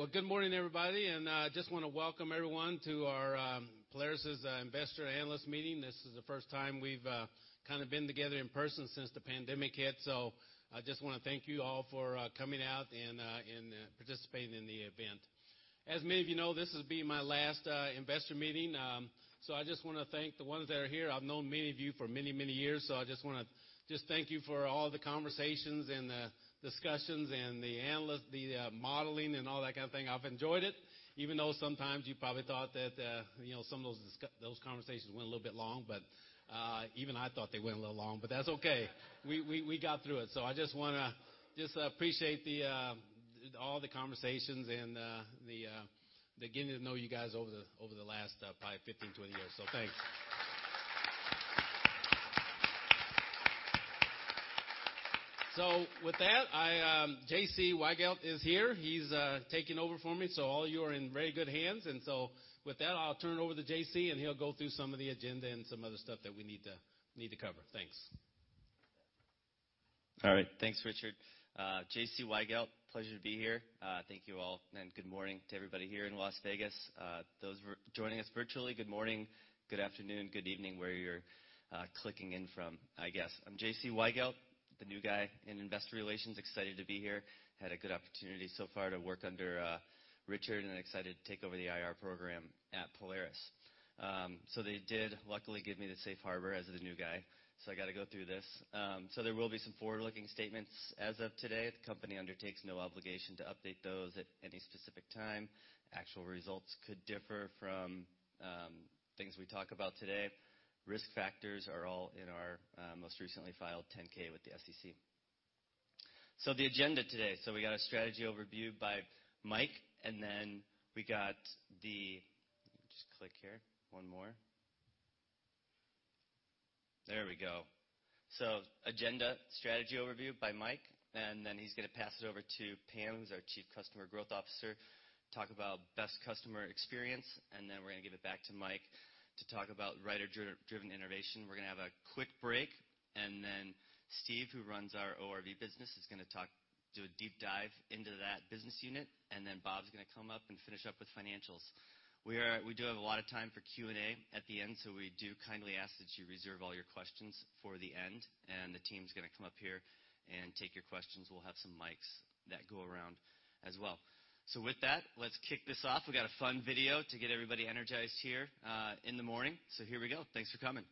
All right. Well, good morning, everybody, and just wanna welcome everyone to our Polaris's investor analyst meeting. This is the first time we've kinda been together in person since the pandemic hit. I just wanna thank you all for coming out and participating in the event. As many of you know, this will be my last investor meeting, so I just wanna thank the ones that are here. I've known many of you for many years, so I just wanna thank you for all the conversations and discussions and the analyst modeling, and all that kind of thing. I've enjoyed it, even though sometimes you probably thought that you know, some of those conversations went a little bit long. Even I thought they went a little long, but that's okay. We got through it. I just wanna appreciate all the conversations and the getting to know you guys over the last probably 15, 20 years. Thanks. With that, J.C. Weigelt is here. He's taking over for me, so all of you are in very good hands. With that, I'll turn it over to J.C., and he'll go through some of the agenda and some other stuff that we need to cover. Thanks. All right. Thanks, Richard. J.C. Weigelt. Pleasure to be here. Thank you all, and good morning to everybody here in Las Vegas. Those joining us virtually, good morning, good afternoon, good evening, wherever you're clicking in from, I guess. I'm J.C. Weigelt, the new guy in Investor Relations. Excited to be here. Had a good opportunity so far to work under Richard, and excited to take over the IR program at Polaris. They did luckily give me the safe harbor as the new guy, so I gotta go through this. There will be some forward-looking statements as of today. The company undertakes no obligation to update those at any specific time. Actual results could differ from things we talk about today. Risk factors are all in our most recently filed 10-K with the SEC. The agenda today is a strategy overview by Mike, and then he's gonna pass it over to Pam, who's our Chief Customer Growth Officer, talk about best customer experience. Then we're gonna give it back to Mike to talk about rider-driven innovation. We're gonna have a quick break, and then Steve, who runs our ORV business, is gonna do a deep dive into that business unit. Then Bob's gonna come up and finish up with financials. We do have a lot of time for Q&A at the end, so we do kindly ask that you reserve all your questions for the end. The team's gonna come up here and take your questions. We'll have some mics that go around as well. With that, let's kick this off. We got a fun video to get everybody energized here in the morning. Here we go. Thanks for coming.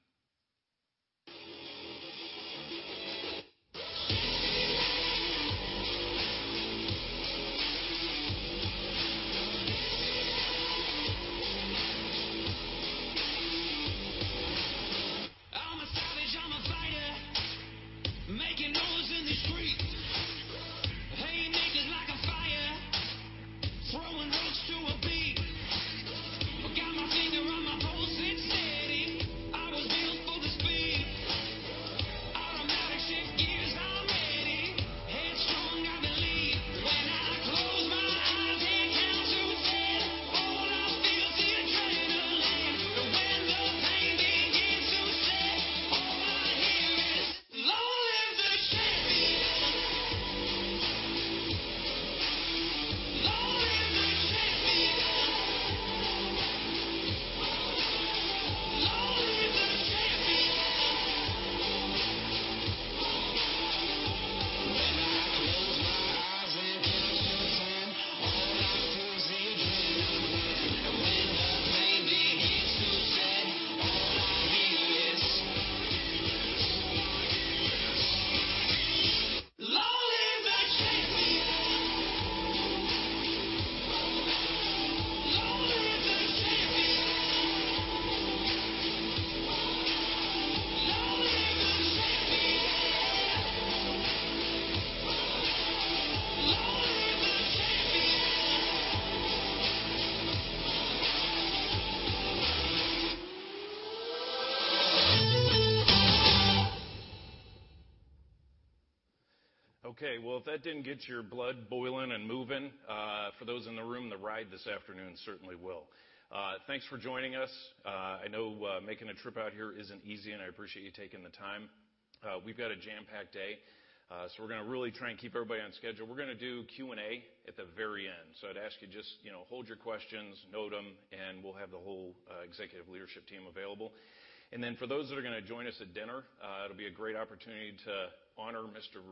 honor Mr.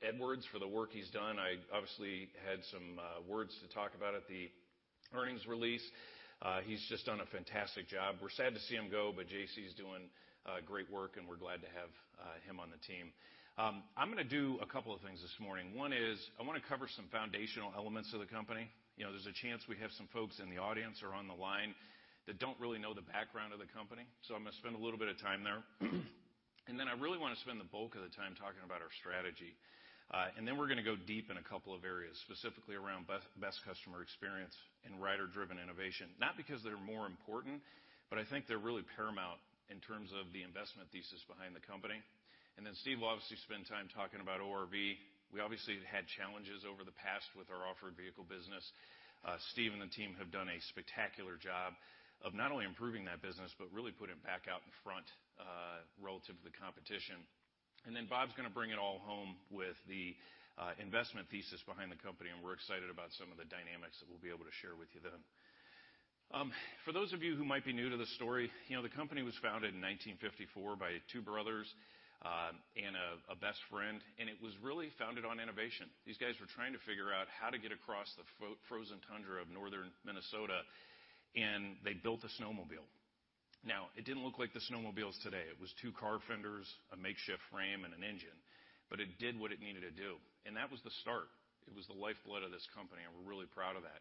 Edwards for the work he's done. I obviously had some words to talk about at the earnings release. He's just done a fantastic job. We're sad to see him go, but J.C.'s doing great work, and we're glad to have him on the team. I'm gonna do a couple of things this morning. One is I wanna cover some foundational elements of the company. You know, there's a chance we have some folks in the audience or on the line that don't really know the background of the company. I'm gonna spend a little bit of time there. I really wanna spend the bulk of the time talking about our strategy. We're gonna go deep in a couple of areas, specifically around best customer experience and rider-driven innovation. Not because they're more important, but I think they're really paramount in terms of the investment thesis behind the company. Steve will obviously spend time talking about ORV. We obviously have had challenges over the past with our Off-Road Vehicle business. Steve and the team have done a spectacular job of not only improving that business but really put it back out in front, relative to the competition. Bob's gonna bring it all home with the investment thesis behind the company, and we're excited about some of the dynamics that we'll be able to share with you then. For those of you who might be new to the story, you know, the company was founded in 1954 by two brothers and a best friend, and it was really founded on innovation. These guys were trying to figure out how to get across the frozen tundra of Northern Minnesota, and they built the snowmobile. Now, it didn't look like the snowmobiles today. It was two car fenders, a makeshift frame, and an engine. It did what it needed to do, and that was the start. It was the lifeblood of this company, and we're really proud of that.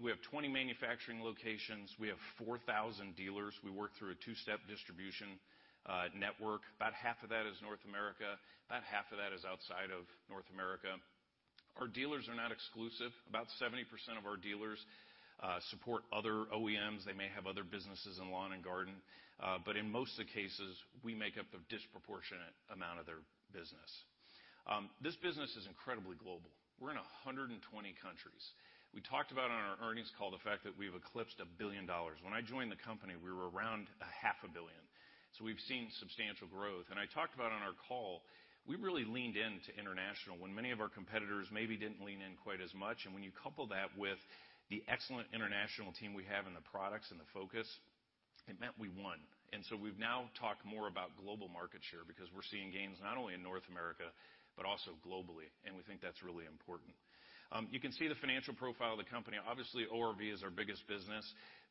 We have 20 manufacturing locations. We have 4,000 dealers. We work through a two-step distribution network. About half of that is North America, about half of that is outside of North America. Our dealers are not exclusive. About 70% of our dealers support other OEMs. They may have other businesses in lawn and garden, but in most of the cases, we make up a disproportionate amount of their business. This business is incredibly global. We're in 120 countries. We talked about on our earnings call the fact that we've eclipsed $1 billion. When I joined the company, we were around $500 million. We've seen substantial growth. I talked about on our call, we really leaned into international when many of our competitors maybe didn't lean in quite as much. When you couple that with the excellent international team we have and the products and the focus, it meant we won. We've now talked more about global market share because we're seeing gains not only in North America, but also globally. We think that's really important. You can see the financial profile of the company. Obviously, ORV is our biggest business,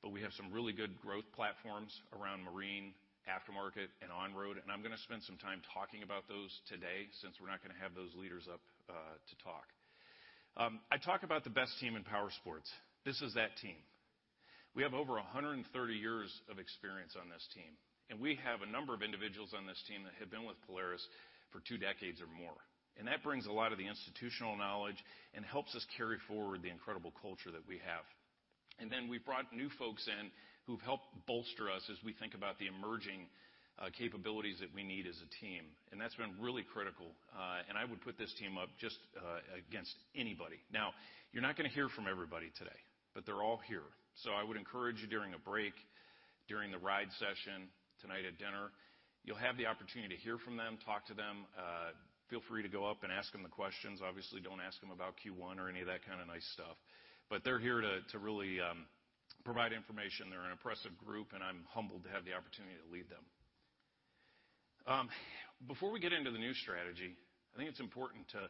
but we have some really good growth platforms around Marine, Aftermarket, and On-Road. I'm gonna spend some time talking about those today since we're not gonna have those leaders up to talk. I talk about the best team in powersports. This is that team. We have over 130 years of experience on this team, and we have a number of individuals on this team that have been with Polaris for two decades or more. That brings a lot of the institutional knowledge and helps us carry forward the incredible culture that we have. Then we've brought new folks in who've helped bolster us as we think about the emerging, capabilities that we need as a team. That's been really critical. I would put this team up just, against anybody. Now, you're not gonna hear from everybody today, but they're all here. I would encourage you during a break, during the ride session, tonight at dinner, you'll have the opportunity to hear from them, talk to them. Feel free to go up and ask them the questions. Obviously, don't ask them about Q1 or any of that kind of nice stuff. They're here to really provide information. They're an impressive group, and I'm humbled to have the opportunity to lead them. Before we get into the new strategy, I think it's important to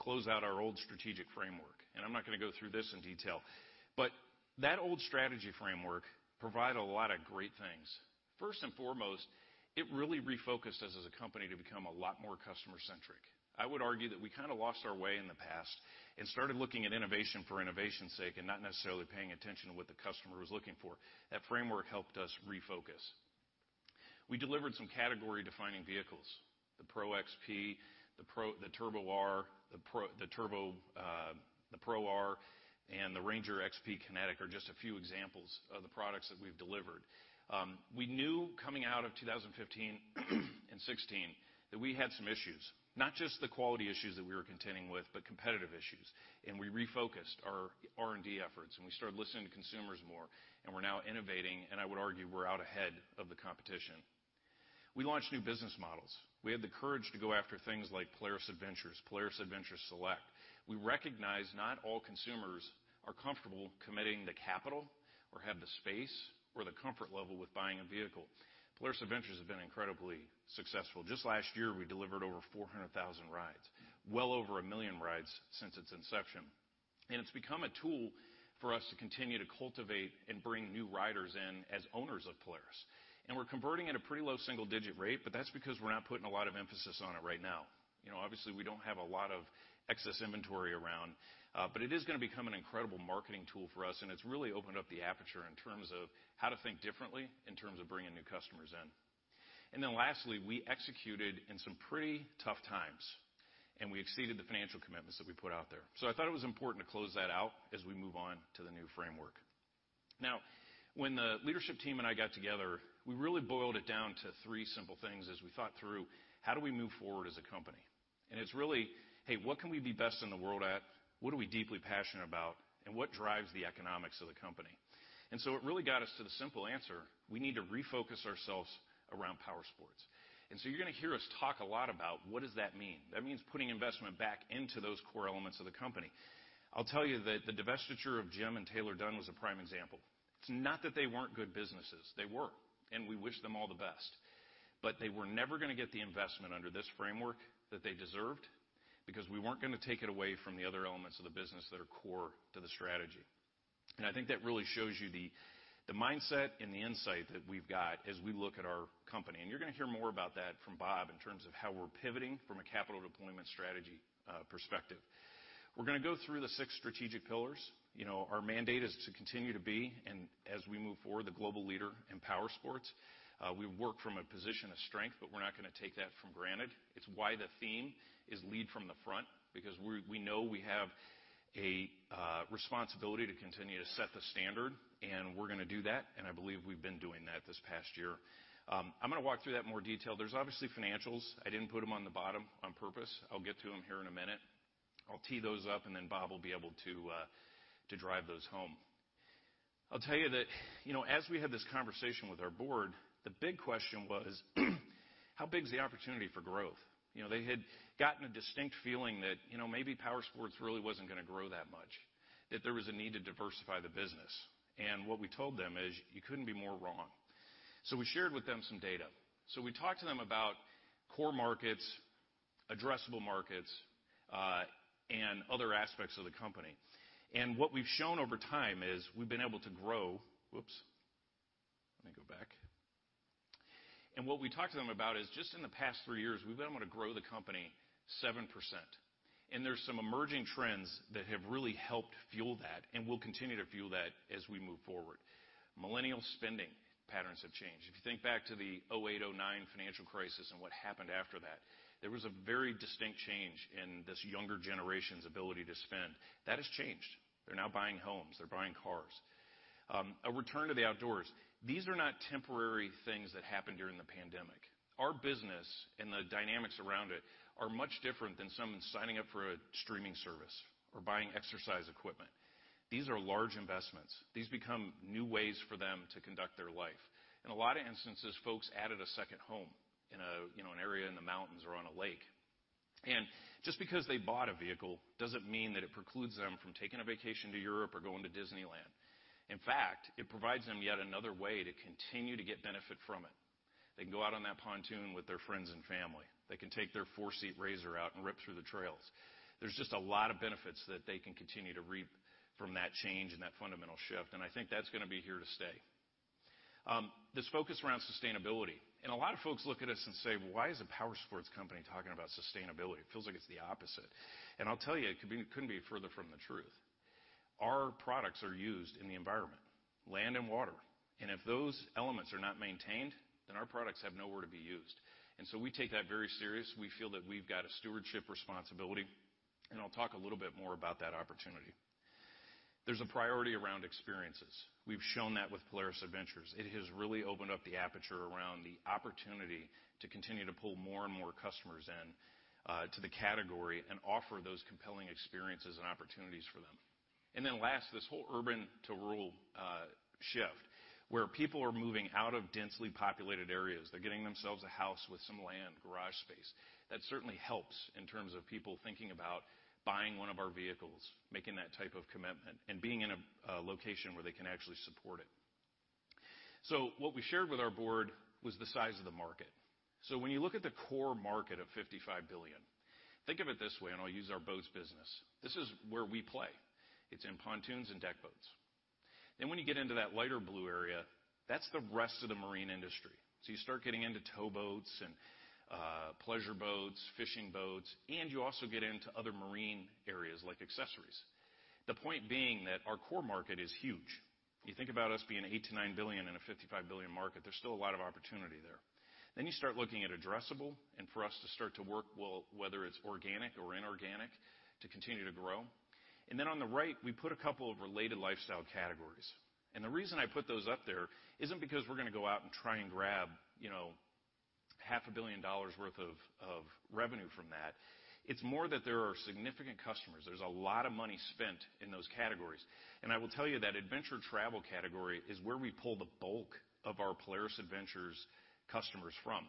close out our old strategic framework. I'm not gonna go through this in detail. That old strategy framework provided a lot of great things. First and foremost, it really refocused us as a company to become a lot more customer-centric. I would argue that we kinda lost our way in the past and started looking at innovation for innovation's sake and not necessarily paying attention to what the customer was looking for. That framework helped us refocus. We delivered some category-defining vehicles. The Pro XP, the Turbo R, the Turbo, the Pro R, and the Ranger XP Kinetic are just a few examples of the products that we've delivered. We knew coming out of 2015 and 2016 that we had some issues. Not just the quality issues that we were contending with, but competitive issues. We refocused our R&D efforts, and we started listening to consumers more, and we're now innovating, and I would argue we're out ahead of the competition. We launched new business models. We had the courage to go after things like Polaris Adventures, Polaris Adventures Select. We recognize not all consumers are comfortable committing the capital or have the space or the comfort level with buying a vehicle. Polaris Adventures has been incredibly successful. Just last year, we delivered over 400,000 rides. Well over 1 million rides since its inception. It's become a tool for us to continue to cultivate and bring new riders in as owners of Polaris. We're converting at a pretty low single-digit rate, but that's because we're not putting a lot of emphasis on it right now. You know, obviously, we don't have a lot of excess inventory around, but it is gonna become an incredible marketing tool for us, and it's really opened up the aperture in terms of how to think differently in terms of bringing new customers in. Lastly, we executed in some pretty tough times, and we exceeded the financial commitments that we put out there. I thought it was important to close that out as we move on to the new framework. Now, when the leadership team and I got together, we really boiled it down to three simple things as we thought through how do we move forward as a company. It's really, hey, what can we be best in the world at? What are we deeply passionate about? What drives the economics of the company? It really got us to the simple answer. We need to refocus ourselves around powersports. You're gonna hear us talk a lot about what does that mean. That means putting investment back into those core elements of the company. I'll tell you that the divestiture of GEM and Taylor-Dunn was a prime example. It's not that they weren't good businesses. They were. We wish them all the best. They were never gonna get the investment under this framework that they deserved because we weren't gonna take it away from the other elements of the business that are core to the strategy. I think that really shows you the mindset and the insight that we've got as we look at our company. You're gonna hear more about that from Bob in terms of how we're pivoting from a capital deployment strategy, perspective. We're gonna go through the six strategic pillars. You know, our mandate is to continue to be, and as we move forward, the global leader in powersports. We work from a position of strength, but we're not gonna take that for granted. It's why the theme is lead from the front because we know we have a responsibility to continue to set the standard, and we're gonna do that, and I believe we've been doing that this past year. I'm gonna walk through that in more detail. There's obviously financials. I didn't put them on the bottom on purpose. I'll get to them here in a minute. I'll tee those up, and then Bob will be able to drive those home. I'll tell you that, you know, as we had this conversation with our board, the big question was, how big is the opportunity for growth? You know, they had gotten a distinct feeling that, you know, maybe powersports really wasn't gonna grow that much, that there was a need to diversify the business. What we told them is, "You couldn't be more wrong." We shared with them some data. We talked to them about core markets, addressable markets, and other aspects of the company. What we've shown over time is we've been able to grow. What we talked to them about is just in the past three years, we've been able to grow the company 7%. There's some emerging trends that have really helped fuel that and will continue to fuel that as we move forward. Millennial spending patterns have changed. If you think back to the 2008, 2009 financial crisis and what happened after that, there was a very distinct change in this younger generation's ability to spend. That has changed. They're now buying homes. They're buying cars. A return to the outdoors. These are not temporary things that happened during the pandemic. Our business and the dynamics around it are much different than someone signing up for a streaming service or buying exercise equipment. These are large investments. These become new ways for them to conduct their life. In a lot of instances, folks added a second home in a, you know, an area in the mountains or on a lake. Just because they bought a vehicle doesn't mean that it precludes them from taking a vacation to Europe or going to Disneyland. In fact, it provides them yet another way to continue to get benefit from it. They can go out on that pontoon with their friends and family. They can take their four-seat RZR out and rip through the trails. There's just a lot of benefits that they can continue to reap from that change and that fundamental shift, and I think that's gonna be here to stay. This focus around sustainability, and a lot of folks look at us and say, "Why is a powersports company talking about sustainability? It feels like it's the opposite." I'll tell you, it couldn't be further from the truth. Our products are used in the environment, land and water, and if those elements are not maintained, then our products have nowhere to be used. We take that very serious. We feel that we've got a stewardship responsibility, and I'll talk a little bit more about that opportunity. There's a priority around experiences. We've shown that with Polaris Adventures. It has really opened up the aperture around the opportunity to continue to pull more and more customers in, to the category and offer those compelling experiences and opportunities for them. Then last, this whole urban to rural shift, where people are moving out of densely populated areas. They're getting themselves a house with some land, garage space. That certainly helps in terms of people thinking about buying one of our vehicles, making that type of commitment, and being in a location where they can actually support it. What we shared with our board was the size of the market. When you look at the core market of $55 billion, think of it this way, and I'll use our boats business. This is where we play. It's in pontoons and deck boats. When you get into that lighter blue area, that's the rest of the marine industry. You start getting into tow boats and, pleasure boats, fishing boats, and you also get into other marine areas like accessories. The point being that our core market is huge. You think about us being $8 billion-$9 billion in a $55 billion market, there's still a lot of opportunity there. You start looking at addressable and for us to start to work, well, whether it's organic or inorganic, to continue to grow. We put a couple of related lifestyle categories. The reason I put those up there isn't because we're gonna go out and try and grab, you know, half a billion dollars worth of revenue from that. It's more that there are significant customers. There's a lot of money spent in those categories. I will tell you that adventure travel category is where we pull the bulk of our Polaris Adventures customers from.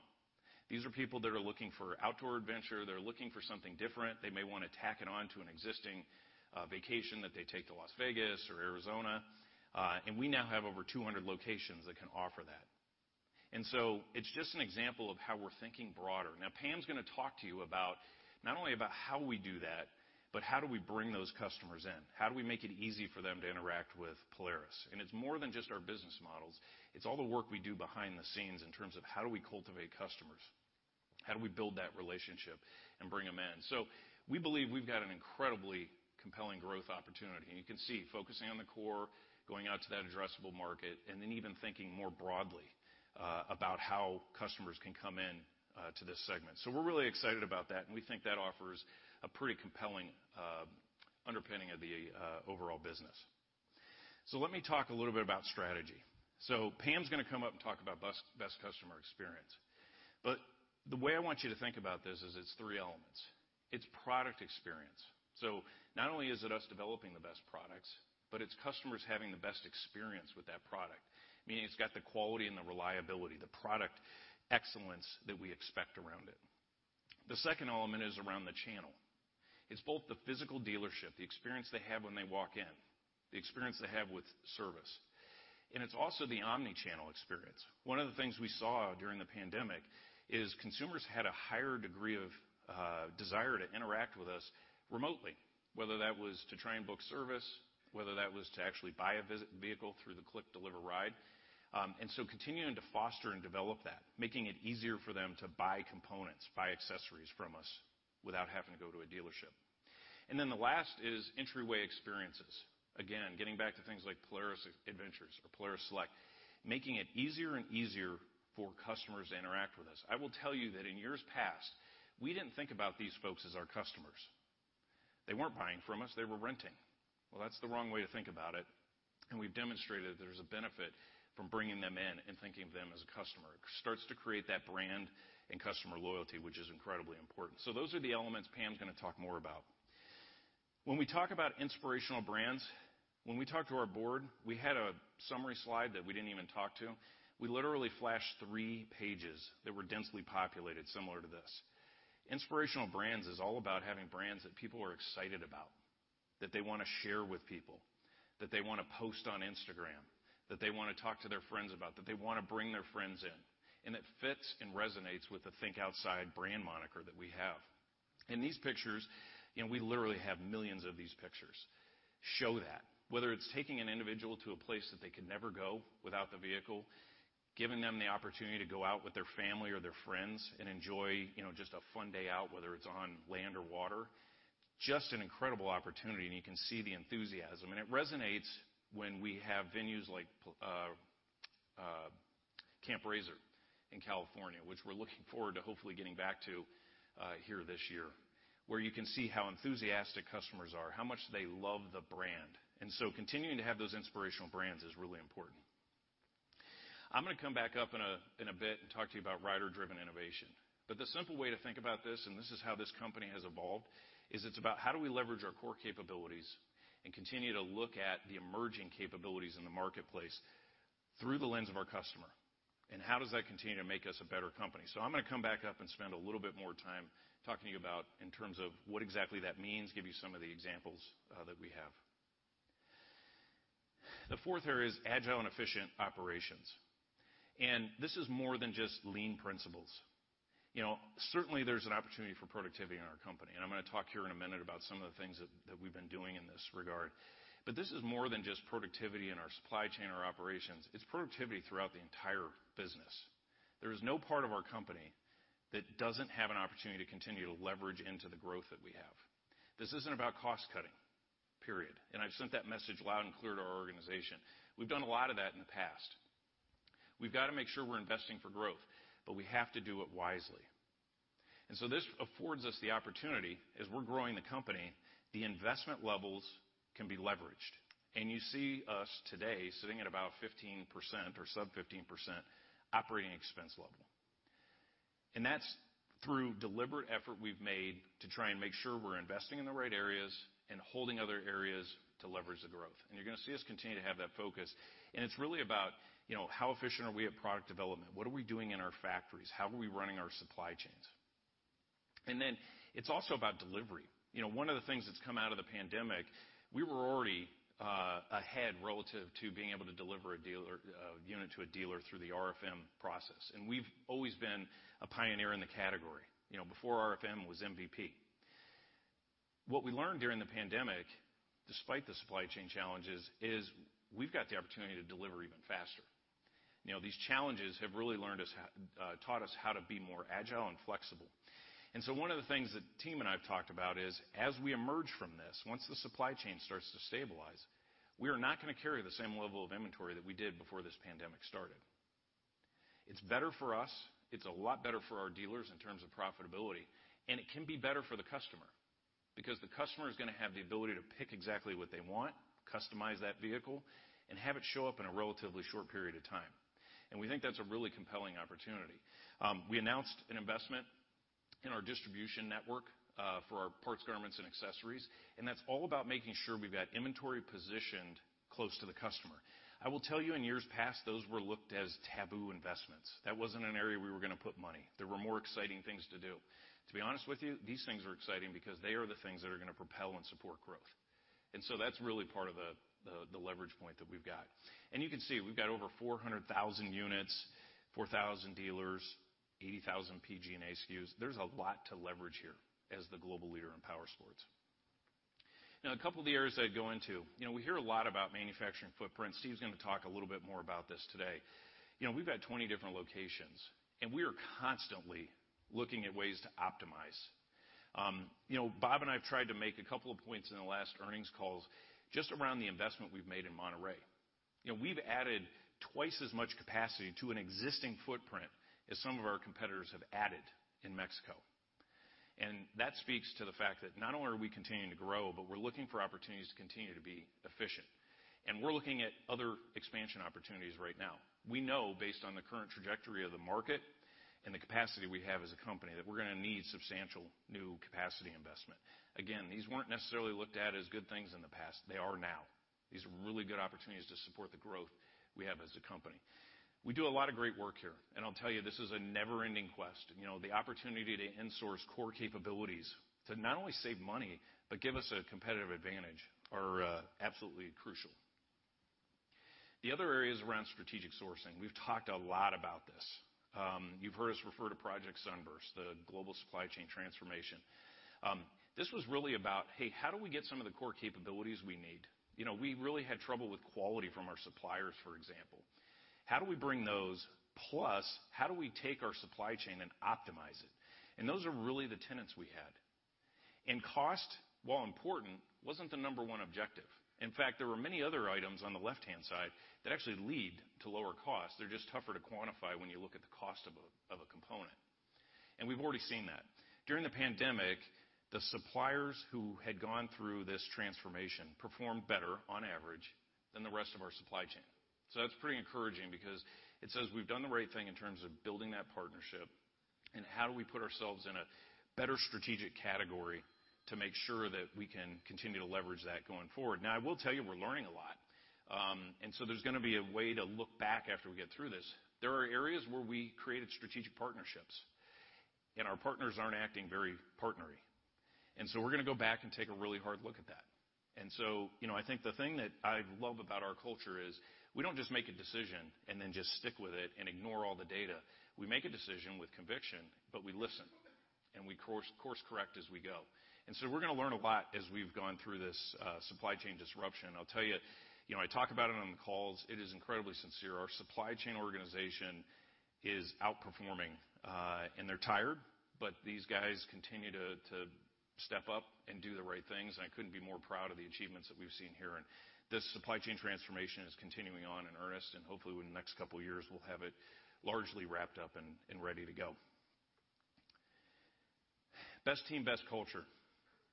These are people that are looking for outdoor adventure. They're looking for something different. They may wanna tack it on to an existing vacation that they take to Las Vegas or Arizona. We now have over 200 locations that can offer that. It's just an example of how we're thinking broader. Now Pam's gonna talk to you about not only about how we do that, but how do we bring those customers in? How do we make it easy for them to interact with Polaris? It's more than just our business models. It's all the work we do behind the scenes in terms of how do we cultivate customers? How do we build that relationship and bring them in? We believe we've got an incredibly compelling growth opportunity, and you can see focusing on the core, going out to that addressable market, and then even thinking more broadly, about how customers can come in, to this segment. We're really excited about that, and we think that offers a pretty compelling, underpinning of the overall business. Let me talk a little bit about strategy. Pam's gonna come up and talk about best customer experience. But the way I want you to think about this is it's three elements. It's product experience. Not only is it us developing the best products, but it's customers having the best experience with that product, meaning it's got the quality and the reliability, the product excellence that we expect around it. The second element is around the channel. It's both the physical dealership, the experience they have when they walk in, the experience they have with service, and it's also the omni-channel experience. One of the things we saw during the pandemic is consumers had a higher degree of desire to interact with us remotely, whether that was to try and book service, whether that was to actually buy a vehicle through the click, deliver, ride. Continuing to foster and develop that, making it easier for them to buy components, buy accessories from us without having to go to a dealership. Then the last is entryway experiences. Again, getting back to things like Polaris Adventures or Polaris Select, making it easier and easier for customers to interact with us. I will tell you that in years past, we didn't think about these folks as our customers. They weren't buying from us. They were renting. Well, that's the wrong way to think about it, and we've demonstrated there's a benefit from bringing them in and thinking of them as a customer. It starts to create that brand and customer loyalty, which is incredibly important. Those are the elements Pam's gonna talk more about. When we talk about inspirational brands, when we talk to our board, we had a summary slide that we didn't even talk to. We literally flashed three pages that were densely populated similar to this. Inspirational brands is all about having brands that people are excited about, that they wanna share with people, that they wanna post on Instagram, that they wanna talk to their friends about, that they wanna bring their friends in. It fits and resonates with the Think Outside brand moniker that we have. These pictures, and we literally have millions of these pictures, show that. Whether it's taking an individual to a place that they could never go without the vehicle, giving them the opportunity to go out with their family or their friends and enjoy, you know, just a fun day out, whether it's on land or water, just an incredible opportunity, and you can see the enthusiasm. It resonates when we have venues like Camp RZR in California, which we're looking forward to hopefully getting back to here this year, where you can see how enthusiastic customers are, how much they love the brand. Continuing to have those inspirational brands is really important. I'm gonna come back up in a bit and talk to you about rider-driven innovation. The simple way to think about this, and this is how this company has evolved, is it's about how do we leverage our core capabilities and continue to look at the emerging capabilities in the marketplace through the lens of our customer, and how does that continue to make us a better company? I'm gonna come back up and spend a little bit more time talking to you about in terms of what exactly that means, give you some of the examples, that we have. The fourth area is agile and efficient operations. This is more than just lean principles. You know, certainly there's an opportunity for productivity in our company, and I'm gonna talk here in a minute about some of the things that we've been doing in this regard. This is more than just productivity in our supply chain or operations, it's productivity throughout the entire business. There is no part of our company that doesn't have an opportunity to continue to leverage into the growth that we have. This isn't about cost-cutting, period. I've sent that message loud and clear to our organization. We've done a lot of that in the past. We've got to make sure we're investing for growth, but we have to do it wisely. This affords us the opportunity, as we're growing the company, the investment levels can be leveraged. You see us today sitting at about 15% or sub-15% operating expense level. That's through deliberate effort we've made to try and make sure we're investing in the right areas and holding other areas to leverage the growth. You're gonna see us continue to have that focus. It's really about, you know, how efficient are we at product development? What are we doing in our factories? How are we running our supply chains? It's also about delivery. You know, one of the things that's come out of the pandemic, we were already ahead relative to being able to deliver a unit to a dealer through the RFM process. We've always been a pioneer in the category. You know, before RFM was MVP. What we learned during the pandemic, despite the supply chain challenges, is we've got the opportunity to deliver even faster. You know, these challenges have really taught us how to be more agile and flexible. One of the things that the team and I have talked about is, as we emerge from this, once the supply chain starts to stabilize, we are not gonna carry the same level of inventory that we did before this pandemic started. It's better for us, it's a lot better for our dealers in terms of profitability, and it can be better for the customer because the customer is gonna have the ability to pick exactly what they want, customize that vehicle, and have it show up in a relatively short period of time. We think that's a really compelling opportunity. We announced an investment in our distribution network for our parts, garments, and accessories, and that's all about making sure we've got inventory positioned close to the customer. I will tell you, in years past, those were looked as taboo investments. That wasn't an area we were gonna put money. There were more exciting things to do. To be honest with you, these things are exciting because they are the things that are gonna propel and support growth. That's really part of the leverage point that we've got. You can see we've got over 400,000 units, 4,000 dealers, 80,000 PG&A SKUs. There's a lot to leverage here as the global leader in powersports. Now, a couple of the areas I'd go into. You know, we hear a lot about manufacturing footprint. Steve's gonna talk a little bit more about this today. You know, we've got 20 different locations, and we are constantly looking at ways to optimize. You know, Bob and I have tried to make a couple of points in the last earnings calls just around the investment we've made in Monterrey. You know, we've added twice as much capacity to an existing footprint as some of our competitors have added in Mexico. That speaks to the fact that not only are we continuing to grow, but we're looking for opportunities to continue to be efficient. We're looking at other expansion opportunities right now. We know based on the current trajectory of the market and the capacity we have as a company, that we're gonna need substantial new capacity investment. Again, these weren't necessarily looked at as good things in the past. They are now. These are really good opportunities to support the growth we have as a company. We do a lot of great work here, and I'll tell you, this is a never-ending quest. You know, the opportunity to in-source core capabilities to not only save money but give us a competitive advantage are absolutely crucial. The other area is around strategic sourcing. We've talked a lot about this. You've heard us refer to Project Sunburst, the global supply chain transformation. This was really about, hey, how do we get some of the core capabilities we need? You know, we really had trouble with quality from our suppliers, for example. How do we bring those? Plus, how do we take our supply chain and optimize it? Those are really the tenets we had. Cost, while important, wasn't the number one objective. In fact, there were many other items on the left-hand side that actually lead to lower costs. They're just tougher to quantify when you look at the cost of a component. We've already seen that. During the pandemic, the suppliers who had gone through this transformation performed better on average than the rest of our supply chain. That's pretty encouraging because it says we've done the right thing in terms of building that partnership. How do we put ourselves in a better strategic category to make sure that we can continue to leverage that going forward? Now, I will tell you we're learning a lot. There's gonna be a way to look back after we get through this. There are areas where we created strategic partnerships, and our partners aren't acting very partner-y. We're gonna go back and take a really hard look at that. You know, I think the thing that I love about our culture is we don't just make a decision and then just stick with it and ignore all the data. We make a decision with conviction, but we listen, and we course-correct as we go. We're gonna learn a lot as we've gone through this supply chain disruption. I'll tell you know, I talk about it on the calls. It is incredibly sincere. Our supply chain organization is outperforming, and they're tired, but these guys continue to step up and do the right things. I couldn't be more proud of the achievements that we've seen here. This supply chain transformation is continuing on in earnest, and hopefully in the next couple of years, we'll have it largely wrapped up and ready to go. Best team, best culture.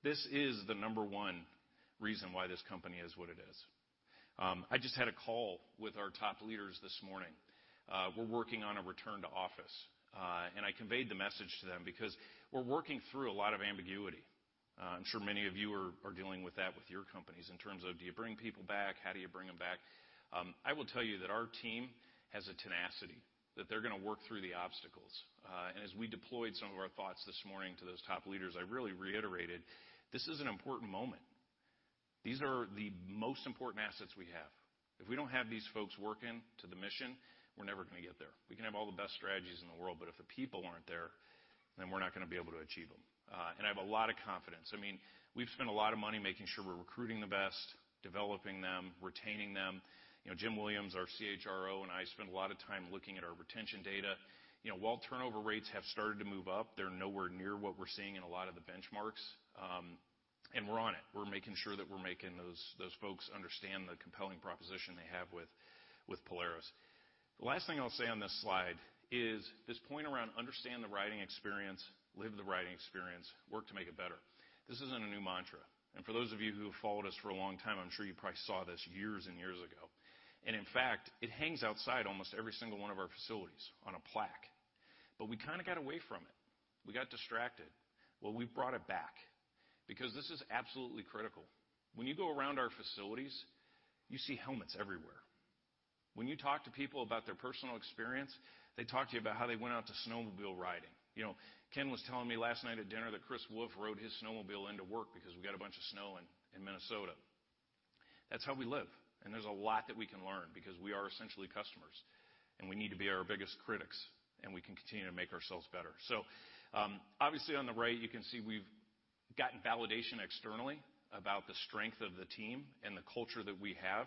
This is the number one reason why this company is what it is. I just had a call with our top leaders this morning. We're working on a return to office, and I conveyed the message to them because we're working through a lot of ambiguity. I'm sure many of you are dealing with that with your companies in terms of do you bring people back? How do you bring them back? I will tell you that our team has a tenacity, that they're gonna work through the obstacles. As we deployed some of our thoughts this morning to those top leaders, I really reiterated this is an important moment. These are the most important assets we have. If we don't have these folks working to the mission, we're never gonna get there. We can have all the best strategies in the world, but if the people aren't there, then we're not gonna be able to achieve them. I have a lot of confidence. I mean, we've spent a lot of money making sure we're recruiting the best, developing them, retaining them. You know, Jim Williams, our CHRO, and I spend a lot of time looking at our retention data. You know, while turnover rates have started to move up, they're nowhere near what we're seeing in a lot of the benchmarks. We're on it. We're making sure that we're making those folks understand the compelling proposition they have with Polaris. The last thing I'll say on this slide is this point around understand the riding experience, live the riding experience, work to make it better. This isn't a new mantra. For those of you who have followed us for a long time, I'm sure you probably saw this years and years ago. In fact, it hangs outside almost every single one of our facilities on a plaque. We kinda got away from it. We got distracted. Well, we brought it back because this is absolutely critical. When you go around our facilities, you see helmets everywhere. When you talk to people about their personal experience, they talk to you about how they went out to snowmobile riding. You know, Ken was telling me last night at dinner that Chris Wolf rode his snowmobile into work because we got a bunch of snow in Minnesota. That's how we live. There's a lot that we can learn because we are essentially customers, and we need to be our biggest critics, and we can continue to make ourselves better. Obviously, on the right, you can see we've gotten validation externally about the strength of the team and the culture that we have.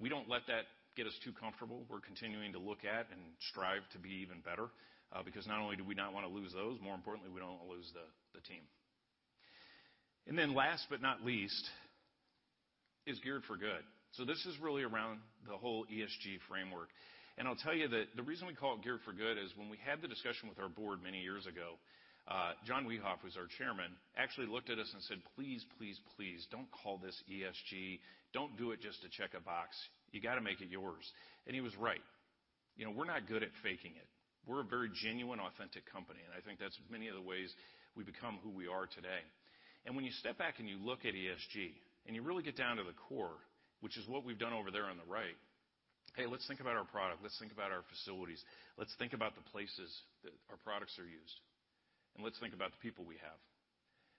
We don't let that get us too comfortable. We're continuing to look at and strive to be even better, because not only do we not wanna lose those, more importantly, we don't wanna lose the team. Last but not least is Geared for Good. This is really around the whole ESG framework. I'll tell you that the reason we call it Geared For Good is when we had the discussion with our board many years ago, John Wiehoff, who's our chairman, actually looked at us and said, "Please, please, don't call this ESG. Don't do it just to check a box. You gotta make it yours." He was right. You know, we're not good at faking it. We're a very genuine, authentic company, and I think that's many of the ways we've become who we are today. When you step back and you look at ESG and you really get down to the core, which is what we've done over there on the right, hey, let's think about our product. Let's think about our facilities. Let's think about the places that our products are used, and let's think about the people we have.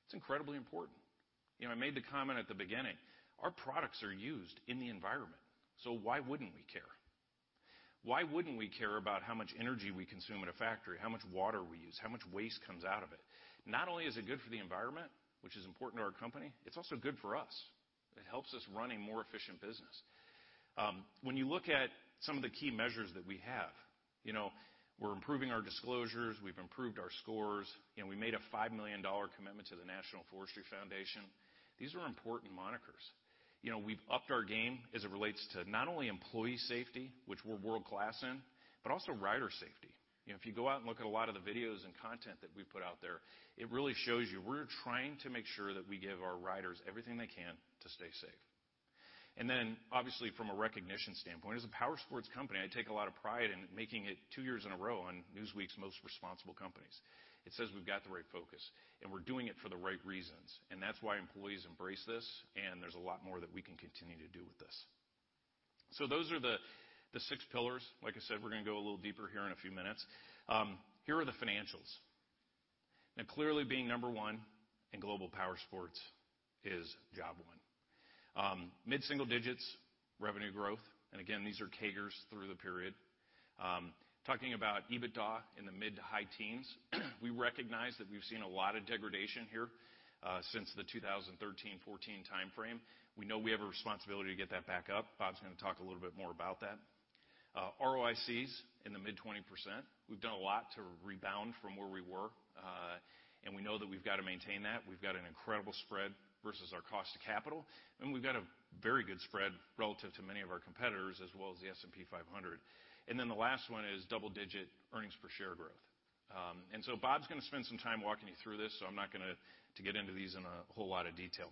It's incredibly important. You know, I made the comment at the beginning, our products are used in the environment, so why wouldn't we care? Why wouldn't we care about how much energy we consume at a factory, how much water we use, how much waste comes out of it? Not only is it good for the environment, which is important to our company, it's also good for us. It helps us run a more efficient business. When you look at some of the key measures that we have, you know, we're improving our disclosures, we've improved our scores, and we made a $5 million commitment to the National Forest Foundation. These are important milestones. You know, we've upped our game as it relates to not only employee safety, which we're world-class in, but also rider safety. You know, if you go out and look at a lot of the videos and content that we put out there, it really shows you we're trying to make sure that we give our riders everything they can to stay safe. Obviously, from a recognition standpoint, as a powersports company, I take a lot of pride in making it two years in a row on Newsweek's Most Responsible Companies. It says we've got the right focus, and we're doing it for the right reasons, and that's why employees embrace this, and there's a lot more that we can continue to do with this. Those are the six pillars. Like I said, we're gonna go a little deeper here in a few minutes. Here are the financials. Now clearly, being number one in global powersports is job one. Mid-single digits revenue growth, and again, these are CAGRs through the period. Talking about EBITDA in the mid- to high teens, we recognize that we've seen a lot of degradation here since the 2013-2014 timeframe. We know we have a responsibility to get that back up. Bob's gonna talk a little bit more about that. ROICs in the mid-20%. We've done a lot to rebound from where we were, and we know that we've got to maintain that. We've got an incredible spread versus our cost of capital, and we've got a very good spread relative to many of our competitors as well as the S&P 500. The last one is double-digit earnings per share growth. Bob's gonna spend some time walking you through this, so I'm not gonna get into these in a whole lot of detail.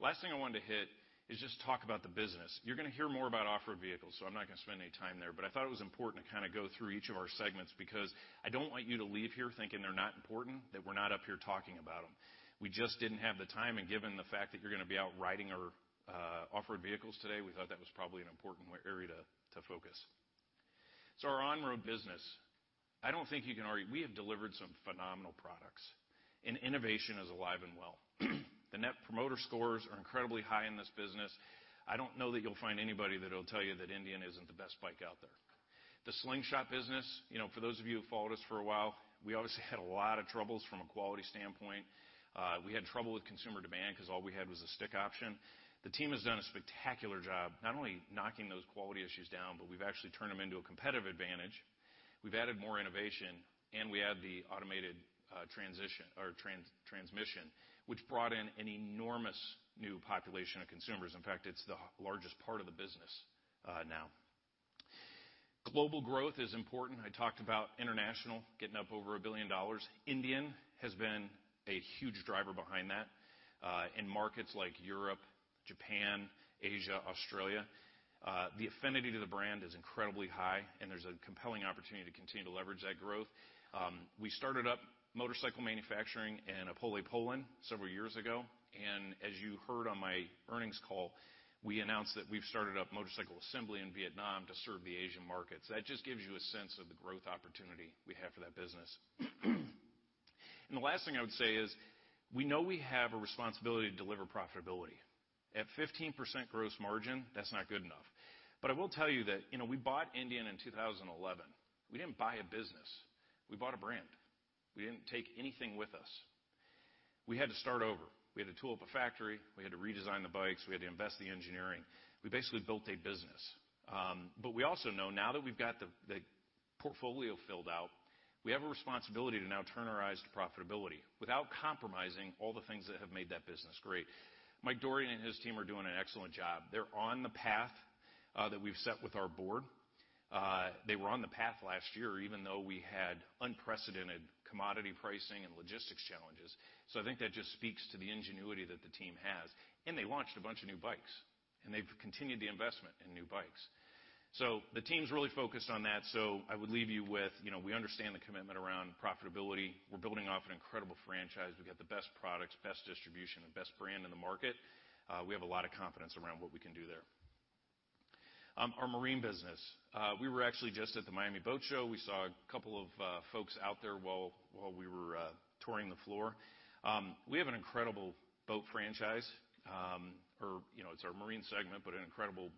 Last thing I wanted to hit is just talk about the business. You're gonna hear more about off-road vehicles, so I'm not gonna spend any time there, but I thought it was important to kinda go through each of our segments because I don't want you to leave here thinking they're not important, that we're not up here talking about them. We just didn't have the time, and given the fact that you're gonna be out riding our off-road vehicles today, we thought that was probably an important area to focus. Our on-road business. I don't think you can argue. We have delivered some phenomenal products and innovation is alive and well. The Net Promoter Scores are incredibly high in this business. I don't know that you'll find anybody that'll tell you that Indian isn't the best bike out there. The Slingshot business, you know, for those of you who've followed us for a while, we obviously had a lot of troubles from a quality standpoint. We had trouble with consumer demand 'cause all we had was a stick option. The team has done a spectacular job, not only knocking those quality issues down, but we've actually turned them into a competitive advantage. We've added more innovation, and we add the automated transition or transmission, which brought in an enormous new population of consumers. In fact, it's the largest part of the business now. Global growth is important. I talked about international getting up over $1 billion. Indian has been a huge driver behind that. In markets like Europe, Japan, Asia, Australia, the affinity to the brand is incredibly high, and there's a compelling opportunity to continue to leverage that growth. We started up motorcycle manufacturing in Opole, Poland several years ago, and as you heard on my earnings call, we announced that we've started up motorcycle assembly in Vietnam to serve the Asian markets. That just gives you a sense of the growth opportunity we have for that business. The last thing I would say is, we know we have a responsibility to deliver profitability. At 15% gross margin, that's not good enough. I will tell you that, you know, we bought Indian in 2011. We didn't buy a business. We bought a brand. We didn't take anything with us. We had to start over. We had to tool up a factory. We had to redesign the bikes. We had to invest the engineering. We basically built a business. But we also know now that we've got the portfolio filled out, we have a responsibility to now turn our eyes to profitability without compromising all the things that have made that business great. Mike Dougherty and his team are doing an excellent job. They're on the path that we've set with our board. They were on the path last year, even though we had unprecedented commodity pricing and logistics challenges. I think that just speaks to the ingenuity that the team has, and they launched a bunch of new bikes, and they've continued the investment in new bikes. The team's really focused on that. I would leave you with, you know, we understand the commitment around profitability. We're building off an incredible franchise. We've got the best products, best distribution, and best brand in the market. We have a lot of confidence around what we can do there. Our marine business. We were actually just at the Miami Boat Show. We saw a couple of folks out there while we were touring the floor. We have an incredible boat franchise, or, you know, it's our marine segment, but an incredible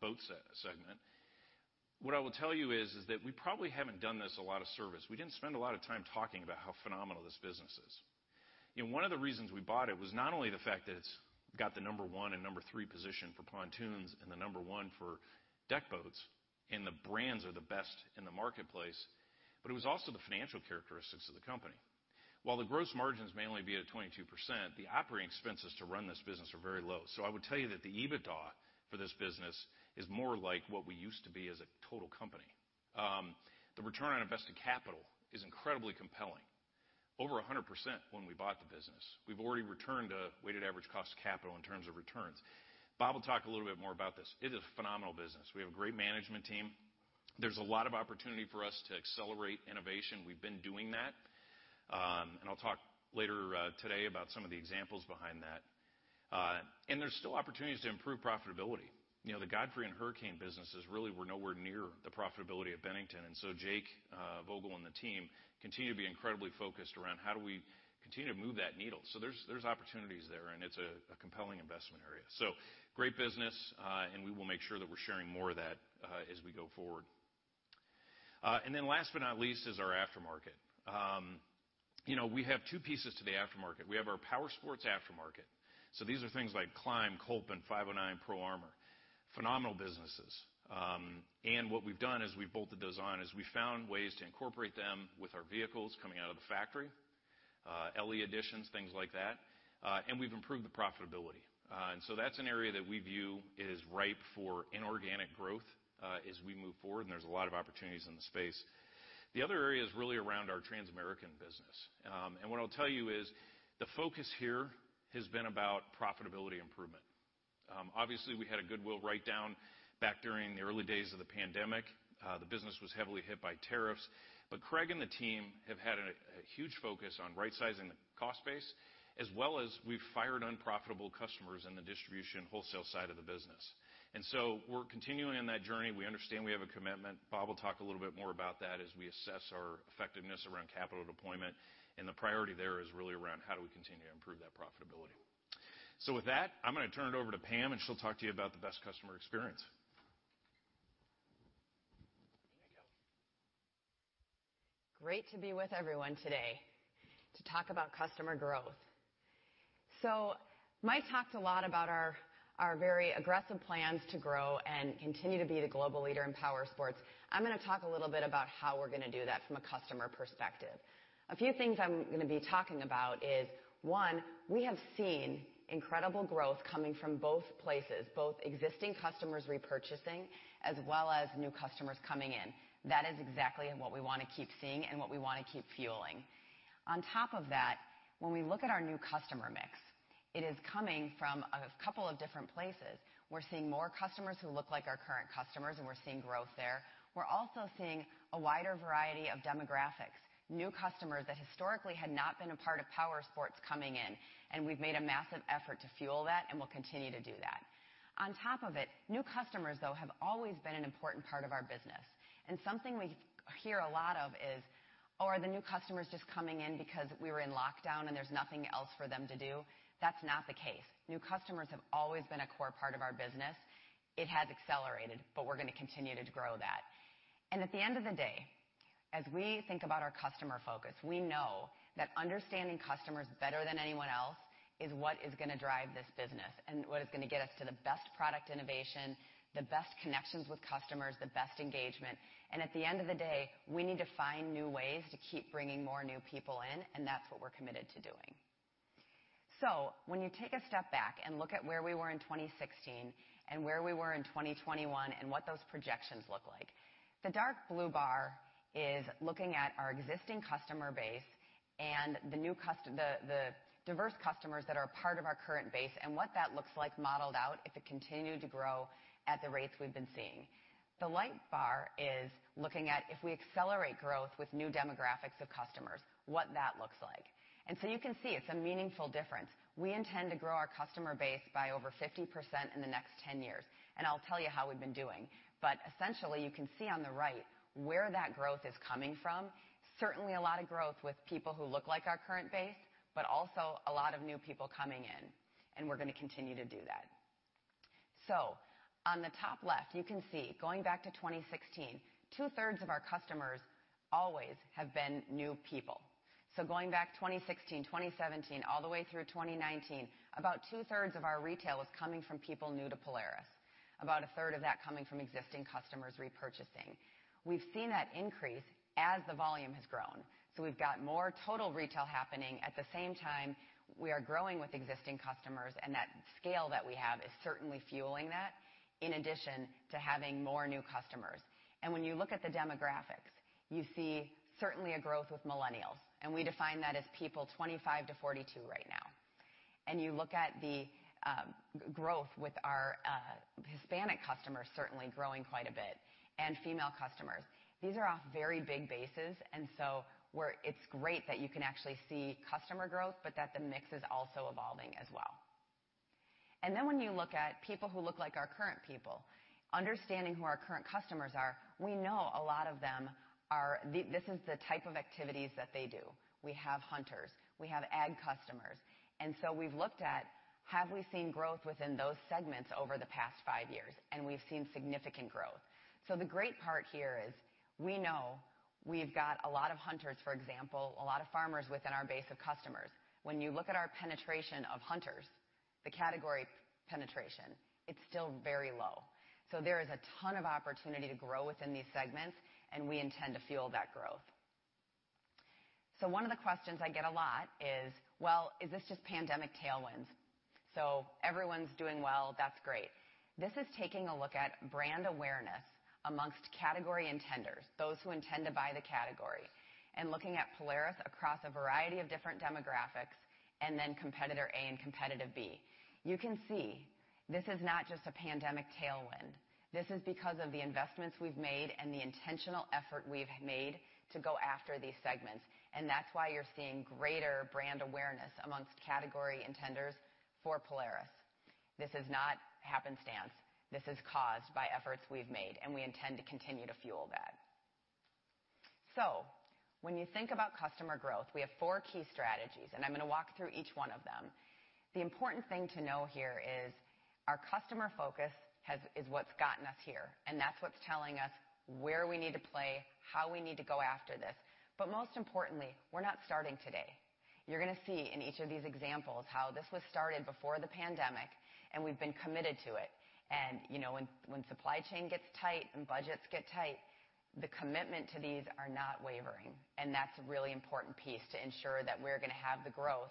boat segment. What I will tell you is that we probably haven't done this a lot of justice. We didn't spend a lot of time talking about how phenomenal this business is. One of the reasons we bought it was not only the fact that it's got the number one and number three position for pontoons and the number one for deck boats, and the brands are the best in the marketplace, but it was also the financial characteristics of the company. While the gross margins may only be at 22%, the operating expenses to run this business are very low. I would tell you that the EBITDA for this business is more like what we used to be as a total company. The return on invested capital is incredibly compelling. Over 100% when we bought the business. We've already returned a weighted average cost of capital in terms of returns. Bob will talk a little bit more about this. It is a phenomenal business. We have a great management team. There's a lot of opportunity for us to accelerate innovation. We've been doing that, and I'll talk later today about some of the examples behind that. There's still opportunities to improve profitability. You know, the Godfrey and Hurricane businesses really were nowhere near the profitability of Bennington, and so Jake Vogel and the team continue to be incredibly focused around how do we continue to move that needle. There's opportunities there, and it's a compelling investment area. Great business, and we will make sure that we're sharing more of that as we go forward. Last but not least is our aftermarket. You know, we have two pieces to the aftermarket. We have our powersports aftermarket, so these are things like KLIM, Kolpin, and 509, Pro Armor, phenomenal businesses. What we've done is we've bolted those on. We found ways to incorporate them with our vehicles coming out of the factory, LE editions, things like that, and we've improved the profitability. That's an area that we view is ripe for inorganic growth, as we move forward, and there's a lot of opportunities in the space. The other area is really around our Transamerican business. What I'll tell you is the focus here has been about profitability improvement. Obviously, we had a goodwill write-down back during the early days of the pandemic. The business was heavily hit by tariffs, but Craig and the team have had a huge focus on rightsizing the cost base, as well as we've fired unprofitable customers in the distribution wholesale side of the business. We're continuing on that journey. We understand we have a commitment. Bob will talk a little bit more about that as we assess our effectiveness around capital deployment, and the priority there is really around how do we continue to improve that profitability. With that, I'm gonna turn it over to Pam, and she'll talk to you about the best customer experience. There you go. Great to be with everyone today to talk about customer growth. Mike talked a lot about our very aggressive plans to grow and continue to be the global leader in powersports. I'm gonna talk a little bit about how we're gonna do that from a customer perspective. A few things I'm gonna be talking about is, one, we have seen incredible growth coming from both places, both existing customers repurchasing as well as new customers coming in. That is exactly what we wanna keep seeing and what we wanna keep fueling. On top of that, when we look at our new customer mix. It is coming from a couple of different places. We're seeing more customers who look like our current customers, and we're seeing growth there. We're also seeing a wider variety of demographics, new customers that historically had not been a part of powersports coming in, and we've made a massive effort to fuel that, and we'll continue to do that. On top of it, new customers, though, have always been an important part of our business. Something we hear a lot of is, "Oh, are the new customers just coming in because we were in lockdown and there's nothing else for them to do?" That's not the case. New customers have always been a core part of our business. It has accelerated, but we're gonna continue to grow that. At the end of the day, as we think about our customer focus, we know that understanding customers better than anyone else is what is gonna drive this business and what is gonna get us to the best product innovation, the best connections with customers, the best engagement. At the end of the day, we need to find new ways to keep bringing more new people in, and that's what we're committed to doing. When you take a step back and look at where we were in 2016 and where we were in 2021 and what those projections look like, the dark blue bar is looking at our existing customer base and the diverse customers that are a part of our current base and what that looks like modeled out if it continued to grow at the rates we've been seeing. The light bar is looking at if we accelerate growth with new demographics of customers, what that looks like. You can see it's a meaningful difference. We intend to grow our customer base by over 50% in the next 10 years, and I'll tell you how we've been doing. Essentially, you can see on the right where that growth is coming from. Certainly a lot of growth with people who look like our current base, but also a lot of new people coming in. We're gonna continue to do that. On the top left, you can see, going back to 2016, 2/3 of our customers always have been new people. Going back 2016, 2017, all the way through 2019, about 2/3 of our retail was coming from people new to Polaris. About a third of that coming from existing customers repurchasing. We've seen that increase as the volume has grown. We've got more total retail happening. At the same time, we are growing with existing customers, and that scale that we have is certainly fueling that, in addition to having more new customers. When you look at the demographics, you see certainly a growth with millennials, and we define that as people 25 to 42 right now. You look at the growth with our Hispanic customers certainly growing quite a bit, and female customers. These are off very big bases, and it's great that you can actually see customer growth, but the mix is also evolving as well. When you look at people who look like our current people, understanding who our current customers are, we know a lot of them are this is the type of activities that they do. We have hunters. We have ag customers. We've looked at, have we seen growth within those segments over the past five years? We've seen significant growth. The great part here is we know we've got a lot of hunters, for example, a lot of farmers within our base of customers. When you look at our penetration of hunters, the category penetration, it's still very low. There is a ton of opportunity to grow within these segments, and we intend to fuel that growth. One of the questions I get a lot is, well, is this just pandemic tailwinds? Everyone's doing well. That's great. This is taking a look at brand awareness amongst category intenders, those who intend to buy the category, and looking at Polaris across a variety of different demographics and then competitor A and competitor B. You can see this is not just a pandemic tailwind. This is because of the investments we've made and the intentional effort we've made to go after these segments, and that's why you're seeing greater brand awareness amongst category intenders for Polaris. This is not happenstance. This is caused by efforts we've made, and we intend to continue to fuel that. When you think about customer growth, we have four key strategies, and I'm gonna walk through each one of them. The important thing to know here is our customer focus is what's gotten us here, and that's what's telling us where we need to play, how we need to go after this. Most importantly, we're not starting today. You're gonna see in each of these examples how this was started before the pandemic, and we've been committed to it. You know, when supply chain gets tight and budgets get tight, the commitment to these are not wavering. That's a really important piece to ensure that we're gonna have the growth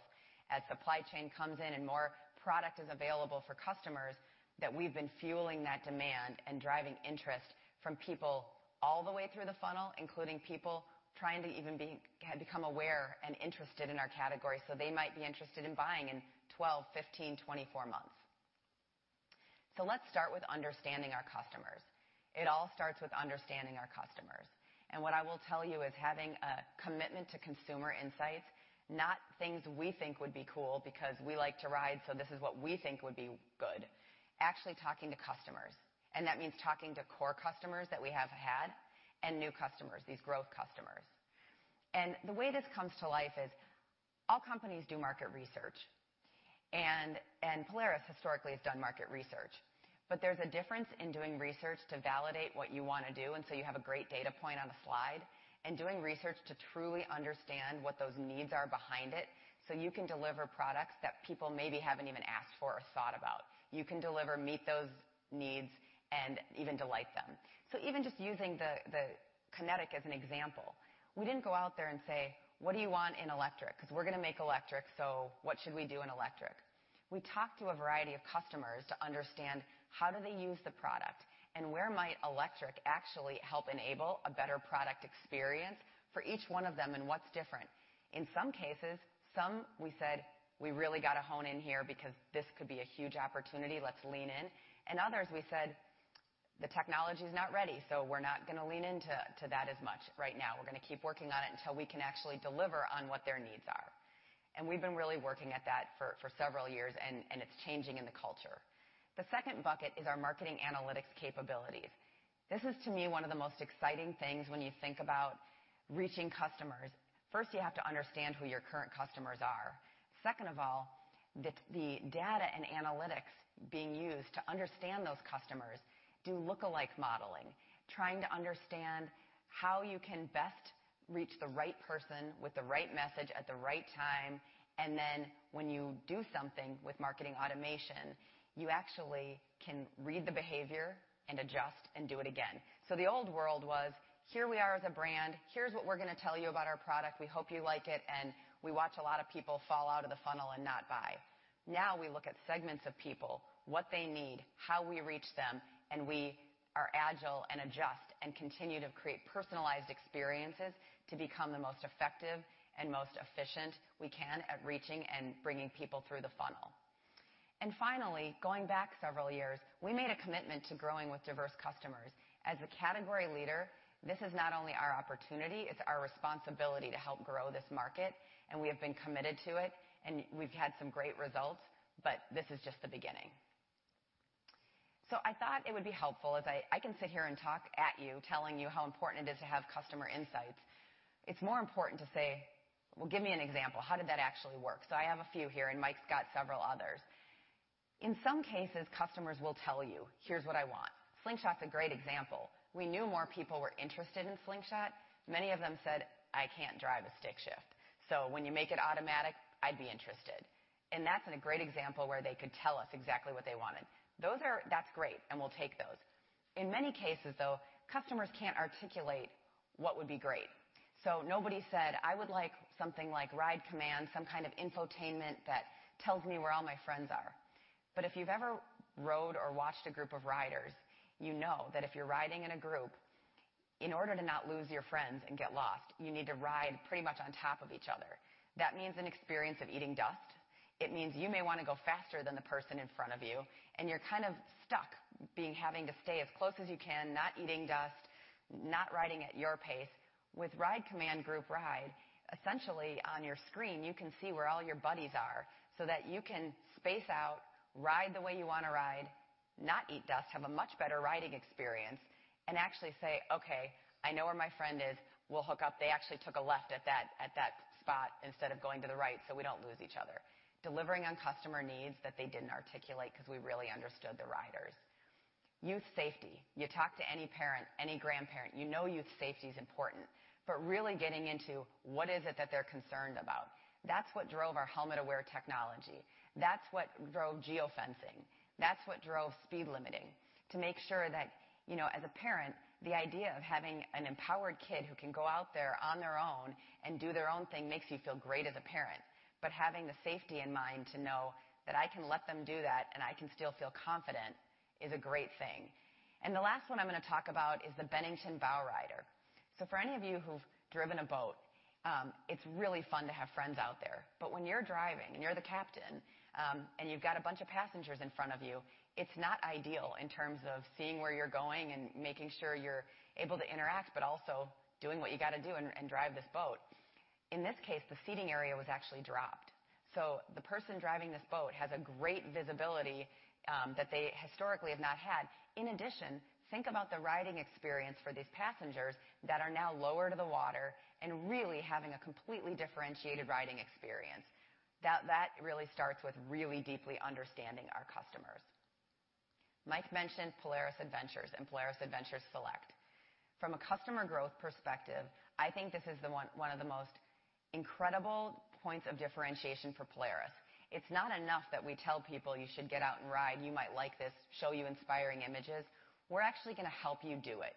as supply chain comes in and more product is available for customers, that we've been fueling that demand and driving interest from people all the way through the funnel, including people trying to even become aware and interested in our category, so they might be interested in buying in 12, 15, 24 months. Let's start with understanding our customers. It all starts with understanding our customers. What I will tell you is having a commitment to consumer insights, not things we think would be cool because we like to ride, so this is what we think would be good. Actually talking to customers, and that means talking to core customers that we have had and new customers, these growth customers. The way this comes to life is all companies do market research, and Polaris historically has done market research. There's a difference in doing research to validate what you wanna do, and so you have a great data point on a slide, and doing research to truly understand what those needs are behind it, so you can deliver products that people maybe haven't even asked for or thought about. You can deliver, meet those needs, and even delight them. Even just using the Kinetic as an example, we didn't go out there and say, "What do you want in electric? Because we're gonna make electric, so what should we do in electric?" We talked to a variety of customers to understand how do they use the product, and where might electric actually help enable a better product experience for each one of them, and what's different. In some cases, we said, "We really gotta hone in here because this could be a huge opportunity. Let's lean in." Others, we said the technology is not ready, so we're not gonna lean into that as much right now. We're gonna keep working on it until we can actually deliver on what their needs are. We've been really working at that for several years and it's changing in the culture. The second bucket is our marketing analytics capabilities. This is, to me, one of the most exciting things when you think about reaching customers. First, you have to understand who your current customers are. Second of all, the data and analytics being used to understand those customers do look-alike modeling, trying to understand how you can best reach the right person with the right message at the right time. Then when you do something with marketing automation, you actually can read the behavior and adjust and do it again. The old world was, here we are as a brand. Here's what we're gonna tell you about our product. We hope you like it, and we watch a lot of people fall out of the funnel and not buy. Now we look at segments of people, what they need, how we reach them, and we are agile and adjust and continue to create personalized experiences to become the most effective and most efficient we can at reaching and bringing people through the funnel. Finally, going back several years, we made a commitment to growing with diverse customers. As a category leader, this is not only our opportunity, it's our responsibility to help grow this market, and we have been committed to it, and we've had some great results, but this is just the beginning. I thought it would be helpful as I can sit here and talk at you, telling you how important it is to have customer insights. It's more important to say, "Well, give me an example. How did that actually work?" I have a few here, and Mike's got several others. In some cases, customers will tell you, "Here's what I want." Slingshot's a great example. We knew more people were interested in Slingshot. Many of them said, "I can't drive a stick shift. So when you make it automatic, I'd be interested." And that's been a great example where they could tell us exactly what they wanted. That's great, and we'll take those. In many cases, though, customers can't articulate what would be great. Nobody said, "I would like something like RIDE COMMAND, some kind of infotainment that tells me where all my friends are." If you've ever rode or watched a group of riders, you know that if you're riding in a group, in order to not lose your friends and get lost, you need to ride pretty much on top of each other. That means an experience of eating dust. It means you may wanna go faster than the person in front of you, and you're kind of stuck having to stay as close as you can, not eating dust, not riding at your pace. With RIDE COMMAND Group Ride, essentially on your screen, you can see where all your buddies are so that you can space out, ride the way you wanna ride, not eat dust, have a much better riding experience and actually say, "Okay, I know where my friend is. We'll hook up. They actually took a left at that spot instead of going to the right, so we don't lose each other." Delivering on customer needs that they didn't articulate 'cause we really understood the riders. Youth safety. You talk to any parent, any grandparent, you know youth safety is important, but really getting into what is it that they're concerned about. That's what drove our Helmet Aware technology. That's what drove geofencing. That's what drove speed limiting. To make sure that, you know, as a parent, the idea of having an empowered kid who can go out there on their own and do their own thing makes you feel great as a parent. But having the safety in mind to know that I can let them do that and I can still feel confident is a great thing. The last one I'm gonna talk about is the Bennington Bowrider. For any of you who've driven a boat, it's really fun to have friends out there. When you're driving and you're the captain, and you've got a bunch of passengers in front of you, it's not ideal in terms of seeing where you're going and making sure you're able to interact, but also doing what you gotta do and drive this boat. In this case, the seating area was actually dropped. So the person driving this boat has a great visibility that they historically have not had. In addition, think about the riding experience for these passengers that are now lower to the water and really having a completely differentiated riding experience. That really starts with really deeply understanding our customers. Mike mentioned Polaris Adventures and Polaris Adventures Select. From a customer growth perspective, I think this is one of the most incredible points of differentiation for Polaris. It's not enough that we tell people you should get out and ride, you might like this, show you inspiring images. We're actually gonna help you do it.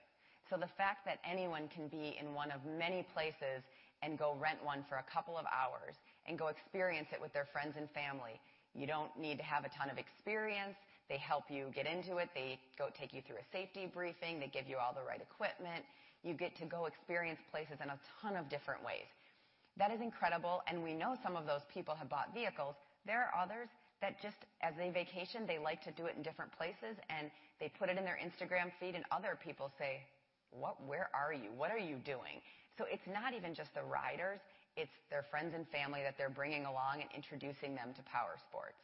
The fact that anyone can be in one of many places and go rent one for a couple of hours and go experience it with their friends and family, you don't need to have a ton of experience. They help you get into it. They go take you through a safety briefing. They give you all the right equipment. You get to go experience places in a ton of different ways. That is incredible, and we know some of those people have bought vehicles. There are others that just as a vacation, they like to do it in different places, and they put it in their Instagram feed and other people say, "What? Where are you? What are you doing?" It's not even just the riders, it's their friends and family that they're bringing along and introducing them to powersports.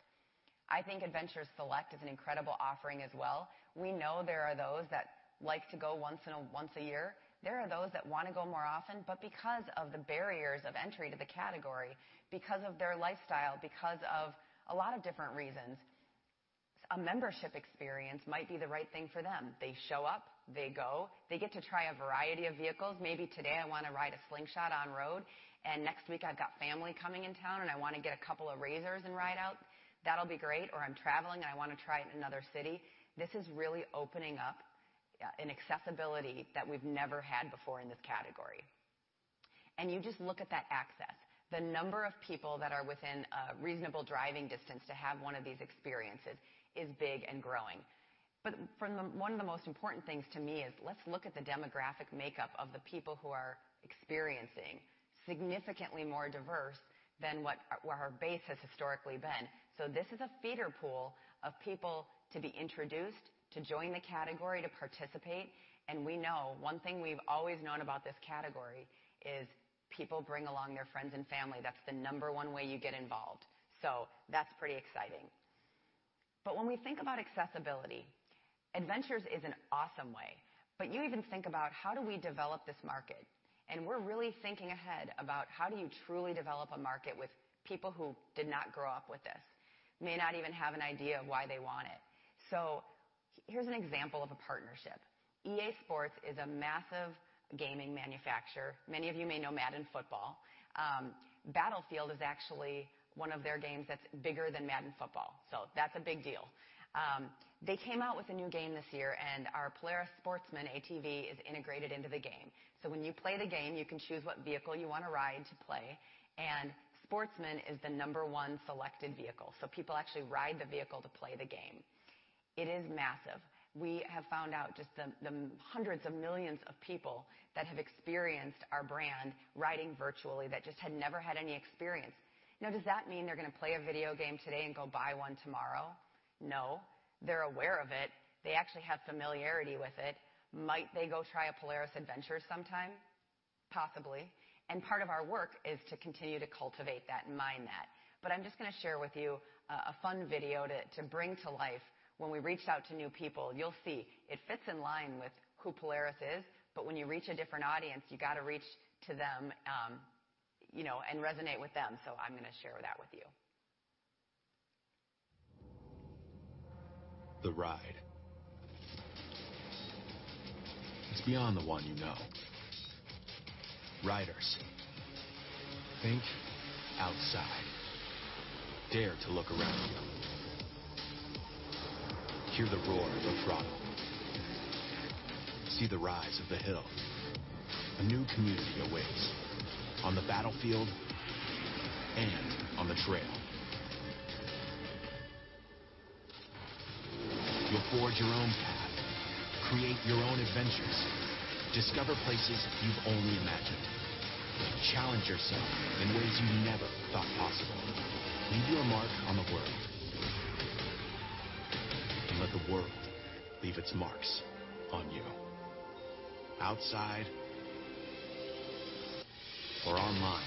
I think Adventures Select is an incredible offering as well. We know there are those that like to go once a year. There are those that wanna go more often, but because of the barriers of entry to the category, because of their lifestyle, because of a lot of different reasons, a membership experience might be the right thing for them. They show up, they go, they get to try a variety of vehicles. Maybe today I wanna ride a Slingshot on road, and next week I've got family coming in town, and I wanna get a couple of RZRs and ride out. That'll be great. Or I'm traveling, and I wanna try it in another city. This is really opening up an accessibility that we've never had before in this category. You just look at that access. The number of people that are within a reasonable driving distance to have one of these experiences is big and growing. One of the most important things to me is let's look at the demographic makeup of the people who are experiencing significantly more diverse than where our base has historically been. This is a feeder pool of people to be introduced, to join the category, to participate, and we know one thing we've always known about this category is. People bring along their friends and family. That's the number one way you get involved. That's pretty exciting. When we think about accessibility, adventures is an awesome way. You even think about how do we develop this market? We're really thinking ahead about how do you truly develop a market with people who did not grow up with this? May not even have an idea of why they want it. Here's an example of a partnership. EA Sports is a massive gaming manufacturer. Many of you may know Madden Football. Battlefield is actually one of their games that's bigger than Madden Football. That's a big deal. They came out with a new game this year, and our Polaris Sportsman ATV is integrated into the game. When you play the game, you can choose what vehicle you wanna ride to play, and Sportsman is the number one selected vehicle. People actually ride the vehicle to play the game. It is massive. We have found out just the hundreds of millions of people that have experienced our brand riding virtually that just had never had any experience. Now, does that mean they're gonna play a video game today and go buy one tomorrow? No. They're aware of it. They actually have familiarity with it. Might they go try a Polaris adventure sometime? Possibly. Part of our work is to continue to cultivate that and mine that. I'm just gonna share with you a fun video to bring to life when we reached out to new people. You'll see it fits in line with who Polaris is, but when you reach a different audience, you gotta reach to them, you know, and resonate with them. I'm gonna share that with you. The ride. It's beyond the one you know. Riders, think outside. Dare to look around. Hear the roar of the throttle. See the rise of the hill. A new community awaits on the Battlefield and on the trail. You'll forge your own path. Create your own adventures. Discover places you've only imagined. Challenge yourself in ways you never thought possible. Leave your mark on the world. Let the world leave its marks on you. Outside or online.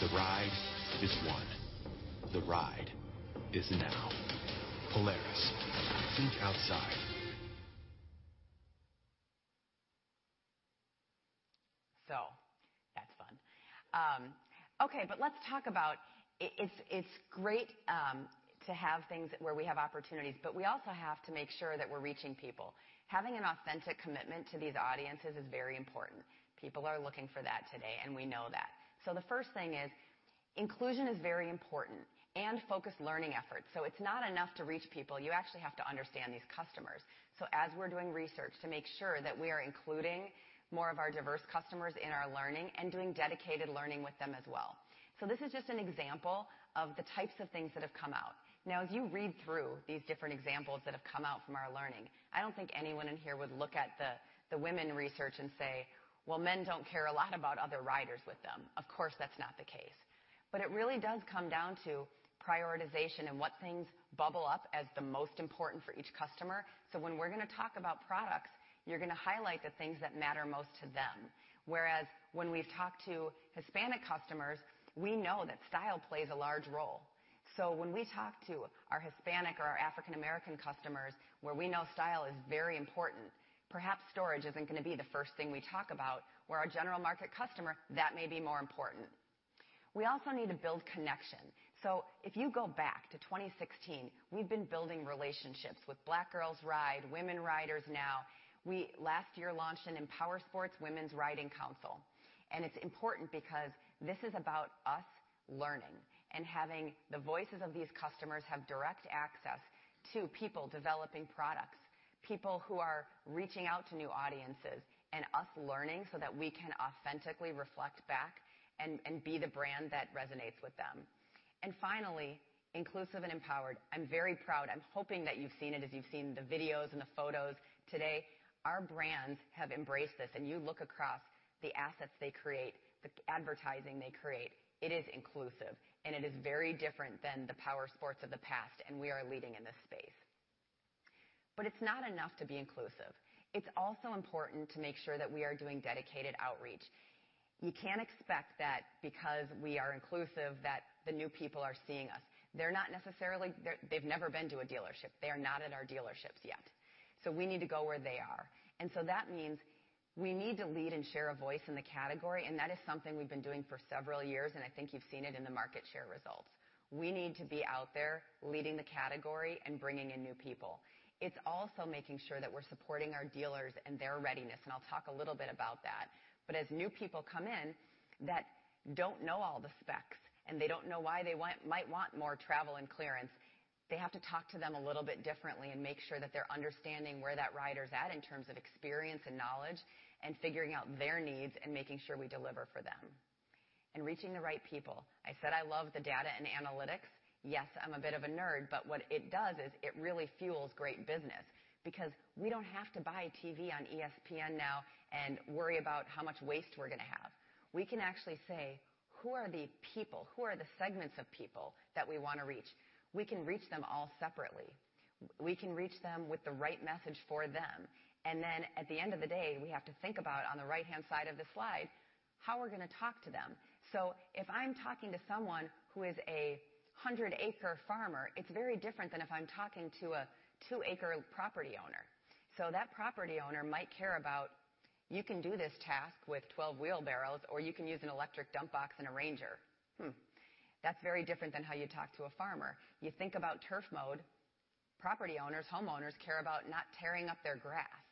The ride is one. The ride is now. Polaris. Think Outside. That's fun. But let's talk about it. It's great to have things where we have opportunities, but we also have to make sure that we're reaching people. Having an authentic commitment to these audiences is very important. People are looking for that today, and we know that. The first thing is inclusion is very important and focused learning efforts. It's not enough to reach people. You actually have to understand these customers. As we're doing research to make sure that we are including more of our diverse customers in our learning and doing dedicated learning with them as well. This is just an example of the types of things that have come out. Now, as you read through these different examples that have come out from our learning, I don't think anyone in here would look at the women's research and say, "Well, men don't care a lot about other riders with them." Of course, that's not the case. It really does come down to prioritization and what things bubble up as the most important for each customer. When we're gonna talk about products, you're gonna highlight the things that matter most to them. Whereas when we've talked to Hispanic customers, we know that style plays a large role. When we talk to our Hispanic or our African American customers where we know style is very important, perhaps storage isn't gonna be the first thing we talk about, where our general market customer, that may be more important. We also need to build connection. If you go back to 2016, we've been building relationships with Black Girls Ride, Women Riders Now. We last year launched an Empowersports Women's Riding Council, and it's important because this is about us learning and having the voices of these customers have direct access to people developing products, people who are reaching out to new audiences, and us learning so that we can authentically reflect back and be the brand that resonates with them. Finally, inclusive and empowered. I'm very proud. I'm hoping that you've seen it as you've seen the videos and the photos today. Our brands have embraced this, and you look across the assets they create, the advertising they create. It is inclusive, and it is very different than the powersports of the past, and we are leading in this space. It's not enough to be inclusive. It's also important to make sure that we are doing dedicated outreach. You can't expect that because we are inclusive, that the new people are seeing us. They've never been to a dealership. They are not at our dealerships yet. We need to go where they are. That means we need to lead and share a voice in the category, and that is something we've been doing for several years, and I think you've seen it in the market share results. We need to be out there leading the category and bringing in new people. It's also making sure that we're supporting our dealers and their readiness, and I'll talk a little bit about that. As new people come in that don't know all the specs and they don't know why they want might want more travel and clearance, they have to talk to them a little bit differently and make sure that they're understanding where that rider's at in terms of experience and knowledge and figuring out their needs and making sure we deliver for them. Reaching the right people. I said I love the data and analytics. Yes, I'm a bit of a nerd, but what it does is it really fuels great business because we don't have to buy TV on ESPN now and worry about how much waste we're gonna have. We can actually say, who are the people, who are the segments of people that we wanna reach? We can reach them all separately. We can reach them with the right message for them. At the end of the day, we have to think about, on the right-hand side of the slide, how we're gonna talk to them. If I'm talking to someone who is a 100-acre farmer, it's very different than if I'm talking to a 2-acre property owner. That property owner might care about, you can do this task with 12 wheelbarrows, or you can use an electric dump box and a RANGER. That's very different than how you talk to a farmer. You think about Turf Mode, property owners, homeowners care about not tearing up their grass.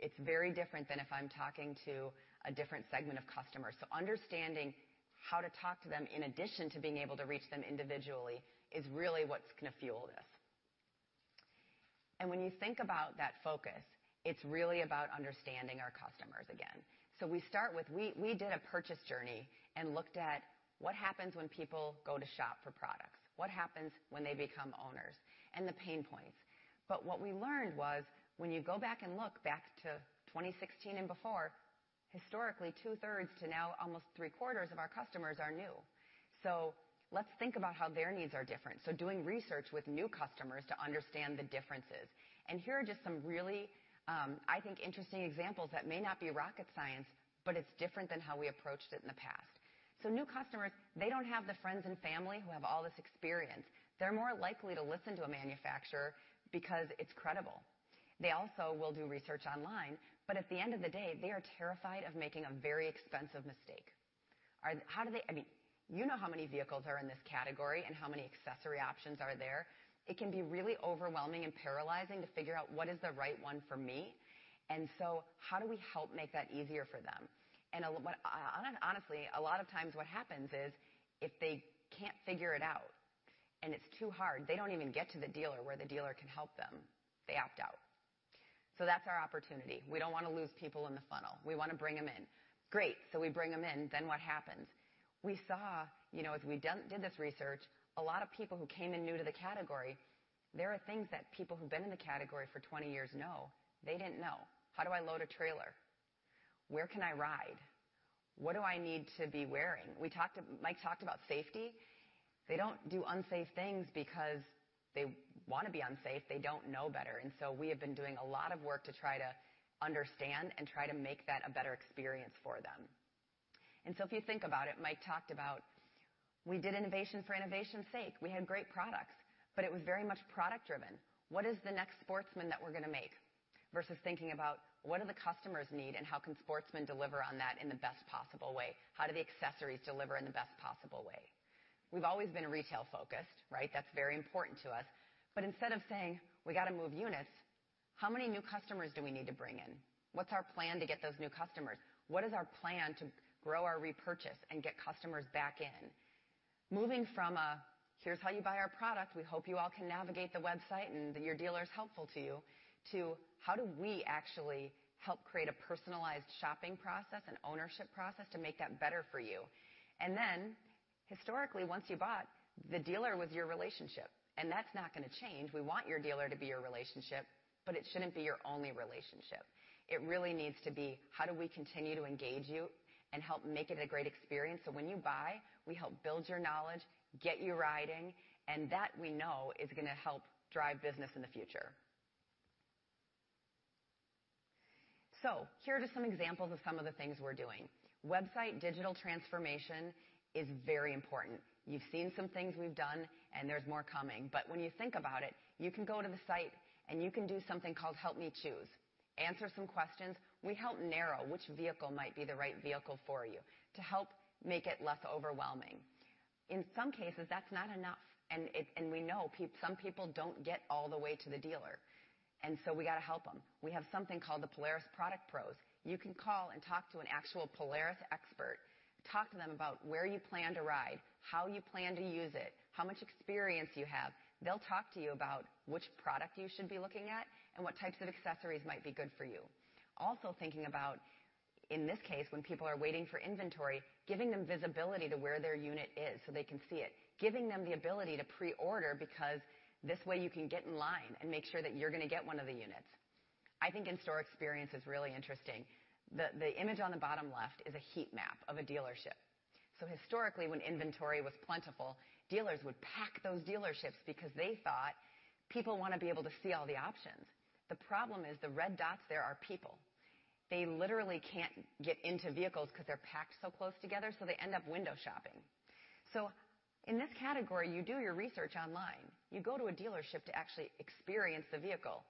It's very different than if I'm talking to a different segment of customers. Understanding how to talk to them in addition to being able to reach them individually is really what's gonna fuel this. When you think about that focus, it's really about understanding our customers again. We did a purchase journey and looked at what happens when people go to shop for products, what happens when they become owners, and the pain points. What we learned was, when you go back and look back to 2016 and before, historically, 2/3 to now almost three-quarters of our customers are new. Let's think about how their needs are different, so doing research with new customers to understand the differences. Here are just some really, I think, interesting examples that may not be rocket science, but it's different than how we approached it in the past. New customers, they don't have the friends and family who have all this experience. They're more likely to listen to a manufacturer because it's credible. They also will do research online, but at the end of the day, they are terrified of making a very expensive mistake. How do they? I mean, you know how many vehicles are in this category and how many accessory options are there. It can be really overwhelming and paralyzing to figure out what is the right one for me. How do we help make that easier for them? Honestly, a lot of times what happens is, if they can't figure it out and it's too hard, they don't even get to the dealer where the dealer can help them. They opt out. That's our opportunity. We don't wanna lose people in the funnel. We wanna bring them in. Great. We bring them in, then what happens? We saw, you know, as we did this research, a lot of people who came in new to the category. There are things that people who've been in the category for 20 years know, they didn't know. How do I load a trailer? Where can I ride? What do I need to be wearing? We talked. Mike talked about safety. They don't do unsafe things because they wanna be unsafe. They don't know better. We have been doing a lot of work to try to understand and try to make that a better experience for them. If you think about it, Mike talked about we did innovation for innovation's sake. We had great products, but it was very much product-driven. What is the next Sportsman that we're gonna make? Versus thinking about what do the customers need and how can Sportsman deliver on that in the best possible way? How do the accessories deliver in the best possible way? We've always been retail-focused, right? That's very important to us, but instead of saying, "We gotta move units," how many new customers do we need to bring in? What's our plan to get those new customers? What is our plan to grow our repurchase and get customers back in? Moving from a, "Here's how you buy our product. We hope you all can navigate the website and that your dealer is helpful to you," to, "How do we actually help create a personalized shopping process and ownership process to make that better for you?" Historically, once you bought, the dealer was your relationship, and that's not gonna change. We want your dealer to be your relationship, but it shouldn't be your only relationship. It really needs to be how do we continue to engage you and help make it a great experience? When you buy, we help build your knowledge, get you riding, and that we know is gonna help drive business in the future. Here are just some examples of some of the things we're doing. Website digital transformation is very important. You've seen some things we've done, and there's more coming. When you think about it, you can go to the site, and you can do something called Help Me Choose. Answer some questions. We help narrow which vehicle might be the right vehicle for you to help make it less overwhelming. In some cases, that's not enough. We know some people don't get all the way to the dealer, and so we gotta help them. We have something called the Polaris Product Pros. You can call and talk to an actual Polaris expert, talk to them about where you plan to ride, how you plan to use it, how much experience you have. They'll talk to you about which product you should be looking at and what types of accessories might be good for you. Also thinking about, in this case, when people are waiting for inventory, giving them visibility to where their unit is so they can see it, giving them the ability to pre-order because this way you can get in line and make sure that you're gonna get one of the units. I think in-store experience is really interesting. The image on the bottom left is a heat map of a dealership. Historically, when inventory was plentiful, dealers would pack those dealerships because they thought people wanna be able to see all the options. The problem is the red dots there are people. They literally can't get into vehicles because they're packed so close together, so they end up window shopping. In this category, you do your research online. You go to a dealership to actually experience the vehicle.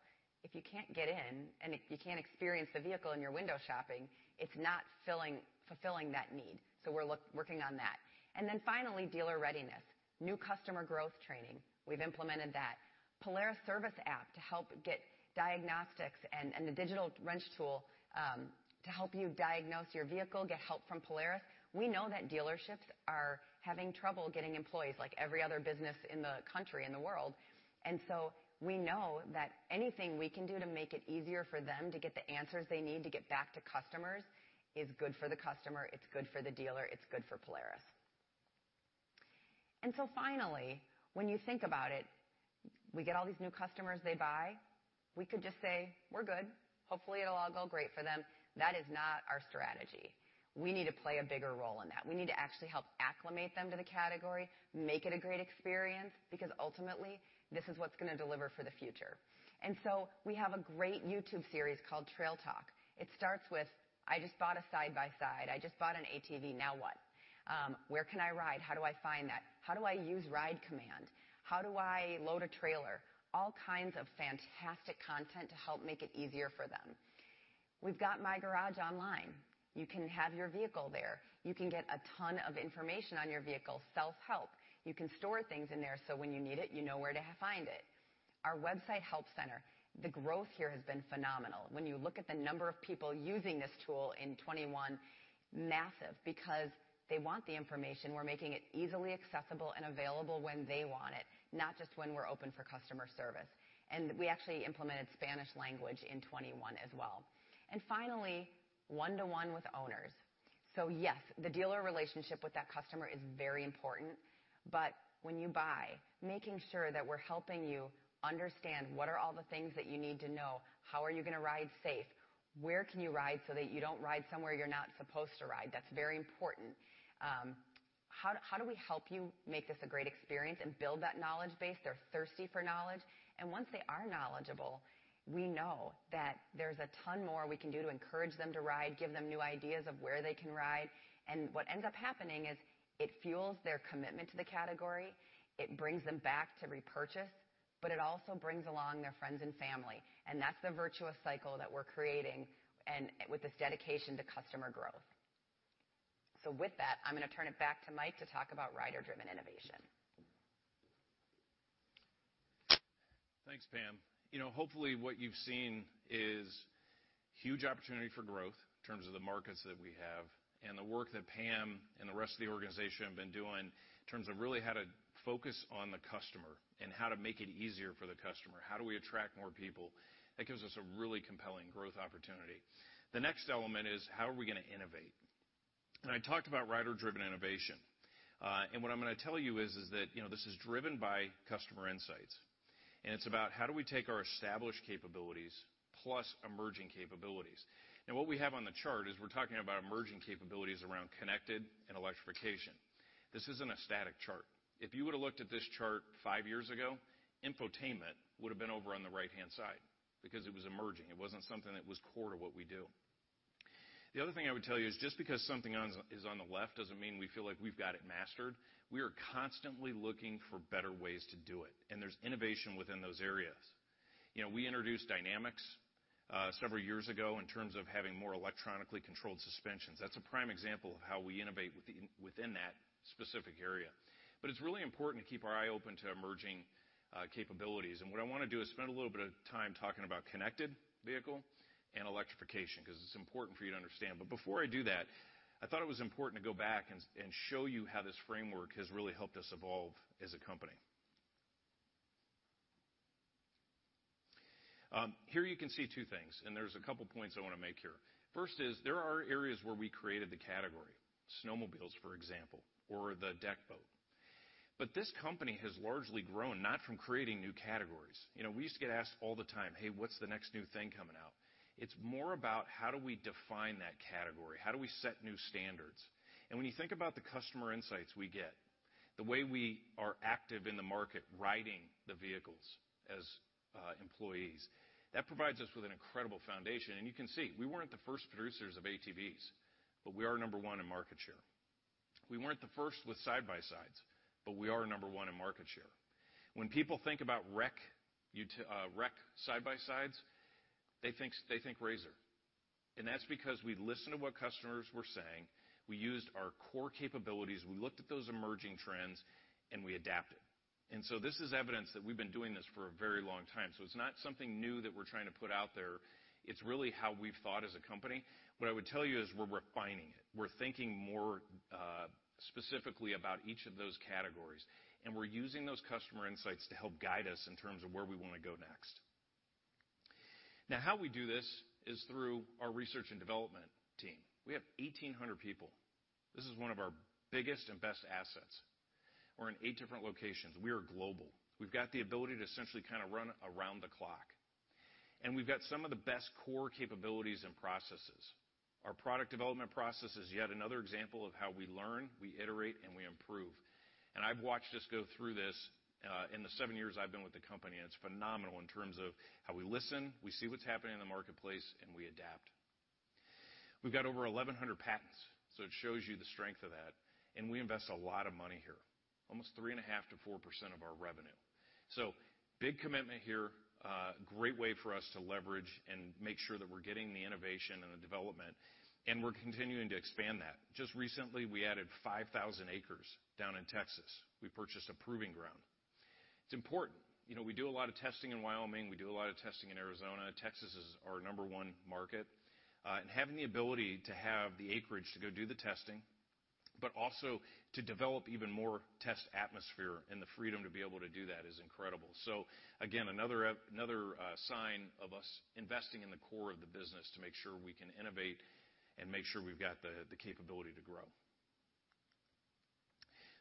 If you can't get in and you can't experience the vehicle and you're window shopping, it's not fulfilling that need. We're working on that. Then finally, dealer readiness. New customer growth training. We've implemented that. Polaris service app to help get diagnostics and the Digital Wrench tool to help you diagnose your vehicle, get help from Polaris. We know that dealerships are having trouble getting employees like every other business in the country, in the world. We know that anything we can do to make it easier for them to get the answers they need to get back to customers is good for the customer, it's good for the dealer, it's good for Polaris. Finally, when you think about it, we get all these new customers, they buy. We could just say, "We're good. Hopefully, it'll all go great for them." That is not our strategy. We need to play a bigger role in that. We need to actually help acclimate them to the category, make it a great experience, because ultimately, this is what's gonna deliver for the future. We have a great YouTube series called Trail Talk. It starts with, I just bought a side-by-side, I just bought an ATV. Now what? Where can I ride? How do I find that? How do I use RIDE COMMAND? How do I load a trailer? All kinds of fantastic content to help make it easier for them. We've got My Garage online. You can have your vehicle there. You can get a ton of information on your vehicle, self-help. You can store things in there, so when you need it, you know where to find it. Our Website Help Center, the growth here has been phenomenal. When you look at the number of people using this tool in 2021, massive, because they want the information. We're making it easily accessible and available when they want it, not just when we're open for customer service. We actually implemented Spanish language in 2021 as well. Finally, one-to-one with owners. Yes, the dealer relationship with that customer is very important. When you buy, making sure that we're helping you understand what are all the things that you need to know. How are you gonna ride safe? Where can you ride so that you don't ride somewhere you're not supposed to ride? That's very important. How do we help you make this a great experience and build that knowledge base? They're thirsty for knowledge. Once they are knowledgeable, we know that there's a ton more we can do to encourage them to ride, give them new ideas of where they can ride. What ends up happening is it fuels their commitment to the category. It brings them back to repurchase, but it also brings along their friends and family. That's the virtuous cycle that we're creating and with this dedication to customer growth. With that, I'm gonna turn it back to Mike to talk about rider-driven innovation. Thanks, Pam. You know, hopefully, what you've seen is huge opportunity for growth in terms of the markets that we have and the work that Pam and the rest of the organization have been doing in terms of really how to focus on the customer and how to make it easier for the customer. How do we attract more people? That gives us a really compelling growth opportunity. The next element is, how are we gonna innovate? I talked about rider-driven innovation. What I'm gonna tell you is that, you know, this is driven by customer insights, and it's about how do we take our established capabilities plus emerging capabilities. What we have on the chart is we're talking about emerging capabilities around connected and electrification. This isn't a static chart. If you would've looked at this chart five years ago, infotainment would've been over on the right-hand side because it was emerging. It wasn't something that was core to what we do. The other thing I would tell you is just because something is on the left doesn't mean we feel like we've got it mastered. We are constantly looking for better ways to do it, and there's innovation within those areas. You know, we introduced DYNAMIX several years ago in terms of having more electronically controlled suspensions. That's a prime example of how we innovate within that specific area. But it's really important to keep our eye open to emerging capabilities. What I wanna do is spend a little bit of time talking about connected vehicle and electrification because it's important for you to understand. before I do that, I thought it was important to go back and show you how this framework has really helped us evolve as a company. Here you can see two things, and there's a couple points I wanna make here. First is there are areas where we created the category, snowmobiles, for example, or the deck boat. This company has largely grown not from creating new categories. You know, we used to get asked all the time, "Hey, what's the next new thing coming out?" It's more about how do we define that category? How do we set new standards? When you think about the customer insights we get, the way we are active in the market, riding the vehicles as employees, that provides us with an incredible foundation. You can see we weren't the first producers of ATVs, but we are number one in market share. We weren't the first with side-by-sides, but we are number one in market share. When people think about rec side-by-sides, they think RZR. That's because we listened to what customers were saying. We used our core capabilities. We looked at those emerging trends, and we adapted. This is evidence that we've been doing this for a very long time. It's not something new that we're trying to put out there. It's really how we've thought as a company. What I would tell you is we're refining it. We're thinking more specifically about each of those categories, and we're using those customer insights to help guide us in terms of where we want to go next. Now, how we do this is through our research and development team. We have 1,800 people. This is one of our biggest and best assets. We're in eight different locations. We are global. We've got the ability to essentially kind of run around the clock, and we've got some of the best core capabilities and processes. Our product development process is yet another example of how we learn, we iterate, and we improve. I've watched us go through this in the seven years I've been with the company, and it's phenomenal in terms of how we listen, we see what's happening in the marketplace, and we adapt. We've got over 1,100 patents, so it shows you the strength of that. We invest a lot of money here, almost 3.5%-4% of our revenue. Big commitment here. Great way for us to leverage and make sure that we're getting the innovation and the development, and we're continuing to expand that. Just recently, we added 5,000 acres down in Texas. We purchased a proving ground. It's important. You know, we do a lot of testing in Wyoming. We do a lot of testing in Arizona. Texas is our number one market. And having the ability to have the acreage to go do the testing, but also to develop even more test atmosphere and the freedom to be able to do that is incredible. Again, another sign of us investing in the core of the business to make sure we can innovate and make sure we've got the capability to grow.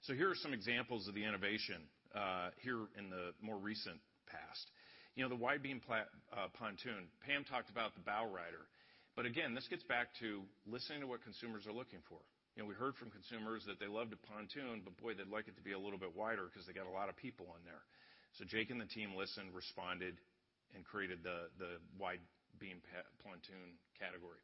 Here are some examples of the innovation here in the more recent past. You know, the Wide Beam Pontoon. Pam talked about the Bowrider. Again, this gets back to listening to what consumers are looking for. You know, we heard from consumers that they love the Pontoon, but boy, they'd like it to be a little bit wider 'cause they got a lot of people on there. Jake and the team listened, responded, and created the Wide Beam Pontoon category.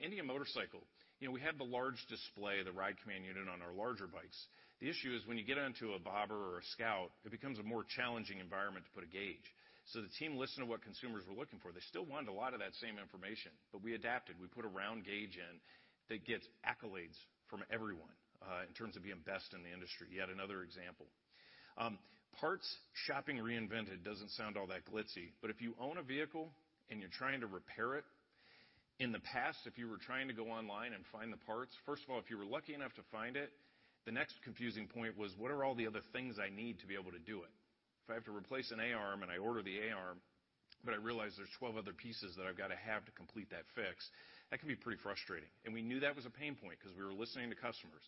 Indian Motorcycle. You know, we have the large display, the RIDE COMMAND unit on our larger bikes. The issue is when you get onto a Bobber or a Scout, it becomes a more challenging environment to put a gauge. The team listened to what consumers were looking for. They still wanted a lot of that same information, but we adapted. We put a round gauge in that gets accolades from everyone, in terms of being best in the industry. Yet another example. Parts shopping reinvented doesn't sound all that glitzy, but if you own a vehicle and you're trying to repair it, in the past, if you were lucky enough to find it, the next confusing point was, what are all the other things I need to be able to do it? If I have to replace an A-arm, and I order the A-arm, but I realize there's 12 other pieces that I've gotta have to complete that fix, that can be pretty frustrating. We knew that was a pain point because we were listening to customers.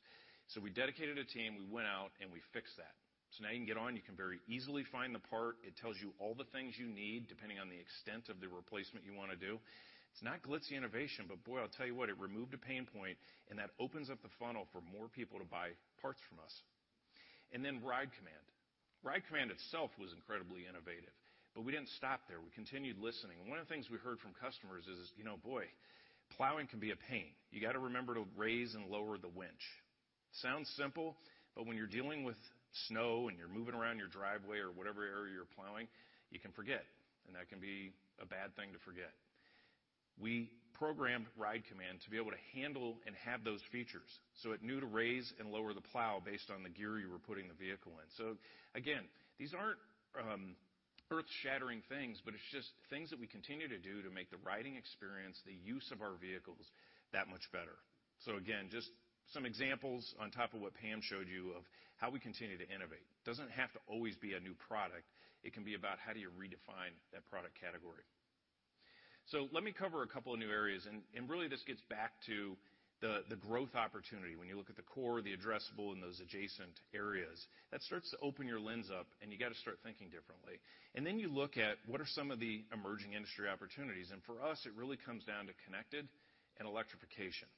We dedicated a team, we went out, and we fixed that. Now you can get on, you can very easily find the part. It tells you all the things you need, depending on the extent of the replacement you wanna do. It's not glitzy innovation, but boy, I'll tell you what, it removed a pain point, and that opens up the funnel for more people to buy parts from us. RIDE COMMAND. RIDE COMMAND itself was incredibly innovative, but we didn't stop there. We continued listening. One of the things we heard from customers is, you know, boy, plowing can be a pain. You gotta remember to raise and lower the winch. Sounds simple, but when you're dealing with snow and you're moving around your driveway or whatever area you're plowing, you can forget, and that can be a bad thing to forget. We programmed RIDE COMMAND to be able to handle and have those features, so it knew to raise and lower the plow based on the gear you were putting the vehicle in. These aren't earth-shattering things, but it's just things that we continue to do to make the riding experience, the use of our vehicles that much better. Just some examples on top of what Pam showed you of how we continue to innovate. Doesn't have to always be a new product. It can be about how do you redefine that product category. Let me cover a couple of new areas, and really this gets back to the growth opportunity. When you look at the core, the addressable and those adjacent areas, that starts to open your lens up and you gotta start thinking differently. Then you look at what are some of the emerging industry opportunities, and for us, it really comes down to connected and electrification.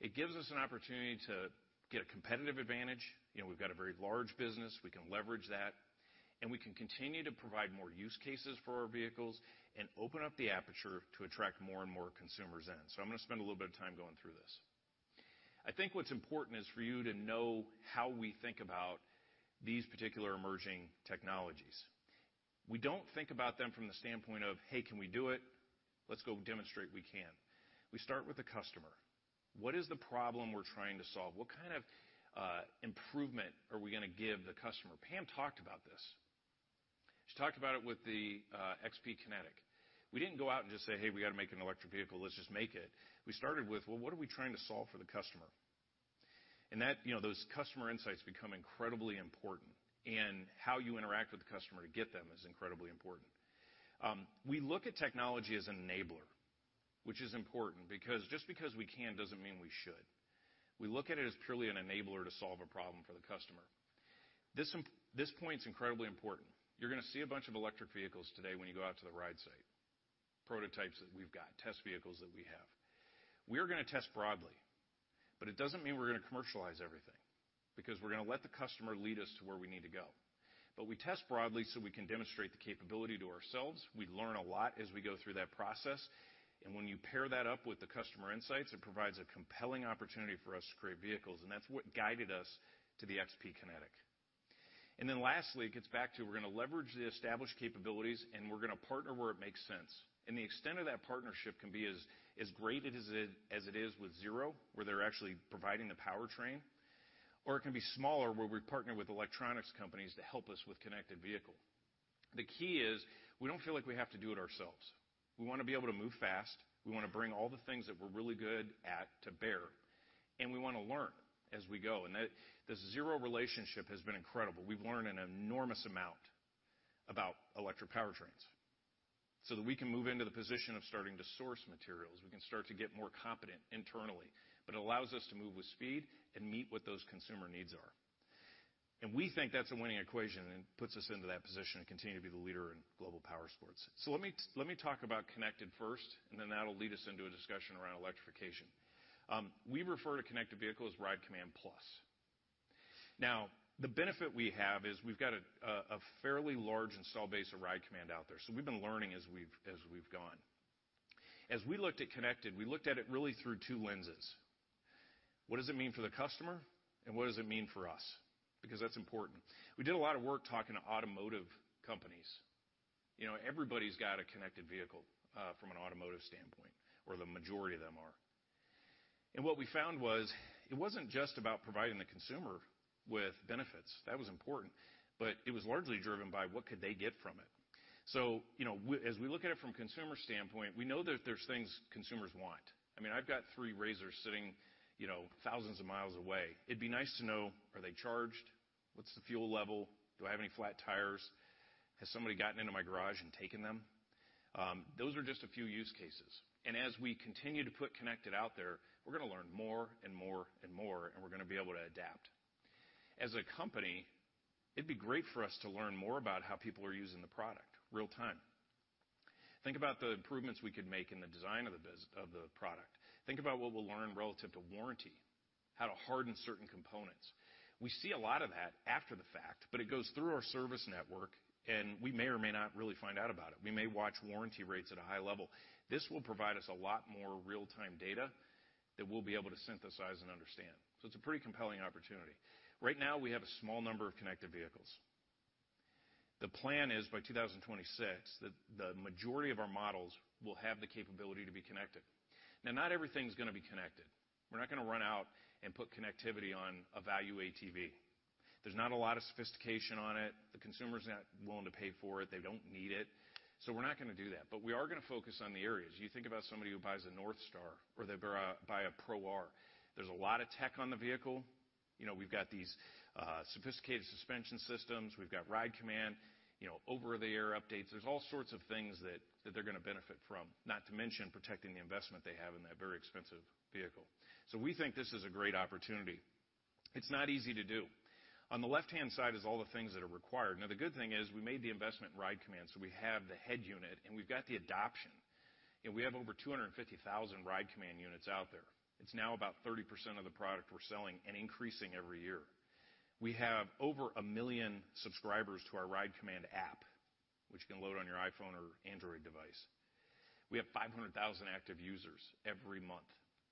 It gives us an opportunity to get a competitive advantage. You know, we've got a very large business, we can leverage that, and we can continue to provide more use cases for our vehicles and open up the aperture to attract more and more consumers in. I'm gonna spend a little bit of time going through this. I think what's important is for you to know how we think about these particular emerging technologies. We don't think about them from the standpoint of, "Hey, can we do it? Let's go demonstrate we can." We start with the customer. What is the problem we're trying to solve? What kind of improvement are we gonna give the customer? Pam talked about this. She talked about it with the XP Kinetic. We didn't go out and just say, "Hey, we gotta make an electric vehicle. Let's just make it." We started with, "Well, what are we trying to solve for the customer?" That, you know, those customer insights become incredibly important, and how you interact with the customer to get them is incredibly important. We look at technology as an enabler, which is important because just because we can doesn't mean we should. We look at it as purely an enabler to solve a problem for the customer. This point's incredibly important. You're gonna see a bunch of electric vehicles today when you go out to the ride site, prototypes that we've got, test vehicles that we have. We're gonna test broadly, but it doesn't mean we're gonna commercialize everything because we're gonna let the customer lead us to where we need to go. We test broadly so we can demonstrate the capability to ourselves. We learn a lot as we go through that process. When you pair that up with the customer insights, it provides a compelling opportunity for us to create vehicles, and that's what guided us to the XP Kinetic. Then lastly, it gets back to we're gonna leverage the established capabilities and we're gonna partner where it makes sense. The extent of that partnership can be as great as it is with Zero, where they're actually providing the powertrain, or it can be smaller, where we're partnering with electronics companies to help us with connected vehicle. The key is we don't feel like we have to do it ourselves. We wanna be able to move fast. We wanna bring all the things that we're really good at to bear, and we wanna learn as we go. That the Zero relationship has been incredible. We've learned an enormous amount about electric powertrains so that we can move into the position of starting to source materials. We can start to get more competent internally. It allows us to move with speed and meet what those consumer needs are. We think that's a winning equation and puts us into that position to continue to be the leader in global powersports. Let me talk about connected first, and then that'll lead us into a discussion around electrification. We refer to connected vehicle as RIDE COMMAND+. Now, the benefit we have is we've got a fairly large install base of RIDE COMMAND out there, so we've been learning as we've gone. As we looked at connected, we looked at it really through two lenses. What does it mean for the customer, and what does it mean for us? Because that's important. We did a lot of work talking to automotive companies. You know, everybody's got a connected vehicle from an automotive standpoint, or the majority of them are. What we found was it wasn't just about providing the consumer with benefits. That was important, but it was largely driven by what could they get from it. You know, as we look at it from consumer standpoint, we know that there's things consumers want. I mean, I've got three RZRs sitting, you know, thousands of miles away. It'd be nice to know, are they charged? What's the fuel level? Do I have any flat tires? Has somebody gotten into my garage and taken them? Those are just a few use cases. As we continue to put connected out there, we're gonna learn more and more and more, and we're gonna be able to adapt. As a company, it'd be great for us to learn more about how people are using the product real-time. Think about the improvements we could make in the design of the product. Think about what we'll learn relative to warranty, how to harden certain components. We see a lot of that after the fact, but it goes through our service network, and we may or may not really find out about it. We may watch warranty rates at a high level. This will provide us a lot more real-time data that we'll be able to synthesize and understand. It's a pretty compelling opportunity. Right now, we have a small number of connected vehicles. The plan is by 2026 that the majority of our models will have the capability to be connected. Now, not everything's gonna be connected. We're not gonna run out and put connectivity on a value ATV. There's not a lot of sophistication on it. The consumer's not willing to pay for it. They don't need it. So we're not gonna do that, but we are gonna focus on the areas. You think about somebody who buys a NorthStar or they buy a Pro R. There's a lot of tech on the vehicle. You know, we've got these sophisticated suspension systems. We've got Ride Command, you know, over-the-air updates. There's all sorts of things that they're gonna benefit from, not to mention protecting the investment they have in that very expensive vehicle. We think this is a great opportunity. It's not easy to do. On the left-hand side is all the things that are required. Now, the good thing is we made the investment in RIDE COMMAND, so we have the head unit, and we've got the adoption. We have over 250,000 RIDE COMMAND units out there. It's now about 30% of the product we're selling and increasing every year. We have over 1 million subscribers to our RIDE COMMAND app, which you can load on your iPhone or Android device. We have 500,000 active users every month.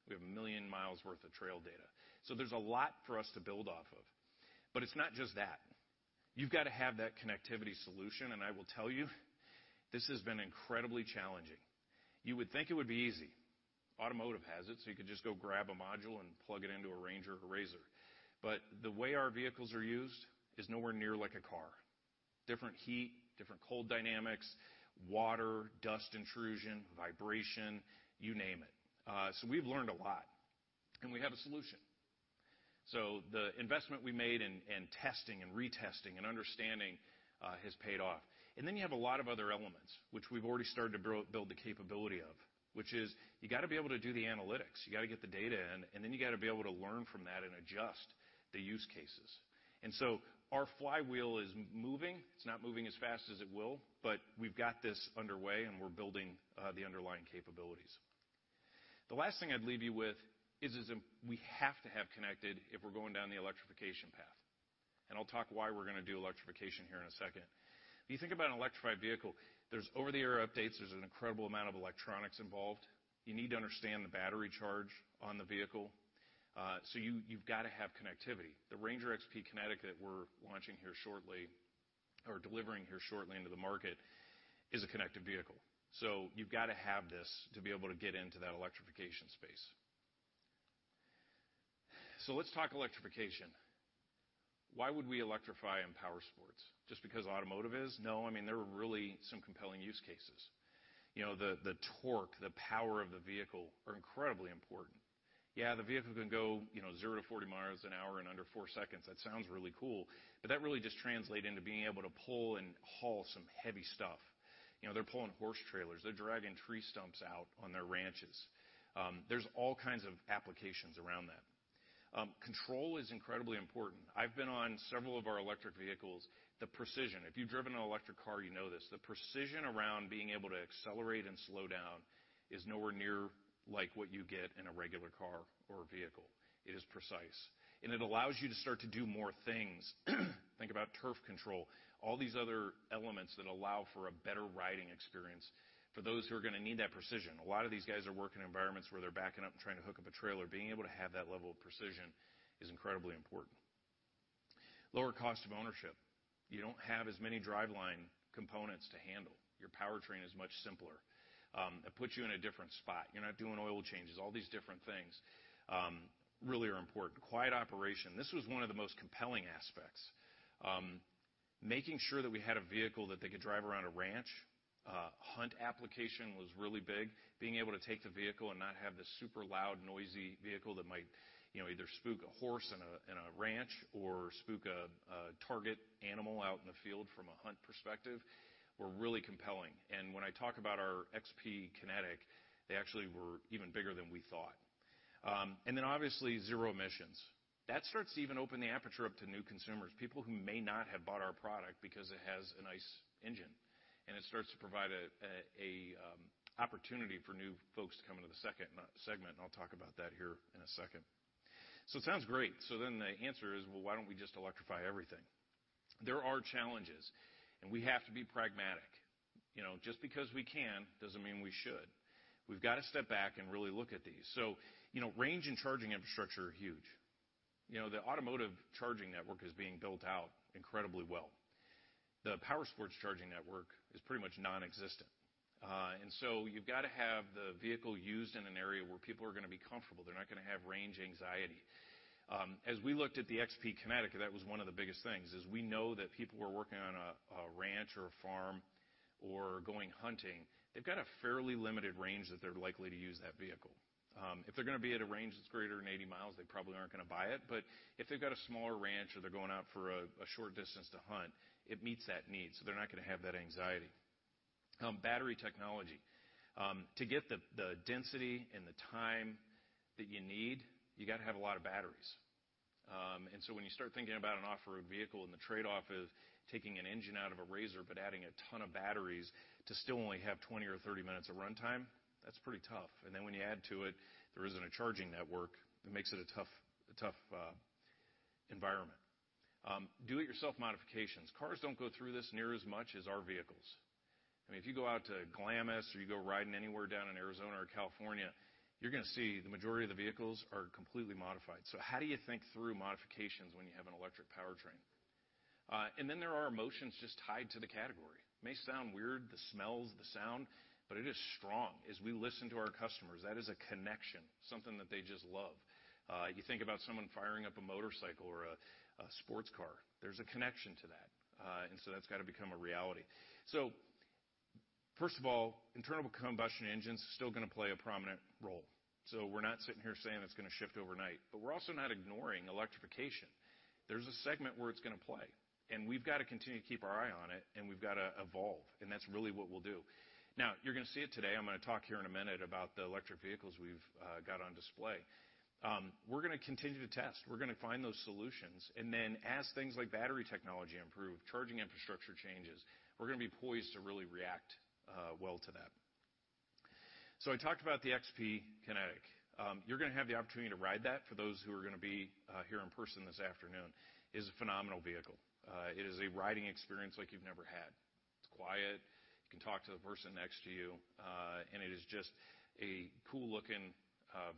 We have 1 million miles worth of trail data. There's a lot for us to build off of. It's not just that. You've gotta have that connectivity solution, and I will tell you, this has been incredibly challenging. You would think it would be easy. Automotive has it, so you could just go grab a module and plug it into a RANGER or RZR. The way our vehicles are used is nowhere near like a car. Different heat, different cold dynamics, water, dust intrusion, vibration, you name it. We've learned a lot, and we have a solution. The investment we made in testing and retesting and understanding has paid off. Then you have a lot of other elements, which we've already started to build the capability of, which is you gotta be able to do the analytics. You gotta get the data in, and then you gotta be able to learn from that and adjust the use cases. Our flywheel is moving. It's not moving as fast as it will, but we've got this underway, and we're building the underlying capabilities. The last thing I'd leave you with is we have to have connected if we're going down the electrification path. I'll talk why we're gonna do electrification here in a second. If you think about an electrified vehicle, there's over-the-air updates. There's an incredible amount of electronics involved. You need to understand the battery charge on the vehicle. You've gotta have connectivity. The RANGER XP Kinetic that we're launching here shortly or delivering here shortly into the market is a connected vehicle. You've gotta have this to be able to get into that electrification space. Let's talk electrification. Why would we electrify in powersports? Just because automotive is? No, I mean, there are really some compelling use cases. You know, the torque, the power of the vehicle are incredibly important. Yeah, the vehicle can go, you know, 0 to 40 miles an hour in under four seconds. That sounds really cool, but that really just translates into being able to pull and haul some heavy stuff. You know, they're pulling horse trailers. They're dragging tree stumps out on their ranches. There's all kinds of applications around that. Control is incredibly important. I've been on several of our electric vehicles. The precision, if you've driven an electric car, you know this. The precision around being able to accelerate and slow down is nowhere near like what you get in a regular car or vehicle. It is precise, and it allows you to start to do more things. Think about Turf Mode, all these other elements that allow for a better riding experience for those who are gonna need that precision. A lot of these guys are working in environments where they're backing up and trying to hook up a trailer. Being able to have that level of precision is incredibly important. Lower cost of ownership. You don't have as many driveline components to handle. Your powertrain is much simpler. It puts you in a different spot. You're not doing oil changes. All these different things really are important. Quiet operation, this was one of the most compelling aspects. Making sure that we had a vehicle that they could drive around a ranch. Hunt application was really big. Being able to take the vehicle and not have this super loud, noisy vehicle that might either spook a horse in a ranch or spook a target animal out in the field from a hunt perspective were really compelling. When I talk about our XP Kinetic, they actually were even bigger than we thought. Obviously, zero emissions. That starts to even open the aperture up to new consumers, people who may not have bought our product because it has a nice engine. It starts to provide a opportunity for new folks to come into the second segment, and I'll talk about that here in a second. It sounds great. The answer is, well, why don't we just electrify everything? There are challenges, and we have to be pragmatic. You know, just because we can doesn't mean we should. We've gotta step back and really look at these. You know, range and charging infrastructure are huge. You know, the automotive charging network is being built out incredibly well. The powersports charging network is pretty much nonexistent. And so you've gotta have the vehicle used in an area where people are gonna be comfortable. They're not gonna have range anxiety. As we looked at the XP Kinetic, that was one of the biggest things, is we know that people who are working on a ranch or a farm or going hunting, they've got a fairly limited range that they're likely to use that vehicle. If they're gonna be at a range that's greater than 80 miles, they probably aren't gonna buy it. If they've got a smaller ranch or they're going out for a short distance to hunt, it meets that need, so they're not gonna have that anxiety. Battery technology. To get the density and the time that you need, you gotta have a lot of batteries. When you start thinking about an off-road vehicle and the trade-off is taking an engine out of a RZR, but adding a ton of batteries to still only have 20 or 30 minutes of runtime, that's pretty tough. Then when you add to it, there isn't a charging network, it makes it a tough environment. Do-it-yourself modifications. Cars don't go through this near as much as our vehicles. I mean, if you go out to Glamis or you go riding anywhere down in Arizona or California, you're gonna see the majority of the vehicles are completely modified. How do you think through modifications when you have an electric powertrain? Then there are emotions just tied to the category. It may sound weird, the smells, the sound, but it is strong. As we listen to our customers, that is a connection, something that they just love. You think about someone firing up a motorcycle or a sports car, there's a connection to that. That's gotta become a reality. First of all, internal combustion engine's still gonna play a prominent role, so we're not sitting here saying it's gonna shift overnight, but we're also not ignoring electrification. There's a segment where it's gonna play, and we've gotta continue to keep our eye on it and we've gotta evolve, and that's really what we'll do. Now you're gonna see it today. I'm gonna talk here in a minute about the electric vehicles we've got on display. We're gonna continue to test. We're gonna find those solutions, and then as things like battery technology improve, charging infrastructure changes, we're gonna be poised to really react well to that. I talked about the XP Kinetic. You're gonna have the opportunity to ride that for those who are gonna be here in person this afternoon. It is a phenomenal vehicle. It is a riding experience like you've never had. It's quiet. You can talk to the person next to you, and it is just a cool-looking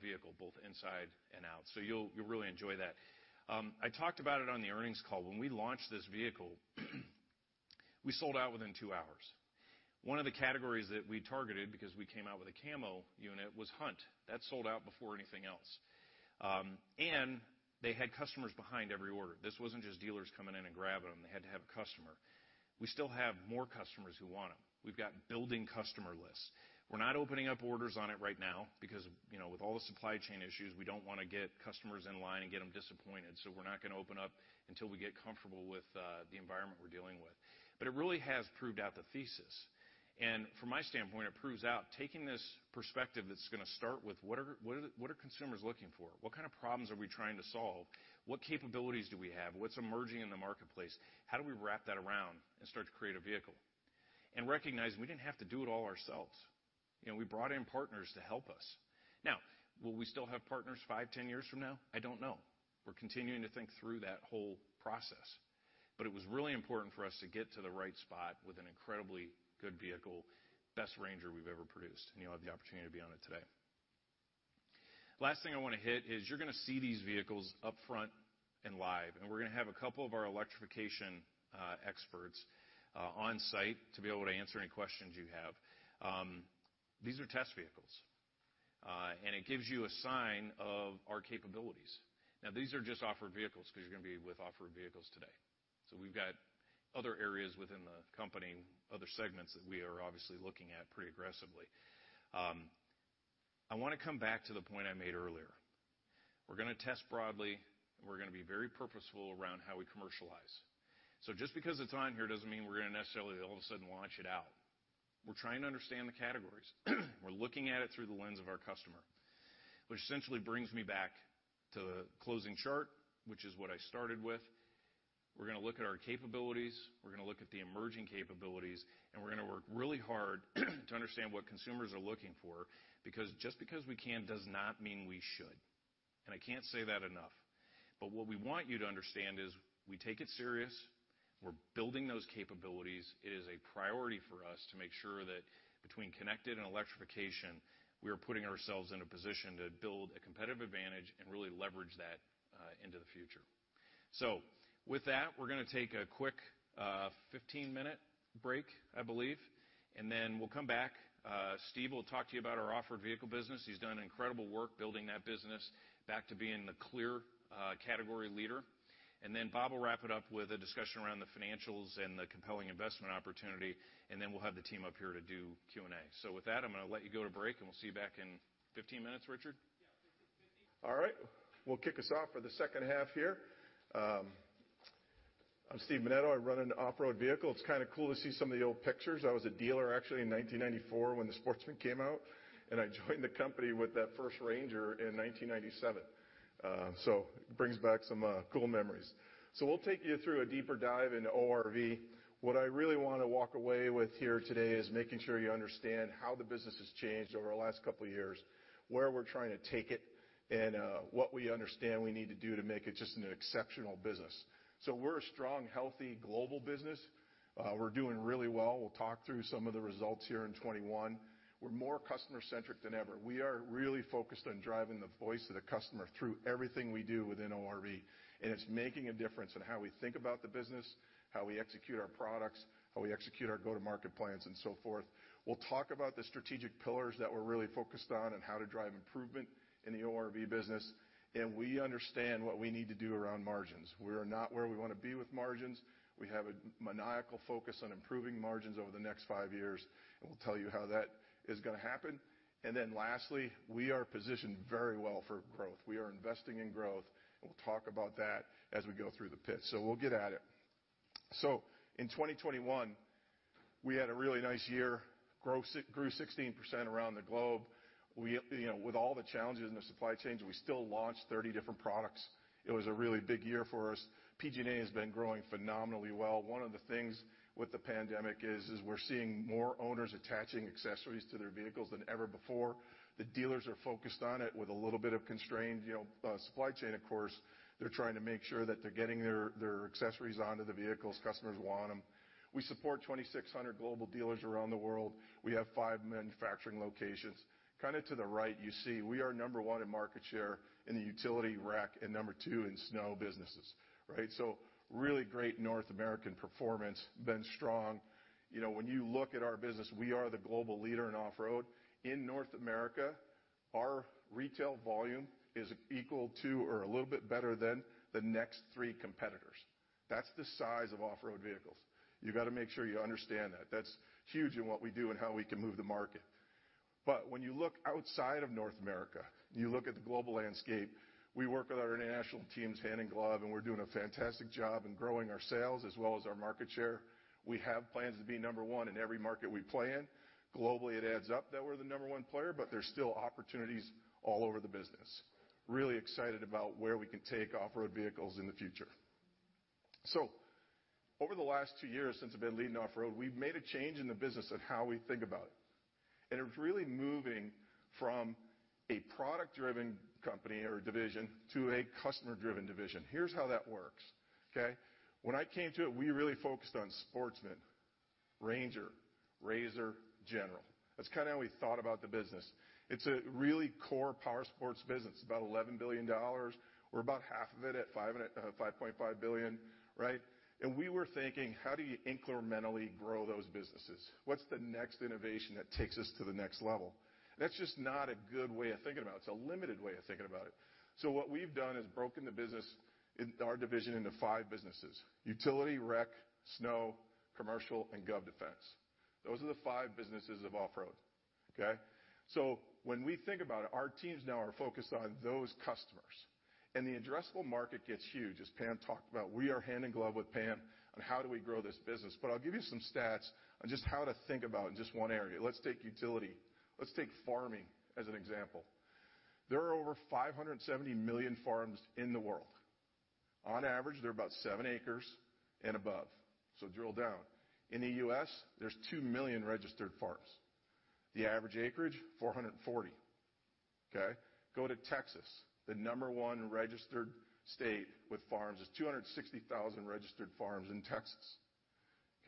vehicle both inside and out, so you'll really enjoy that. I talked about it on the earnings call. When we launched this vehicle, we sold out within two hours. One of the categories that we targeted, because we came out with a camo unit, was hunt. That sold out before anything else. They had customers behind every order. This wasn't just dealers coming in and grabbing them. They had to have a customer. We still have more customers who want them. We've got building customer lists. We're not opening up orders on it right now because, you know, with all the supply chain issues, we don't wanna get customers in line and get them disappointed, so we're not gonna open up until we get comfortable with the environment we're dealing with. It really has proved out the thesis, and from my standpoint, it proves out taking this perspective that's gonna start with what are consumers looking for? What kind of problems are we trying to solve? What capabilities do we have? What's emerging in the marketplace? How do we wrap that around and start to create a vehicle? Recognizing we didn't have to do it all ourselves. You know, we brought in partners to help us. Now, will we still have partners five, 10 years from now? I don't know. We're continuing to think through that whole process. It was really important for us to get to the right spot with an incredibly good vehicle, best Ranger we've ever produced, and you'll have the opportunity to be on it today. Last thing I wanna hit is you're gonna see these vehicles up front and live, and we're gonna have a couple of our electrification experts on site to be able to answer any questions you have. These are test vehicles, and it gives you a sign of our capabilities. Now, these are just off-road vehicles 'cause you're gonna be with off-road vehicles today. We've got other areas within the company, other segments that we are obviously looking at pretty aggressively. I wanna come back to the point I made earlier. We're gonna test broadly, and we're gonna be very purposeful around how we commercialize. Just because it's on here doesn't mean we're gonna necessarily all of a sudden launch it out. We're trying to understand the categories. We're looking at it through the lens of our customer, which essentially brings me back to the closing chart, which is what I started with. We're gonna look at our capabilities, we're gonna look at the emerging capabilities, and we're gonna work really hard to understand what consumers are looking for, because just because we can does not mean we should. I can't say that enough. What we want you to understand is we take it serious, we're building those capabilities. It is a priority for us to make sure that between connected and electrification, we are putting ourselves in a position to build a competitive advantage and really leverage that into the future. With that, we're gonna take a quick 15-minute break, I believe, and then we'll come back. Steve will talk to you about our off-road vehicle business. He's done incredible work building that business back to being the clear category leader. Then Bob will wrap it up with a discussion around the financials and the compelling investment opportunity, and then we'll have the team up here to do Q&A. With that, I'm gonna let you go to break, and we'll see you back in 15 minutes, Richard? Yeah. Take 15. All right. We'll kick us off for the second half here. I'm Steve Menneto. I run an off-road vehicle. It's kinda cool to see some of the old pictures. I was a dealer actually in 1994 when the Sportsman came out, and I joined the company with that first RANGER in 1997. It brings back some cool memories. We'll take you through a deeper dive into ORV. What I really wanna walk away with here today is making sure you understand how the business has changed over the last couple of years, where we're trying to take it, and what we understand we need to do to make it just an exceptional business. We're a strong, healthy global business. We're doing really well. We'll talk through some of the results here in 2021. We're more customer-centric than ever. We are really focused on driving the voice of the customer through everything we do within ORV, and it's making a difference in how we think about the business, how we execute our products, how we execute our go-to-market plans, and so forth. We'll talk about the strategic pillars that we're really focused on and how to drive improvement in the ORV business, and we understand what we need to do around margins. We are not where we wanna be with margins. We have a maniacal focus on improving margins over the next five years, and we'll tell you how that is gonna happen. Lastly, we are positioned very well for growth. We are investing in growth, and we'll talk about that as we go through the pitch. We'll get at it. In 2021, we had a really nice year, grew 16% around the globe. You know, with all the challenges in the supply chain, we still launched 30 different products. It was a really big year for us. PG&A has been growing phenomenally well. One of the things with the pandemic is we're seeing more owners attaching accessories to their vehicles than ever before. The dealers are focused on it with a little bit of constrained, you know, supply chain, of course. They're trying to make sure that they're getting their accessories onto the vehicles, customers want them. We support 2,600 global dealers around the world. We have five manufacturing locations. Kinda to the right, you see we are number one in market share in the utility rec and number two in snow businesses, right? Really great North American performance, been strong. You know, when you look at our business, we are the global leader in off-road. In North America, our retail volume is equal to or a little bit better than the next three competitors. That's the size of off-road vehicles. You gotta make sure you understand that. That's huge in what we do and how we can move the market. When you look outside of North America, you look at the global landscape, we work with our international teams hand in glove, and we're doing a fantastic job in growing our sales as well as our market share. We have plans to be number one in every market we play in. Globally, it adds up that we're the number one player, but there's still opportunities all over the business. Really excited about where we can take off-road vehicles in the future. Over the last two years since I've been leading off-road, we've made a change in the business of how we think about it, and it was really moving from a product-driven company or division to a customer-driven division. Here's how that works, okay? When I came to it, we really focused on Sportsman, RANGER, RZR, GENERAL. That's kinda how we thought about the business. It's a really core powersports business, about $11 billion. We're about half of it at $5.5 billion, right? We were thinking, how do you incrementally grow those businesses? What's the next innovation that takes us to the next level? That's just not a good way of thinking about it. It's a limited way of thinking about it. What we've done is broken the business in our division into five businesses: utility, rec, snow, commercial, and gov defense. Those are the five businesses of off-road, okay? When we think about it, our teams now are focused on those customers, and the addressable market gets huge. As Pam talked about, we are hand in glove with Pam on how do we grow this business. I'll give you some stats on just how to think about in just one area. Let's take utility. Let's take farming as an example. There are over 570 million farms in the world. On average, they're about 7 acres and above. Drill down. In the U.S., there's 2 million registered farms. The average acreage, 440, okay? Go to Texas, the number one registered state with farms. There's 260,000 registered farms in Texas,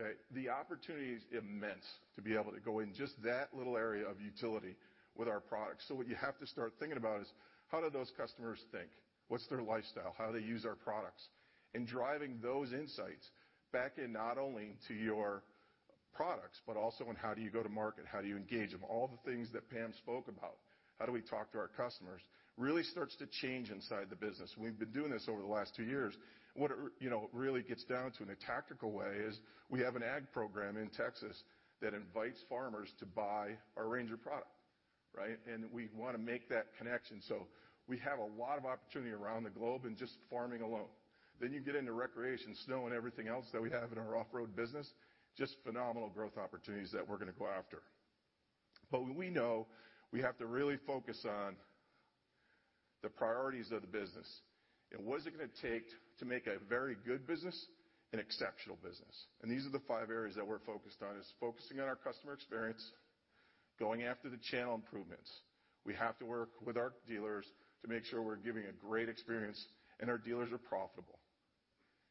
okay? The opportunity is immense to be able to go in just that little area of utility with our products. What you have to start thinking about is how do those customers think? What's their lifestyle? How they use our products? Driving those insights back in not only to your products, but also on how do you go to market, how do you engage them, all the things that Pam spoke about. How do we talk to our customers really starts to change inside the business. We've been doing this over the last two years. What it, you know, really gets down to in a tactical way is we have an ag program in Texas that invites farmers to buy our Ranger product, right? We wanna make that connection, so we have a lot of opportunity around the globe in just farming alone. You get into recreation, snow, and everything else that we have in our off-road business, just phenomenal growth opportunities that we're gonna go after. We know we have to really focus on the priorities of the business and what is it gonna take to make a very good business an exceptional business. These are the five areas that we're focused on, is focusing on our customer experience, going after the channel improvements. We have to work with our dealers to make sure we're giving a great experience and our dealers are profitable.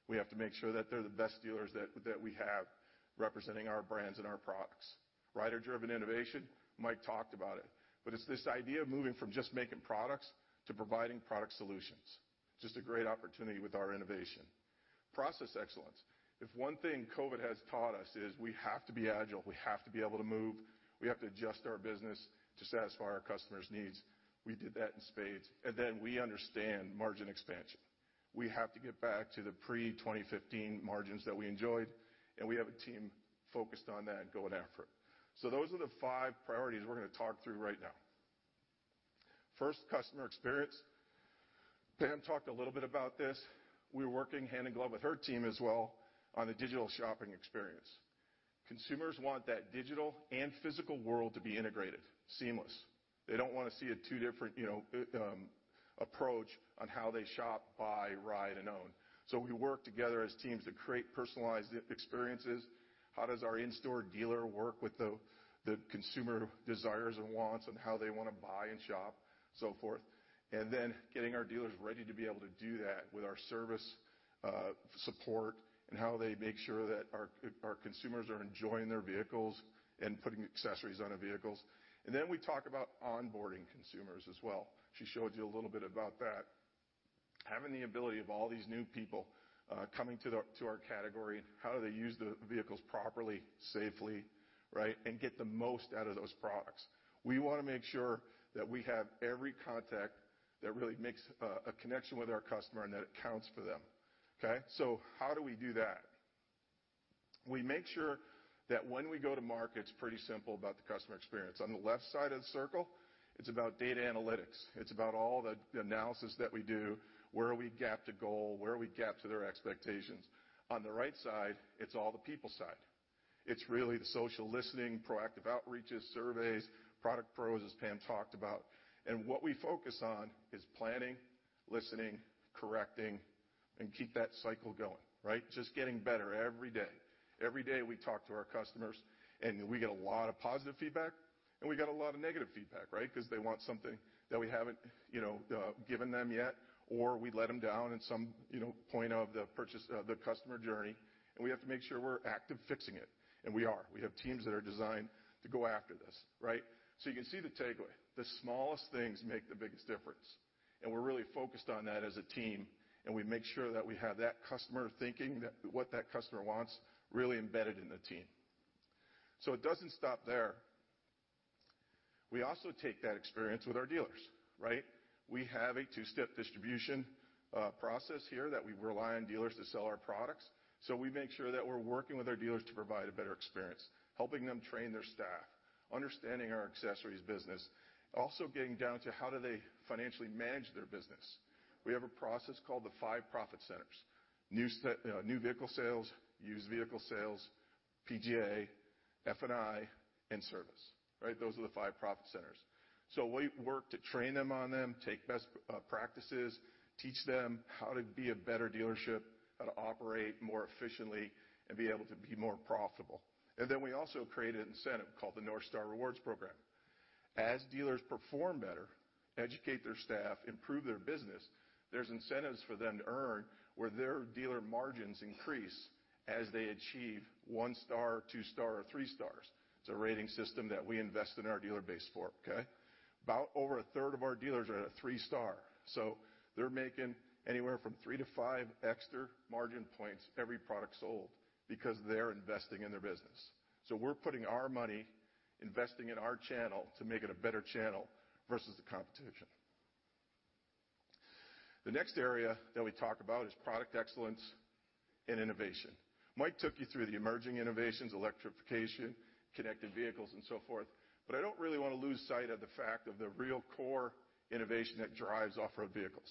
We have to make sure that they're the best dealers that we have representing our brands and our products. Rider-driven innovation, Mike talked about it, but it's this idea of moving from just making products to providing product solutions. Just a great opportunity with our innovation. Process excellence. If one thing COVID has taught us is we have to be agile, we have to be able to move, we have to adjust our business to satisfy our customers' needs. We did that in spades. We understand margin expansion. We have to get back to the pre-2015 margins that we enjoyed, and we have a team focused on that and going after it. Those are the five priorities we're gonna talk through right now. First, customer experience. Pam talked a little bit about this. We're working hand in glove with her team as well on the digital shopping experience. Consumers want that digital and physical world to be integrated, seamless. They don't wanna see two different, you know, approach on how they shop, buy, ride, and own. We work together as teams to create personalized e-experiences. How does our in-store dealer work with the consumer desires and wants and how they wanna buy and shop, so forth. Getting our dealers ready to be able to do that with our service support and how they make sure that our consumers are enjoying their vehicles and putting accessories on the vehicles. We talk about onboarding consumers as well. She showed you a little bit about that. Having the ability of all these new people coming to our category, how do they use the vehicles properly, safely, right? Get the most out of those products. We wanna make sure that we have every contact that really makes a connection with our customer and that it counts for them, okay? How do we do that? We make sure that when we go to market, it's pretty simple about the customer experience. On the left side of the circle, it's about data analytics. It's about all the analysis that we do, where we gap to goal, where we gap to their expectations. On the right side, it's all the people side. It's really the social listening, proactive outreaches, surveys, Product Pros, as Pam talked about. What we focus on is planning, listening, correcting, and keep that cycle going, right? Just getting better every day. Every day we talk to our customers, and we get a lot of positive feedback, and we get a lot of negative feedback, right? Because they want something that we haven't, you know, given them yet, or we let them down in some, you know, point of the purchase, the customer journey, and we have to make sure we're active fixing it. We are. We have teams that are designed to go after this, right? You can see the takeaway. The smallest things make the biggest difference, and we're really focused on that as a team, and we make sure that we have that customer thinking, that what that customer wants, really embedded in the team. It doesn't stop there. We also take that experience with our dealers, right? We have a two-step distribution process here that we rely on dealers to sell our products. We make sure that we're working with our dealers to provide a better experience, helping them train their staff, understanding our accessories business, also getting down to how do they financially manage their business. We have a process called the five profit centers. New vehicle sales, used vehicle sales, PG&A, F&I, and service, right? Those are the five profit centers. We work to train them on them, take best practices, teach them how to be a better dealership, how to operate more efficiently and be able to be more profitable. We also create an incentive called the North Star Rewards Program. As dealers perform better, educate their staff, improve their business, there's incentives for them to earn where their dealer margins increase as they achieve one star, two star or three stars. It's a rating system that we invest in our dealer base for, okay? About over a third of our dealers are at a three-star. They're making anywhere from three-five extra margin points every product sold because they're investing in their business. We're putting our money, investing in our channel to make it a better channel versus the competition. The next area that we talk about is product excellence and innovation. Mike took you through the emerging innovations, electrification, connected vehicles, and so forth. I don't really wanna lose sight of the fact of the real core innovation that drives off-road vehicles,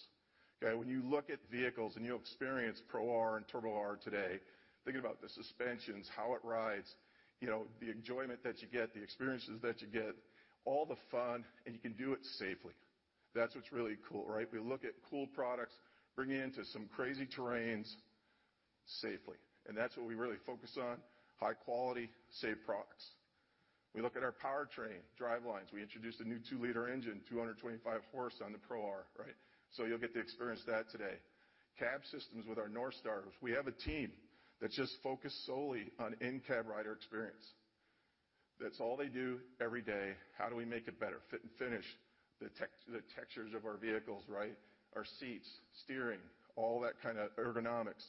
okay? When you look at vehicles and you experience Pro R and Turbo R today, thinking about the suspensions, how it rides, you know, the enjoyment that you get, the experiences that you get, all the fun, and you can do it safely. That's what's really cool, right? We look at cool products, bring it into some crazy terrains safely, and that's what we really focus on, high-quality, safe products. We look at our powertrain, drivelines. We introduced a new 2-liter engine, 225 horse on the Pro R, right? So you'll get to experience that today. Cab systems with our NorthStar. We have a team that just focus solely on in-cab rider experience. That's all they do every day. How do we make it better? Fit and finish, the textures of our vehicles, right? Our seats, steering, all that kinda ergonomics,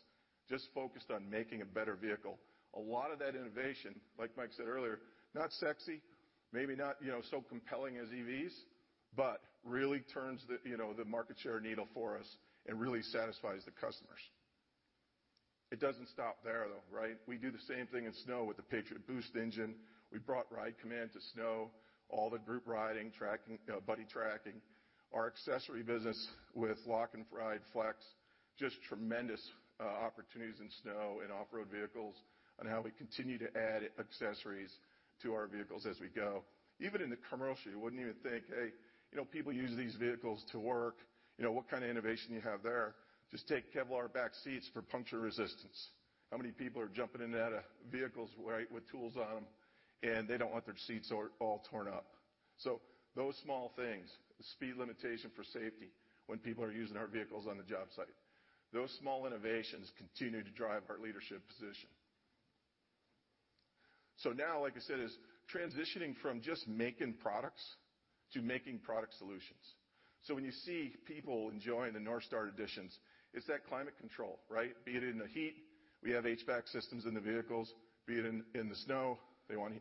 just focused on making a better vehicle. A lot of that innovation, like Mike said earlier, not sexy, maybe not, you know, so compelling as EVs, but really turns the, you know, the market share needle for us and really satisfies the customers. It doesn't stop there, though, right? We do the same thing in snow with the Patriot Boost engine. We brought RIDE COMMAND to snow, all the group riding, tracking, buddy tracking. Our accessory business with Lock & Ride Flex, just tremendous opportunities in snow and off-road vehicles on how we continue to add accessories to our vehicles as we go. Even in the commercial, you wouldn't even think, hey, you know, people use these vehicles to work. You know, what kind of innovation you have there? Just take Kevlar back seats for puncture resistance. How many people are jumping into out of vehicles, right, with tools on them, and they don't want their seats all torn up. Those small things, speed limitation for safety when people are using our vehicles on the job site. Those small innovations continue to drive our leadership position. Now, like I said, it's transitioning from just making products to making product solutions. When you see people enjoying the NorthStar editions, it's that climate control, right? Be it in the heat, we have HVAC systems in the vehicles. Be it in the snow, they wanna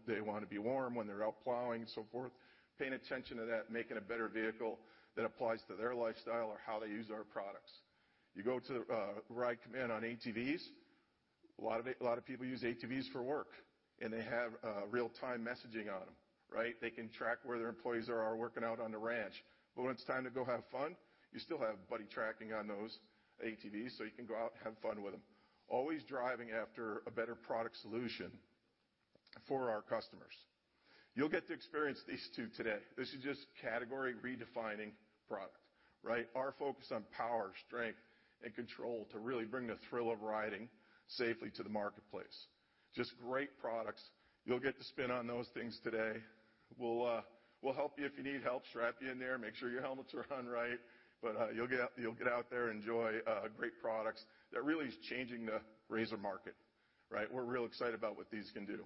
be warm when they're out plowing and so forth. Paying attention to that, making a better vehicle that applies to their lifestyle or how they use our products. You go to RIDE COMMAND on ATVs, a lot of people use ATVs for work, and they have real-time messaging on them, right? They can track where their employees are working out on the ranch. When it's time to go have fun, you still have buddy tracking on those ATVs, so you can go out and have fun with them. Always striving after a better product solution for our customers. You'll get to experience these two today. This is just category-redefining product, right? Our focus on power, strength, and control to really bring the thrill of riding safely to the marketplace. Just great products. You'll get to spin on those things today. We'll help you if you need help, strap you in there, make sure your helmets are on right. You'll get out there, enjoy great products that really is changing the RZR market, right? We're real excited about what these can do.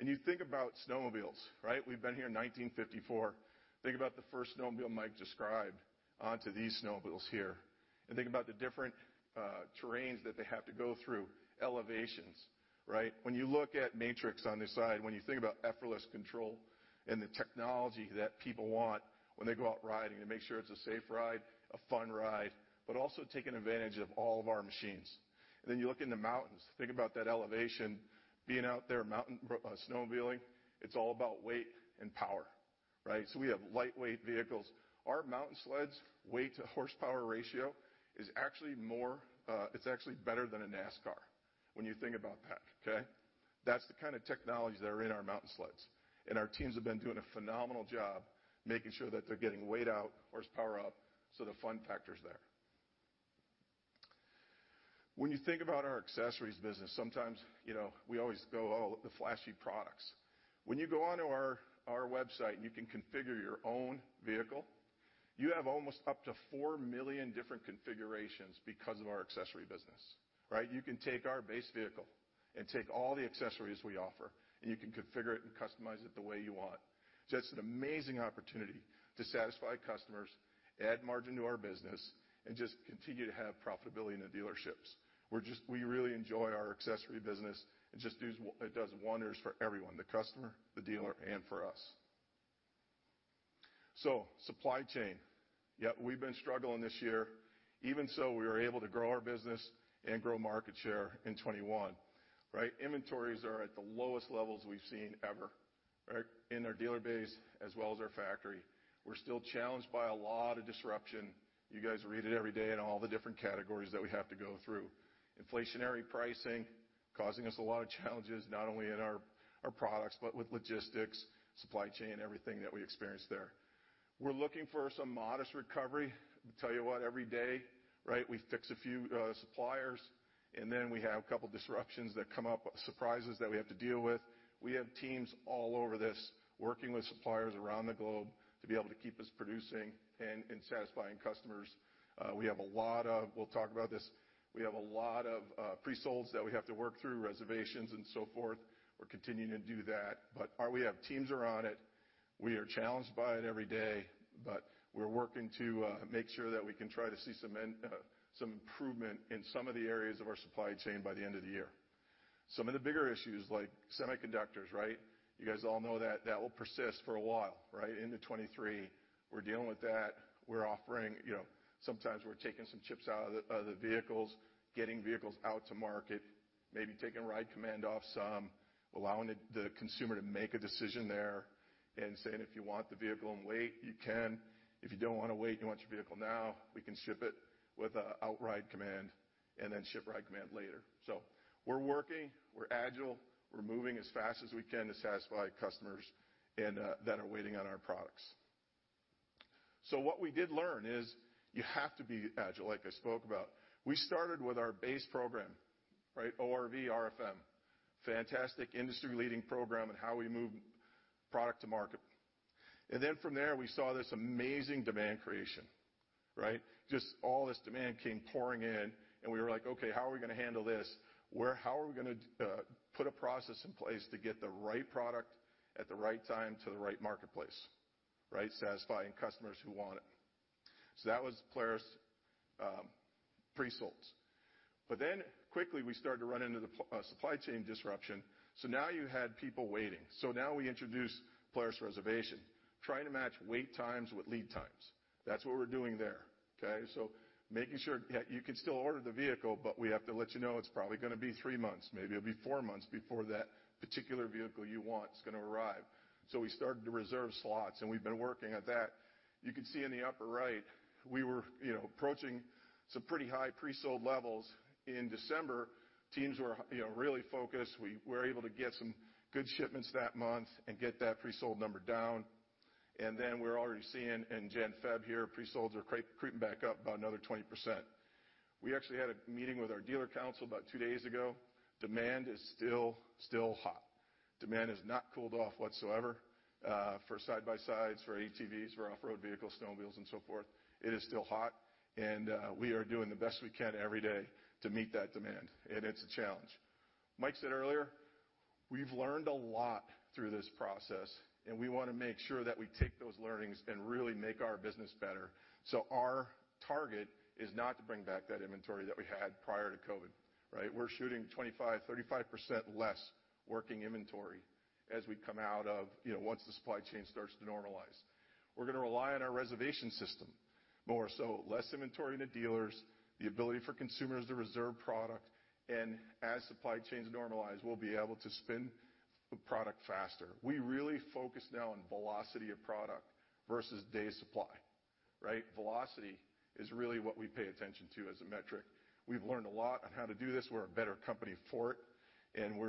You think about snowmobiles, right? We've been here 1954. Think about the first snowmobile Mike described onto these snowmobiles here. Think about the different terrains that they have to go through, elevations, right? When you look at Matryx on this side, when you think about effortless control and the technology that people want when they go out riding to make sure it's a safe ride, a fun ride, but also taking advantage of all of our machines. You look in the mountains. Think about that elevation. Being out there snowmobiling, it's all about weight and power. Right? We have lightweight vehicles. Our mountain sleds weight to horsepower ratio is actually more, it's actually better than a NASCAR when you think about that, okay? That's the kind of technologies that are in our mountain sleds. Our teams have been doing a phenomenal job making sure that they're getting weight out, horsepower up, so the fun factor's there. When you think about our accessories business, sometimes, you know, we always go, oh, the flashy products. When you go onto our website and you can configure your own vehicle, you have almost up to 4 million different configurations because of our accessory business, right? You can take our base vehicle and take all the accessories we offer, and you can configure it and customize it the way you want. That's an amazing opportunity to satisfy customers, add margin to our business, and just continue to have profitability in the dealerships. We really enjoy our accessory business. It just does wonders for everyone, the customer, the dealer, and for us. Supply chain. Yeah, we've been struggling this year. Even so, we were able to grow our business and grow market share in 2021, right? Inventories are at the lowest levels we've seen ever, right? In our dealer base as well as our factory. We're still challenged by a lot of disruption. You guys read it every day in all the different categories that we have to go through. Inflationary pricing causing us a lot of challenges, not only in our products, but with logistics, supply chain, everything that we experience there. We're looking for some modest recovery. Tell you what, every day, right, we fix a few suppliers, and then we have a couple disruptions that come up, surprises that we have to deal with. We have teams all over this, working with suppliers around the globe to be able to keep us producing and satisfying customers. We'll talk about this. We have a lot of presolds that we have to work through, reservations and so forth. We're continuing to do that. Our teams are on it. We are challenged by it every day, but we're working to make sure that we can try to see some improvement in some of the areas of our supply chain by the end of the year. Some of the bigger issues like semiconductors, right? You guys all know that will persist for a while, right? Into 2023. We're dealing with that. We're offering, you know, sometimes we're taking some chips out of the vehicles, getting vehicles out to market, maybe taking RIDE COMMAND off some, allowing the consumer to make a decision there and saying, "If you want the vehicle and wait, you can. If you don't wanna wait, you want your vehicle now, we can ship it without RIDE COMMAND and then ship RIDE COMMAND later." We're working, we're agile, we're moving as fast as we can to satisfy customers and that are waiting on our products. What we did learn is you have to be agile, like I spoke about. We started with our base program, right? ORV RFM, fantastic industry-leading program in how we move product to market. Then from there, we saw this amazing demand creation, right? Just all this demand came pouring in, and we were like, "Okay, how are we gonna handle this? How are we gonna put a process in place to get the right product at the right time to the right marketplace, right, satisfying customers who want it?" That was Polaris presolds. Quickly, we started to run into the supply chain disruption, so now you had people waiting. Now we introduce Polaris Reservation, trying to match wait times with lead times. That's what we're doing there, okay? Making sure, yeah, you can still order the vehicle, but we have to let you know it's probably gonna be three months, maybe it'll be four months before that particular vehicle you want is gonna arrive. We started to reserve slots, and we've been working at that. You can see in the upper right, we were, you know, approaching some pretty high presold levels in December. Teams were, you know, really focused. We were able to get some good shipments that month and get that presold number down. We're already seeing in January, February here, presolds are creeping back up by another 20%. We actually had a meeting with our dealer council about two days ago. Demand is still hot. Demand has not cooled off whatsoever for side-by-sides, for ATVs, for off-road vehicles, snowmobiles, and so forth. It is still hot, and we are doing the best we can every day to meet that demand. It's a challenge. Mike said earlier, we've learned a lot through this process, and we wanna make sure that we take those learnings and really make our business better. Our target is not to bring back that inventory that we had prior to COVID, right? We're shooting 25%-35% less working inventory as we come out of, you know, once the supply chain starts to normalize. We're gonna rely on our reservation system more. Less inventory to dealers, the ability for consumers to reserve product, and as supply chains normalize, we'll be able to spin the product faster. We really focus now on velocity of product versus days supply, right? Velocity is really what we pay attention to as a metric. We've learned a lot on how to do this. We're a better company for it, and we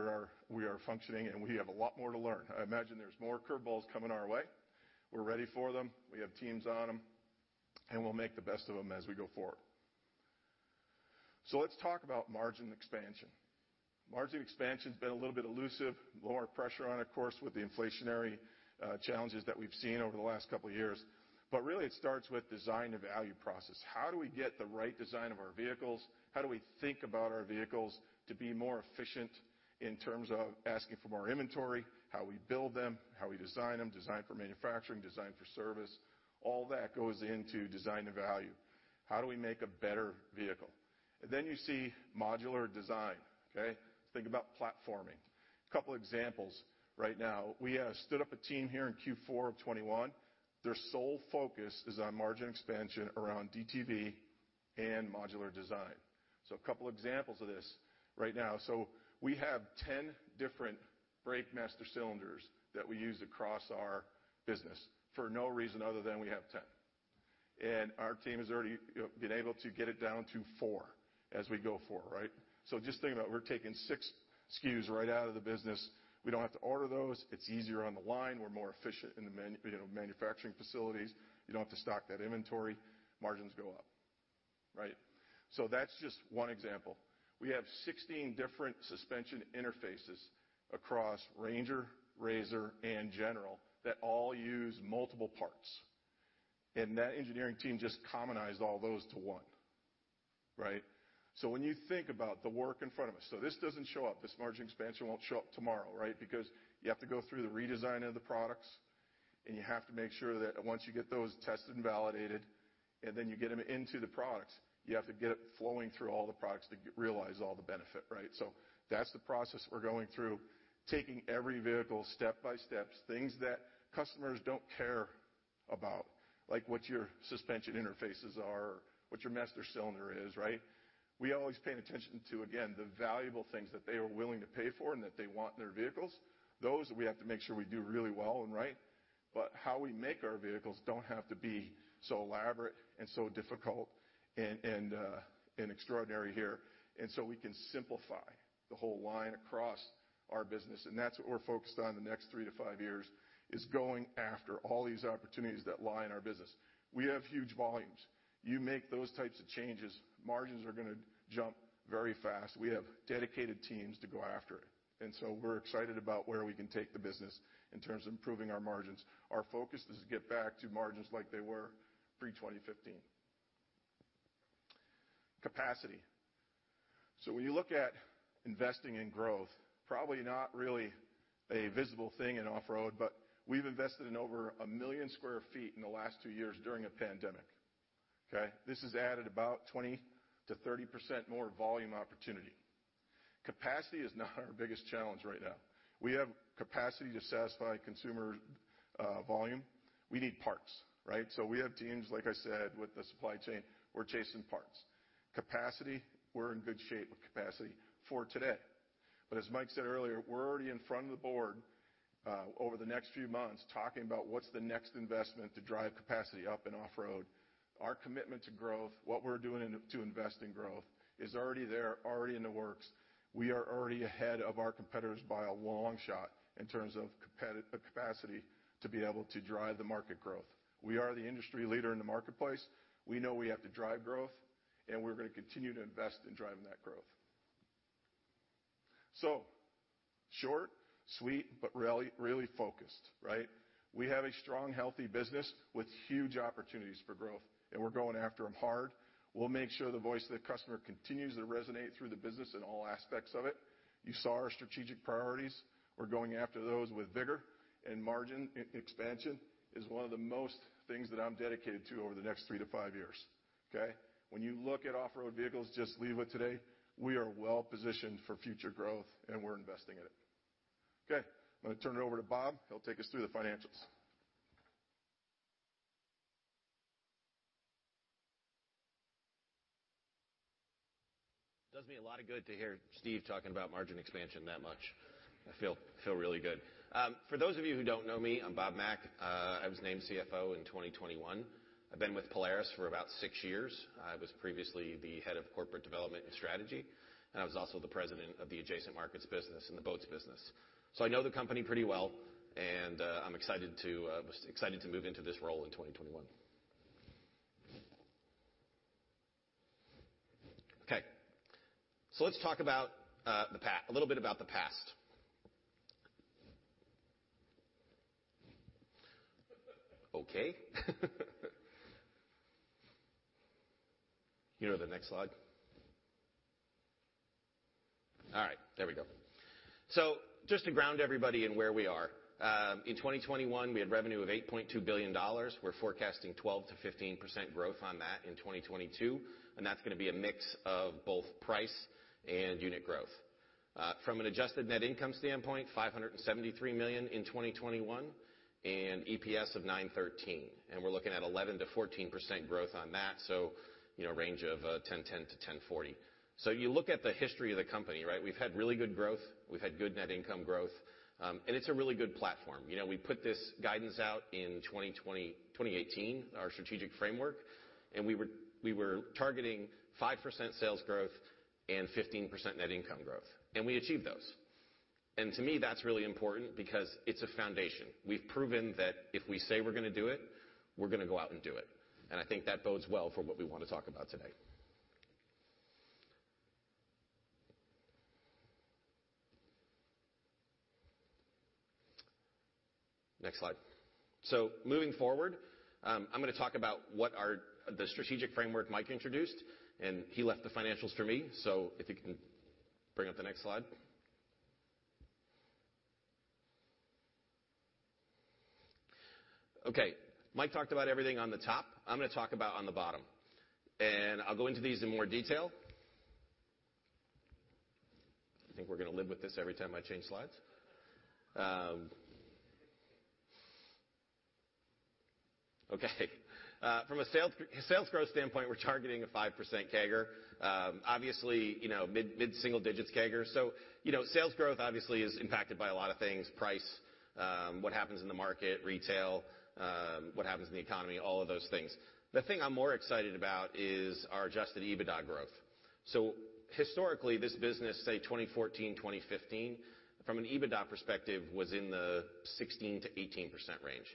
are functioning, and we have a lot more to learn. I imagine there's more curve balls coming our way. We're ready for them. We have teams on them. We'll make the best of them as we go forward. Let's talk about margin expansion. Margin expansion's been a little bit elusive. More pressure on it, of course, with the inflationary challenges that we've seen over the last couple years. Really it starts with design to value process. How do we get the right design of our vehicles? How do we think about our vehicles to be more efficient in terms of asking for more inventory, how we build them, how we design them, design for manufacturing, design for service? All that goes into design to value. How do we make a better vehicle? You see modular design, okay? Think about platforming. Couple examples right now. We stood up a team here in Q4 of 2021. Their sole focus is on margin expansion around DTV and modular design. A couple examples of this right now. We have 10 different brake master cylinders that we use across our business for no reason other than we have 10. Our team has already, you know, been able to get it down to four as we go forward, right? Just think about we're taking six SKUs right out of the business. We don't have to order those. It's easier on the line. We're more efficient in the, you know, manufacturing facilities. You don't have to stock that inventory. Margins go up, right? That's just one example. We have 16 different suspension interfaces across RANGER, RZR, and GENERAL that all use multiple parts, and that engineering team just commonized all those to one, right? When you think about the work in front of us. This doesn't show up, this margin expansion won't show up tomorrow, right? Because you have to go through the redesign of the products, and you have to make sure that once you get those tested and validated, and then you get them into the products, you have to get it flowing through all the products to realize all the benefit, right? That's the process we're going through, taking every vehicle step by step. Things that customers don't care about, like what your suspension interfaces are or what your master cylinder is, right? We always paying attention to, again, the valuable things that they are willing to pay for and that they want in their vehicles. Those we have to make sure we do really well and right. How we make our vehicles don't have to be so elaborate and so difficult and and extraordinary here. We can simplify the whole line across our business, and that's what we're focused on in the next three to five years, is going after all these opportunities that lie in our business. We have huge volumes. You make those types of changes, margins are gonna jump very fast. We have dedicated teams to go after it, and so we're excited about where we can take the business in terms of improving our margins. Our focus is to get back to margins like they were pre-2015. Capacity. When you look at investing in growth, probably not really a visible thing in off-road, but we've invested in over 1 million sq ft in the last two years during a pandemic, okay. This has added about 20%-30% more volume opportunity. Capacity is not our biggest challenge right now. We have capacity to satisfy consumer volume. We need parts, right? We have teams, like I said, with the supply chain. We're chasing parts. Capacity, we're in good shape with capacity for today. As Mike said earlier, we're already in front of the board over the next few months talking about what's the next investment to drive capacity up in off-road. Our commitment to growth, what we're doing to invest in growth is already there, already in the works. We are already ahead of our competitors by a long shot in terms of capacity to be able to drive the market growth. We are the industry leader in the marketplace. We know we have to drive growth, and we're gonna continue to invest in driving that growth. Short, sweet, but really, really focused, right? We have a strong, healthy business with huge opportunities for growth, and we're going after them hard. We'll make sure the voice of the customer continues to resonate through the business in all aspects of it. You saw our strategic priorities. We're going after those with vigor, and margin expansion is one of the things that I'm most dedicated to over the next three-five years, okay? When you look at off-road vehicles to leave with today, we are well positioned for future growth, and we're investing in it. Okay. I'm gonna turn it over to Bob. He'll take us through the financials. Does me a lot of good to hear Steve talking about margin expansion that much. I feel really good. For those of you who don't know me, I'm Bob Mack. I was named CFO in 2021. I've been with Polaris for about six years. I was previously the head of corporate development and strategy, and I was also the president of the adjacent markets business and the boats business. I know the company pretty well, and I was excited to move into this role in 2021. Okay. Let's talk about a little bit about the past. Okay. Can you go to the next slide? All right, there we go. Just to ground everybody in where we are. In 2021, we had revenue of $8.2 billion. We're forecasting 12%-15% growth on that in 2022, and that's gonna be a mix of both price and unit growth. From an adjusted net income standpoint, $573 million in 2021 and EPS of $9.13. We're looking at 11%-14% growth on that, so you know, range of $10.10-$10.40. You look at the history of the company, right? We've had really good growth. We've had good net income growth. It's a really good platform. You know, we put this guidance out in 2018, our strategic framework. We were targeting 5% sales growth and 15% net income growth. We achieved those. To me, that's really important because it's a foundation. We've proven that if we say we're gonna do it, we're gonna go out and do it. I think that bodes well for what we wanna talk about today. Next slide. Moving forward, I'm gonna talk about the strategic framework Mike introduced, and he left the financials for me. If you can bring up the next slide. Okay. Mike talked about everything on the top. I'm gonna talk about on the bottom. I'll go into these in more detail. I think we're gonna live with this every time I change slides. Okay. From a sales growth standpoint, we're targeting a 5% CAGR. Obviously, you know, mid single digits CAGR. You know, sales growth obviously is impacted by a lot of things, price, what happens in the market, retail, what happens in the economy, all of those things. The thing I'm more excited about is our adjusted EBITDA growth. Historically, this business, say 2014, 2015, from an EBITDA perspective, was in the 16%-18% range.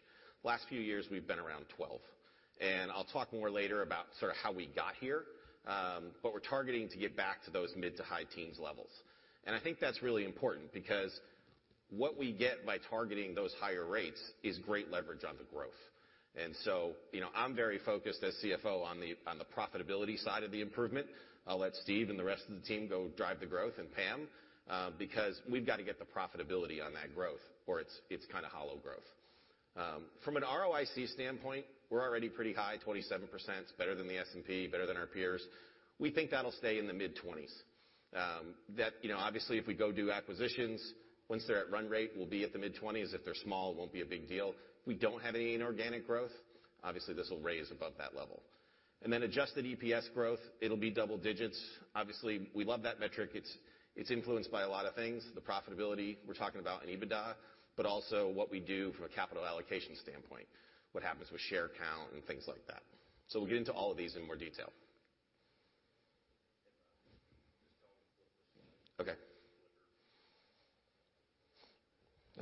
Last few years, we've been around 12%. I'll talk more later about sort of how we got here. We're targeting to get back to those mid- to high-teens levels. I think that's really important because what we get by targeting those higher rates is great leverage on the growth. You know, I'm very focused as CFO on the profitability side of the improvement. I'll let Steve and the rest of the team go drive the growth, and Pam, because we've got to get the profitability on that growth or it's kinda hollow growth. From an ROIC standpoint, we're already pretty high, 27%, better than the S&P, better than our peers. We think that'll stay in the mid 20s. That, you know, obviously, if we go do acquisitions, once they're at run rate, we'll be at the mid 20s. If they're small, it won't be a big deal. If we don't have any inorganic growth, obviously, this will raise above that level. Adjusted EPS growth, it'll be double digits. Obviously, we love that metric. It's influenced by a lot of things, the profitability we're talking about in EBITDA, but also what we do from a capital allocation standpoint, what happens with share count and things like that. We'll get into all of these in more detail. Just don't.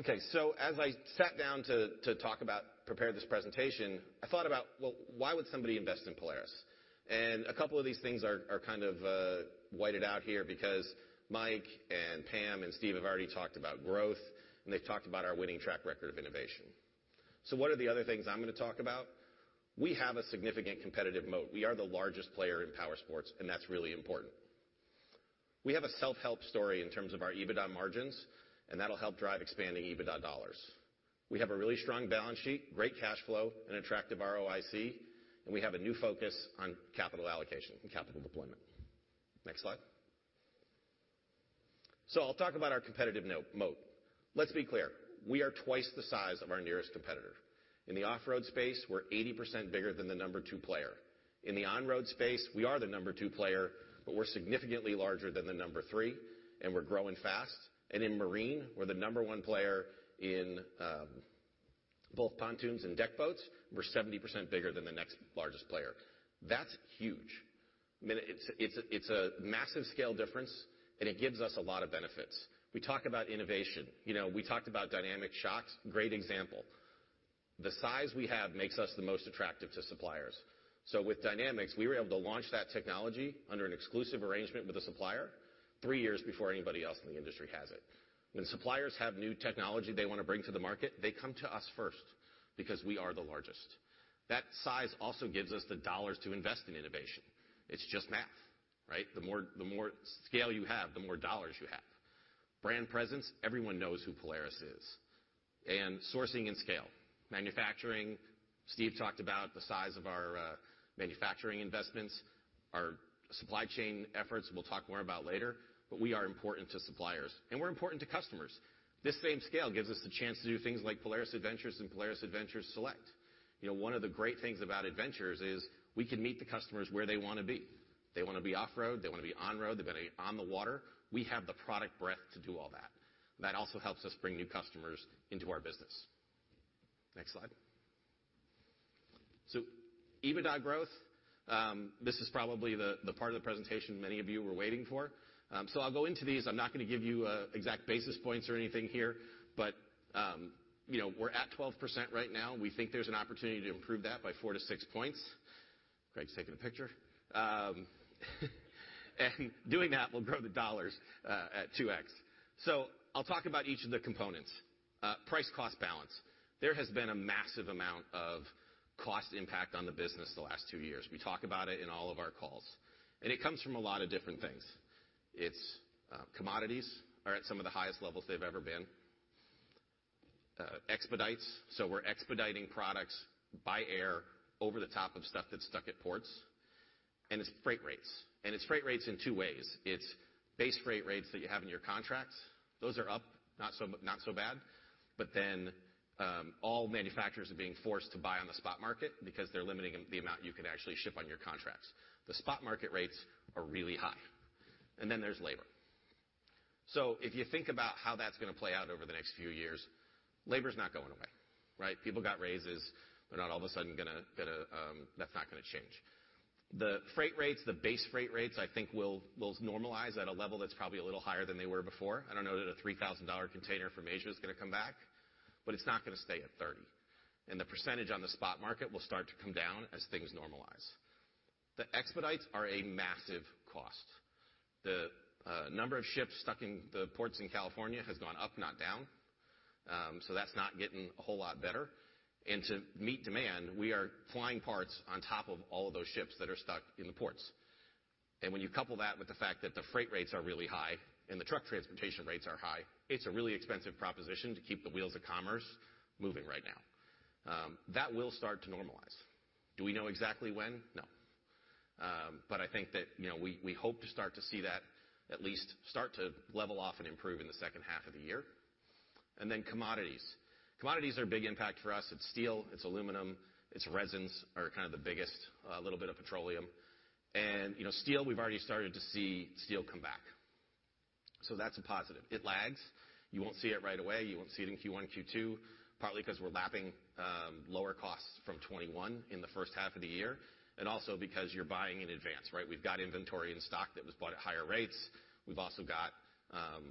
Okay. As I sat down to prepare this presentation, I thought about, well, why would somebody invest in Polaris? A couple of these things are kind of whited out here because Mike and Pam and Steve have already talked about growth, and they've talked about our winning track record of innovation. What are the other things I'm gonna talk about? We have a significant competitive moat. We are the largest player in powersports, and that's really important. We have a self-help story in terms of our EBITDA margins, and that'll help drive expanding EBITDA dollars. We have a really strong balance sheet, great cash flow, an attractive ROIC, and we have a new focus on capital allocation and capital deployment. Next slide. I'll talk about our competitive moat. Let's be clear, we are twice the size of our nearest competitor. In the off-road space, we're 80% bigger than the number two player. In the on-road space, we are the number two player, but we're significantly larger than the number three, and we're growing fast. In marine, we're the number one player in both pontoons and deck boats. We're 70% bigger than the next largest player. That's huge. I mean, it's a massive scale difference, and it gives us a lot of benefits. We talk about innovation. You know, we talked about dynamic shocks. Great example. The size we have makes us the most attractive to suppliers. So with dynamics, we were able to launch that technology under an exclusive arrangement with a supplier three years before anybody else in the industry has it. When suppliers have new technology they wanna bring to the market, they come to us first because we are the largest. That size also gives us the dollars to invest in innovation. It's just math, right? The more scale you have, the more dollars you have. Brand presence, everyone knows who Polaris is. Sourcing and scale. Manufacturing. Steve talked about the size of our manufacturing investments. Our supply chain efforts, we'll talk more about later, but we are important to suppliers and we're important to customers. This same scale gives us the chance to do things like Polaris Adventures and Polaris Adventures Select. You know, one of the great things about Adventures is we can meet the customers where they wanna be. They wanna be off-road, they wanna be on-road, they wanna be on the water. We have the product breadth to do all that. That also helps us bring new customers into our business. Next slide. EBITDA growth, this is probably the part of the presentation many of you were waiting for. I'll go into these. I'm not gonna give you exact basis points or anything here, but you know, we're at 12% right now, and we think there's an opportunity to improve that by 4-6 points. Greg's taking a picture. Doing that will grow the dollars at 2x. I'll talk about each of the components. Price cost balance. There has been a massive amount of cost impact on the business the last two years. We talk about it in all of our calls, and it comes from a lot of different things. It's commodities are at some of the highest levels they've ever been. We're expediting products by air over the top of stuff that's stuck at ports. It's freight rates. It's freight rates in two ways. It's base rates that you have in your contracts. Those are up, not so bad. Then, all manufacturers are being forced to buy on the spot market because they're limiting the amount you can actually ship on your contracts. The spot market rates are really high. Then there's labor. If you think about how that's gonna play out over the next few years, labor is not going away, right? People got raises. They're not all of a sudden gonna, that's not gonna change. The freight rates, the base freight rates, I think, will normalize at a level that's probably a little higher than they were before. I don't know that a $3,000 container from Asia is gonna come back, but it's not gonna stay at 30%. The percentage on the spot market will start to come down as things normalize. The expedites are a massive cost. The number of ships stuck in the ports in California has gone up, not down. That's not getting a whole lot better. To meet demand, we are flying parts on top of all of those ships that are stuck in the ports. When you couple that with the fact that the freight rates are really high and the truck transportation rates are high, it's a really expensive proposition to keep the wheels of commerce moving right now. That will start to normalize. Do we know exactly when? No, I think that, you know, we hope to start to see that at least start to level off and improve in the second half of the year. Commodities are a big impact for us. It's steel, it's aluminum, it's resins, are kind of the biggest, a little bit of petroleum. You know, steel, we've already started to see steel come back. That's a positive. It lags. You won't see it right away. You won't see it in Q1, Q2, partly 'cause we're lapping lower costs from 2021 in the first half of the year, and also because you're buying in advance, right? We've got inventory in stock that was bought at higher rates. We've also got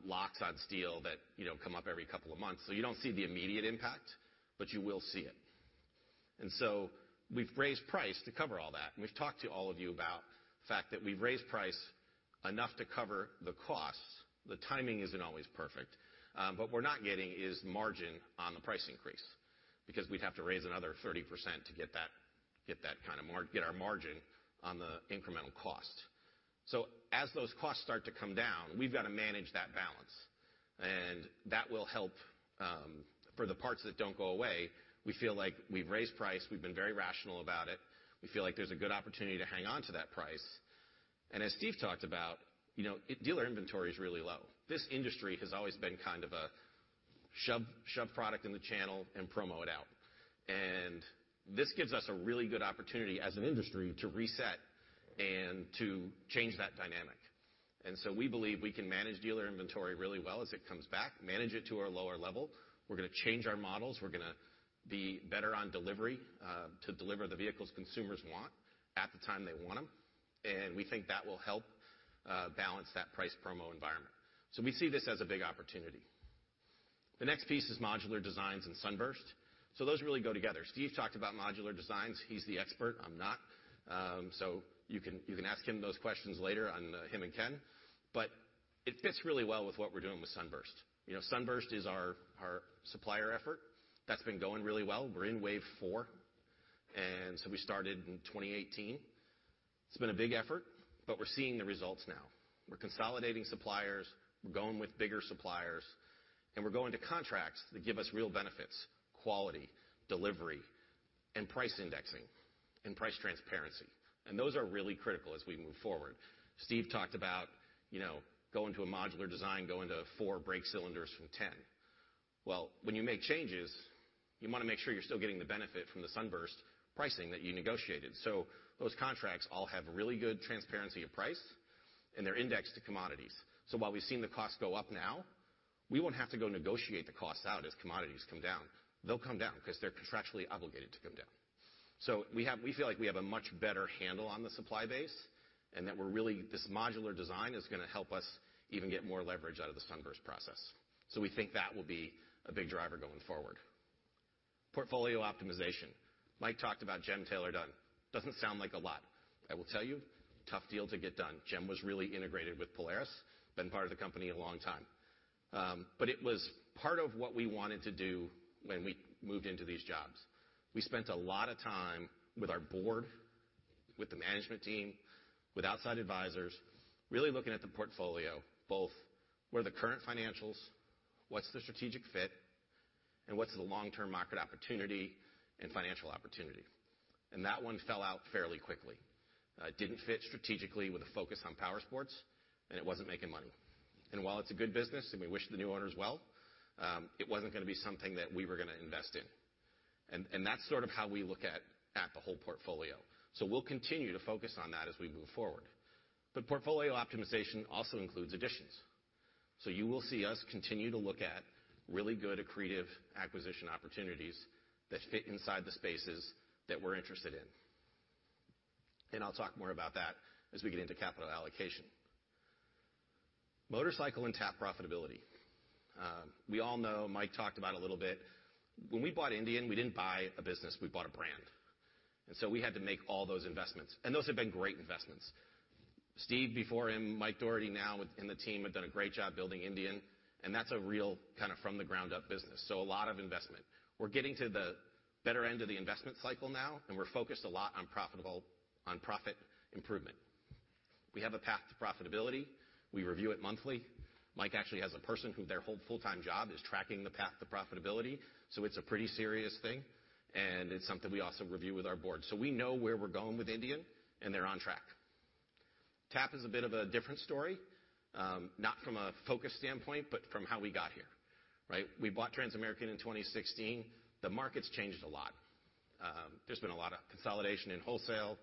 locks on steel that, you know, come up every couple of months. You don't see the immediate impact, but you will see it. We've raised price to cover all that, and we've talked to all of you about the fact that we've raised price enough to cover the costs. The timing isn't always perfect. But we're not getting any margin on the price increase because we'd have to raise another 30% to get our margin on the incremental cost. As those costs start to come down, we've gotta manage that balance, and that will help, for the parts that don't go away, we feel like we've raised price, we've been very rational about it. We feel like there's a good opportunity to hang on to that price. As Steve talked about, you know, dealer inventory is really low. This industry has always been kind of a shove product in the channel and promo it out. This gives us a really good opportunity as an industry to reset and to change that dynamic. We believe we can manage dealer inventory really well as it comes back, manage it to our lower level. We're gonna change our models. We're gonna be better on delivery to deliver the vehicles consumers want at the time they want them. We think that will help balance that price promo environment. We see this as a big opportunity. The next piece is modular designs and Sunburst. Those really go together. Steve talked about modular designs. He's the expert. I'm not. You can ask him those questions later on, him and Ken. It fits really well with what we're doing with Sunburst. Sunburst is our supplier effort. That's been going really well. We're in wave four, and so we started in 2018. It's been a big effort, but we're seeing the results now. We're consolidating suppliers. We're going with bigger suppliers, and we're going to contracts that give us real benefits, quality, delivery, and price indexing and price transparency. Those are really critical as we move forward. Steve talked about, you know, going to a modular design, going to four brake cylinders from 10. Well, when you make changes, you wanna make sure you're still getting the benefit from the Sunburst pricing that you negotiated. Those contracts all have really good transparency of price, and they're indexed to commodities. While we've seen the costs go up now, we won't have to go negotiate the costs out as commodities come down. They'll come down because they're contractually obligated to come down. We feel like we have a much better handle on the supply base, and that we're really. This modular design is gonna help us even get more leverage out of the Sunburst process. We think that will be a big driver going forward. Portfolio optimization. Mike talked about GEM Taylor-Dunn done. Doesn't sound like a lot. I will tell you, tough deal to get done. GEM was really integrated with Polaris, been part of the company a long time. But it was part of what we wanted to do when we moved into these jobs. We spent a lot of time with our board, with the management team, with outside advisors, really looking at the portfolio, both where the current financials, what's the strategic fit, and what's the long-term market opportunity and financial opportunity. That one fell out fairly quickly. It didn't fit strategically with a focus on powersports, and it wasn't making money. While it's a good business and we wish the new owners well, it wasn't gonna be something that we were gonna invest in. That's sort of how we look at the whole portfolio. We'll continue to focus on that as we move forward. Portfolio optimization also includes additions. You will see us continue to look at really good accretive acquisition opportunities that fit inside the spaces that we're interested in. I'll talk more about that as we get into capital allocation. Motorcycle and TAP profitability. We all know. Mike talked about it a little bit. When we bought Indian, we didn't buy a business, we bought a brand. So we had to make all those investments, and those have been great investments. Steve before him, Mike Dougherty now within the team have done a great job building Indian, and that's a real kinda from the ground up business. A lot of investment. We're getting to the better end of the investment cycle now, and we're focused a lot on profit improvement. We have a path to profitability. We review it monthly. Mike actually has a person whose whole full-time job is tracking the path to profitability. It's a pretty serious thing, and it's something we also review with our board. We know where we're going with Indian, and they're on track. TAP is a bit of a different story, not from a focus standpoint, but from how we got here, right? We bought Transamerican in 2016. The market's changed a lot. There's been a lot of consolidation in wholesale.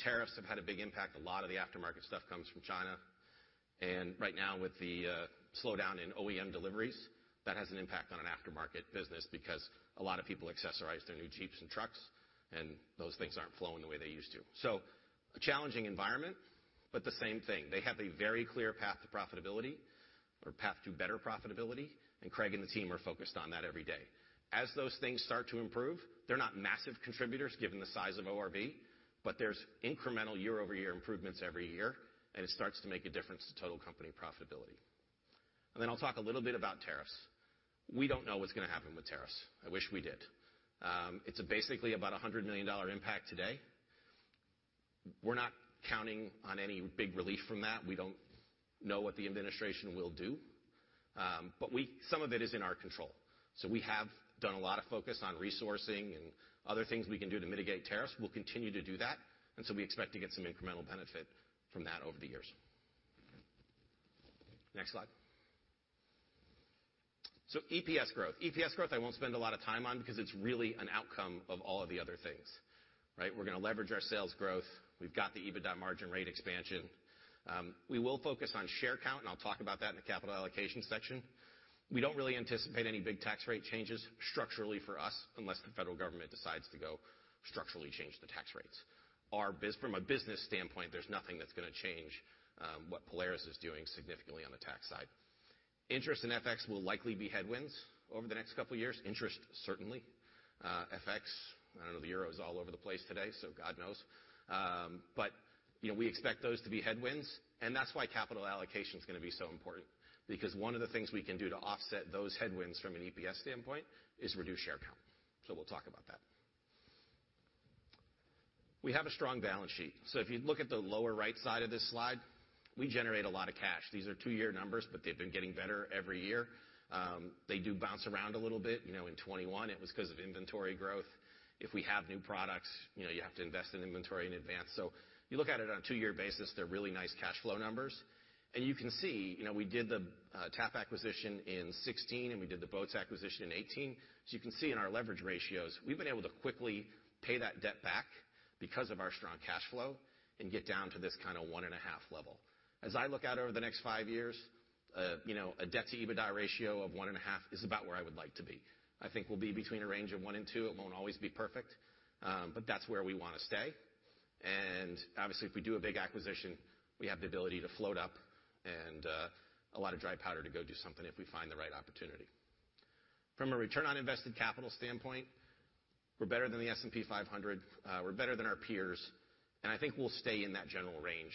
Tariffs have had a big impact. A lot of the aftermarket stuff comes from China. Right now with the slowdown in OEM deliveries, that has an impact on an aftermarket business because a lot of people accessorize their new Jeeps and trucks, and those things aren't flowing the way they used to. A challenging environment, but the same thing. They have a very clear path to profitability or path to better profitability, and Craig and the team are focused on that every day. As those things start to improve, they're not massive contributors given the size of ORV, but there's incremental year-over-year improvements every year, and it starts to make a difference to total company profitability. Then I'll talk a little bit about tariffs. We don't know what's gonna happen with tariffs. I wish we did. It's basically a $100 million impact today. We're not counting on any big relief from that. We don't know what the administration will do. But some of it is in our control. We have done a lot of focus on resourcing and other things we can do to mitigate tariffs. We'll continue to do that, and we expect to get some incremental benefit from that over the years. Next slide. EPS growth. EPS growth I won't spend a lot of time on because it's really an outcome of all of the other things, right? We're gonna leverage our sales growth. We've got the EBITDA margin rate expansion. We will focus on share count, and I'll talk about that in the capital allocation section. We don't really anticipate any big tax rate changes structurally for us, unless the federal government decides to go structurally change the tax rates. From a business standpoint, there's nothing that's gonna change what Polaris is doing significantly on the tax side. Interest and FX will likely be headwinds over the next couple of years. Interest, certainly. FX, I don't know, the euro's all over the place today, so God knows. You know, we expect those to be headwinds, and that's why capital allocation is gonna be so important because one of the things we can do to offset those headwinds from an EPS standpoint is reduce share count. We'll talk about that. We have a strong balance sheet. If you look at the lower right side of this slide, we generate a lot of cash. These are two-year numbers, but they've been getting better every year. They do bounce around a little bit. You know, in 2021 it was because of inventory growth. If we have new products, you know, you have to invest in inventory in advance. You look at it on a two-year basis, they're really nice cash flow numbers. You can see, you know, we did the TAP acquisition in 2016 and we did the Boats acquisition in 2018. You can see in our leverage ratios, we've been able to quickly pay that debt back because of our strong cash flow and get down to this kinda 1.5 level. As I look out over the next five years, you know, a debt to EBITDA ratio of 1.5 is about where I would like to be. I think we'll be between 1% and 2%. It won't always be perfect, but that's where we wanna stay. Obviously, if we do a big acquisition, we have the ability to float up and a lot of dry powder to go do something if we find the right opportunity. From a return on invested capital standpoint, we're better than the S&P 500. We're better than our peers. I think we'll stay in that general range,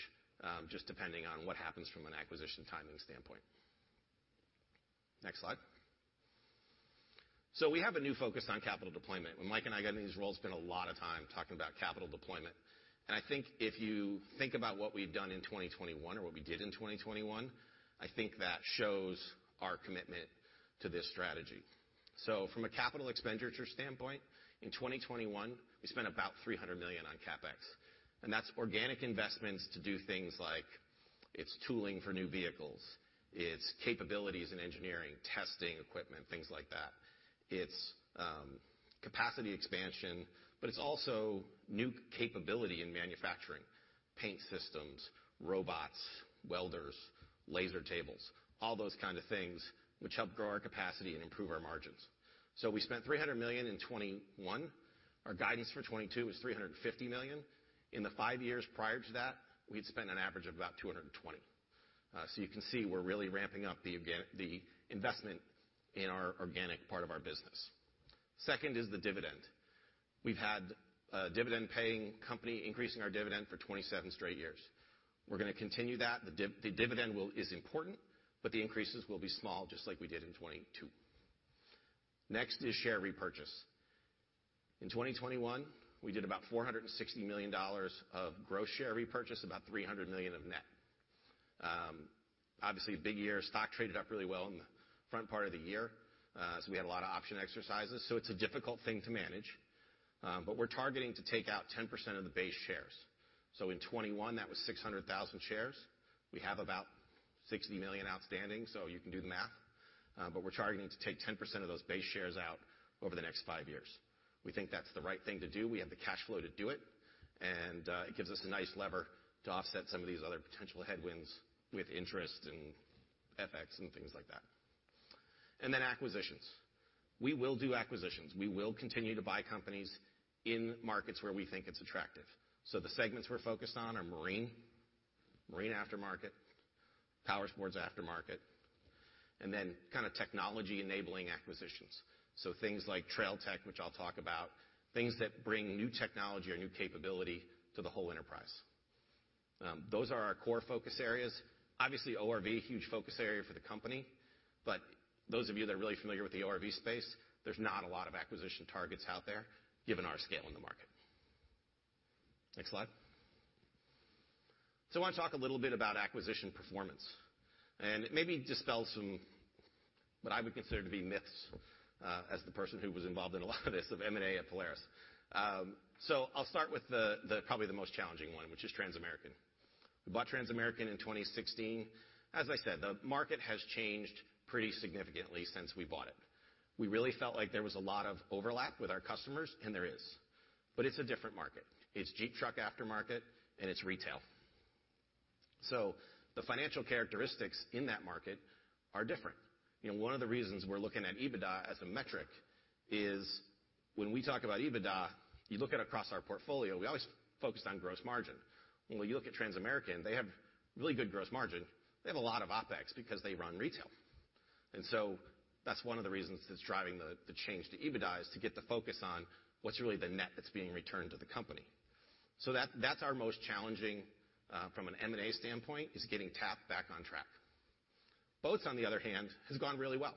just depending on what happens from an acquisition timing standpoint. Next slide. We have a new focus on capital deployment. When Mike and I got in these roles, we spent a lot of time talking about capital deployment. I think if you think about what we've done in 2021 or what we did in 2021, I think that shows our commitment to this strategy. From a capital expenditure standpoint, in 2021, we spent about $300 million on CapEx, and that's organic investments to do things like it's tooling for new vehicles, it's capabilities in engineering, testing equipment, things like that. It's capacity expansion, but it's also new capability in manufacturing, paint systems, robots, welders, laser tables, all those kind of things which help grow our capacity and improve our margins. We spent $300 million in 2021. Our guidance for 2022 is $350 million. In the five years prior to that, we'd spent an average of about $220 million. You can see we're really ramping up the investment in our organic part of our business. Second is the dividend. We've had a dividend-paying company increasing our dividend for 27 straight years. We're gonna continue that. The dividend is important, but the increases will be small, just like we did in 2022. Next is share repurchase. In 2021, we did about $460 million of gross share repurchase, about $300 million of net. Obviously a big year. Stock traded up really well in the front part of the year. We had a lot of option exercises, so it's a difficult thing to manage. We're targeting to take out 10% of the base shares. In 2021, that was 600,000 shares. We have about 60 million outstanding, so you can do the math. We're targeting to take 10% of those base shares out over the next five years. We think that's the right thing to do. We have the cash flow to do it, and it gives us a nice lever to offset some of these other potential headwinds with interest and FX and things like that. Acquisitions. We will do acquisitions. We will continue to buy companies in markets where we think it's attractive. The segments we're focused on are marine aftermarket, powersports aftermarket, and then kinda technology-enabling acquisitions. Things like Trail Tech, which I'll talk about, things that bring new technology or new capability to the whole enterprise. Those are our core focus areas. Obviously, ORV, huge focus area for the company, but those of you that are really familiar with the ORV space, there's not a lot of acquisition targets out there given our scale in the market. Next slide. I wanna talk a little bit about acquisition performance and maybe dispel some what I would consider to be myths, as the person who was involved in a lot of this, of M&A at Polaris. I'll start with probably the most challenging one, which is Transamerican. We bought Transamerican in 2016. As I said, the market has changed pretty significantly since we bought it. We really felt like there was a lot of overlap with our customers, and there is, but it's a different market. It's Jeep truck aftermarket, and it's retail. The financial characteristics in that market are different. You know, one of the reasons we're looking at EBITDA as a metric is when we talk about EBITDA, you look at across our portfolio, we always focused on gross margin. When you look at Transamerican, they have really good gross margin. They have a lot of OpEx because they run retail. That's one of the reasons that's driving the change to EBITDA is to get the focus on what's really the net that's being returned to the company. That's our most challenging from an M&A standpoint, is getting TAP back on track. Boats, on the other hand, has gone really well.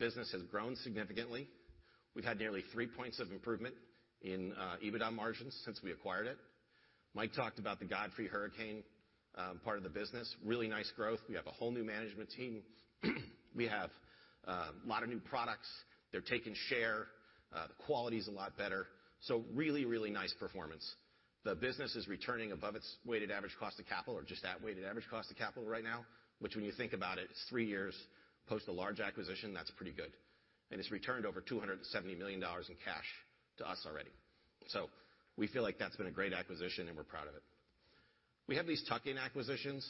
Business has grown significantly. We've had nearly 3 points of improvement in EBITDA margins since we acquired it. Mike talked about the Godfrey and Hurricane part of the business. Really nice growth. We have a whole new management team. We have a lot of new products. They're taking share. The quality's a lot better. So really, really nice performance. The business is returning above its weighted average cost of capital or just at weighted average cost of capital right now, which when you think about it, is three years post a large acquisition, that's pretty good. It's returned over $270 million in cash to us already. We feel like that's been a great acquisition, and we're proud of it. We have these tuck-in acquisitions,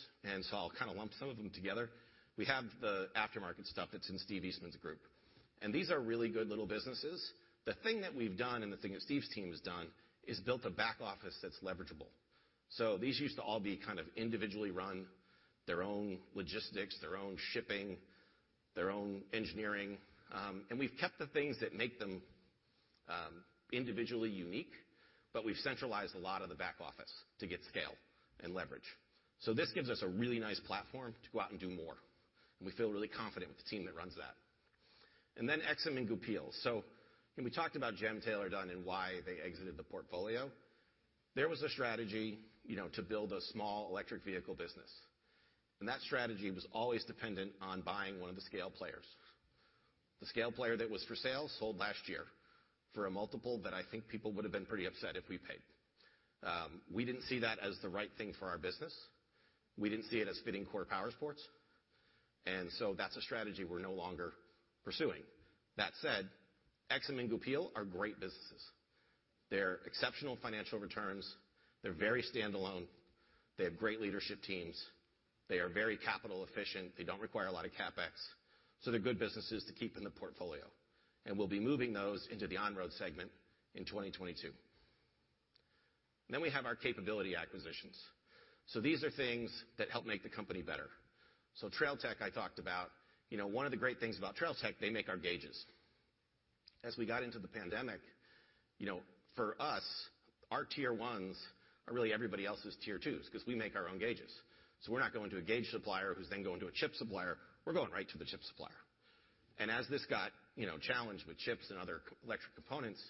so I'll kind of lump some of them together. We have the aftermarket stuff that's in Steve Eastman's group, and these are really good little businesses. The thing that we've done and the thing that Steve's team has done is built a back office that's leverageable. These used to all be kind of individually run, their own logistics, their own shipping, their own engineering. We've kept the things that make them individually unique, but we've centralized a lot of the back office to get scale and leverage. This gives us a really nice platform to go out and do more, and we feel really confident with the team that runs that. Aixam and Goupil. When we talked about GEM, Taylor-Dunn, and why they exited the portfolio, there was a strategy, you know, to build a small electric vehicle business. That strategy was always dependent on buying one of the scale players. The scale player that was for sale sold last year for a multiple that I think people would have been pretty upset if we paid. We didn't see that as the right thing for our business. We didn't see it as fitting core powersports, and so that's a strategy we're no longer pursuing. That said, Aixam and Goupil are great businesses. They have exceptional financial returns. They're very standalone. They have great leadership teams. They are very capital efficient. They don't require a lot of CapEx. So they're good businesses to keep in the portfolio. And we'll be moving those into the on-road segment in 2022. We have our capability acquisitions. These are things that help make the company better. Trail Tech I talked about. You know, one of the great things about Trail Tech, they make our gauges. As we got into the pandemic, you know, for us, our tier ones are really everybody else's tier twos 'cause we make our own gauges. We're not going to a gauge supplier who's then going to a chip supplier. We're going right to the chip supplier. As this got challenged with chips and other electronic components,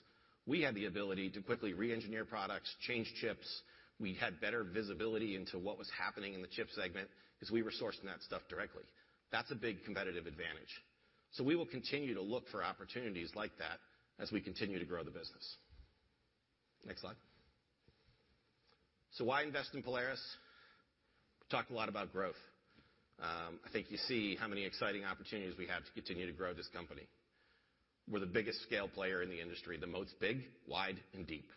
we had the ability to quickly re-engineer products, change chips. We had better visibility into what was happening in the chip segment because we were sourcing that stuff directly. That's a big competitive advantage. We will continue to look for opportunities like that as we continue to grow the business. Next slide. Why invest in Polaris? We talked a lot about growth. I think you see how many exciting opportunities we have to continue to grow this company. We're the biggest scale player in the industry, the most big, wide, and deep.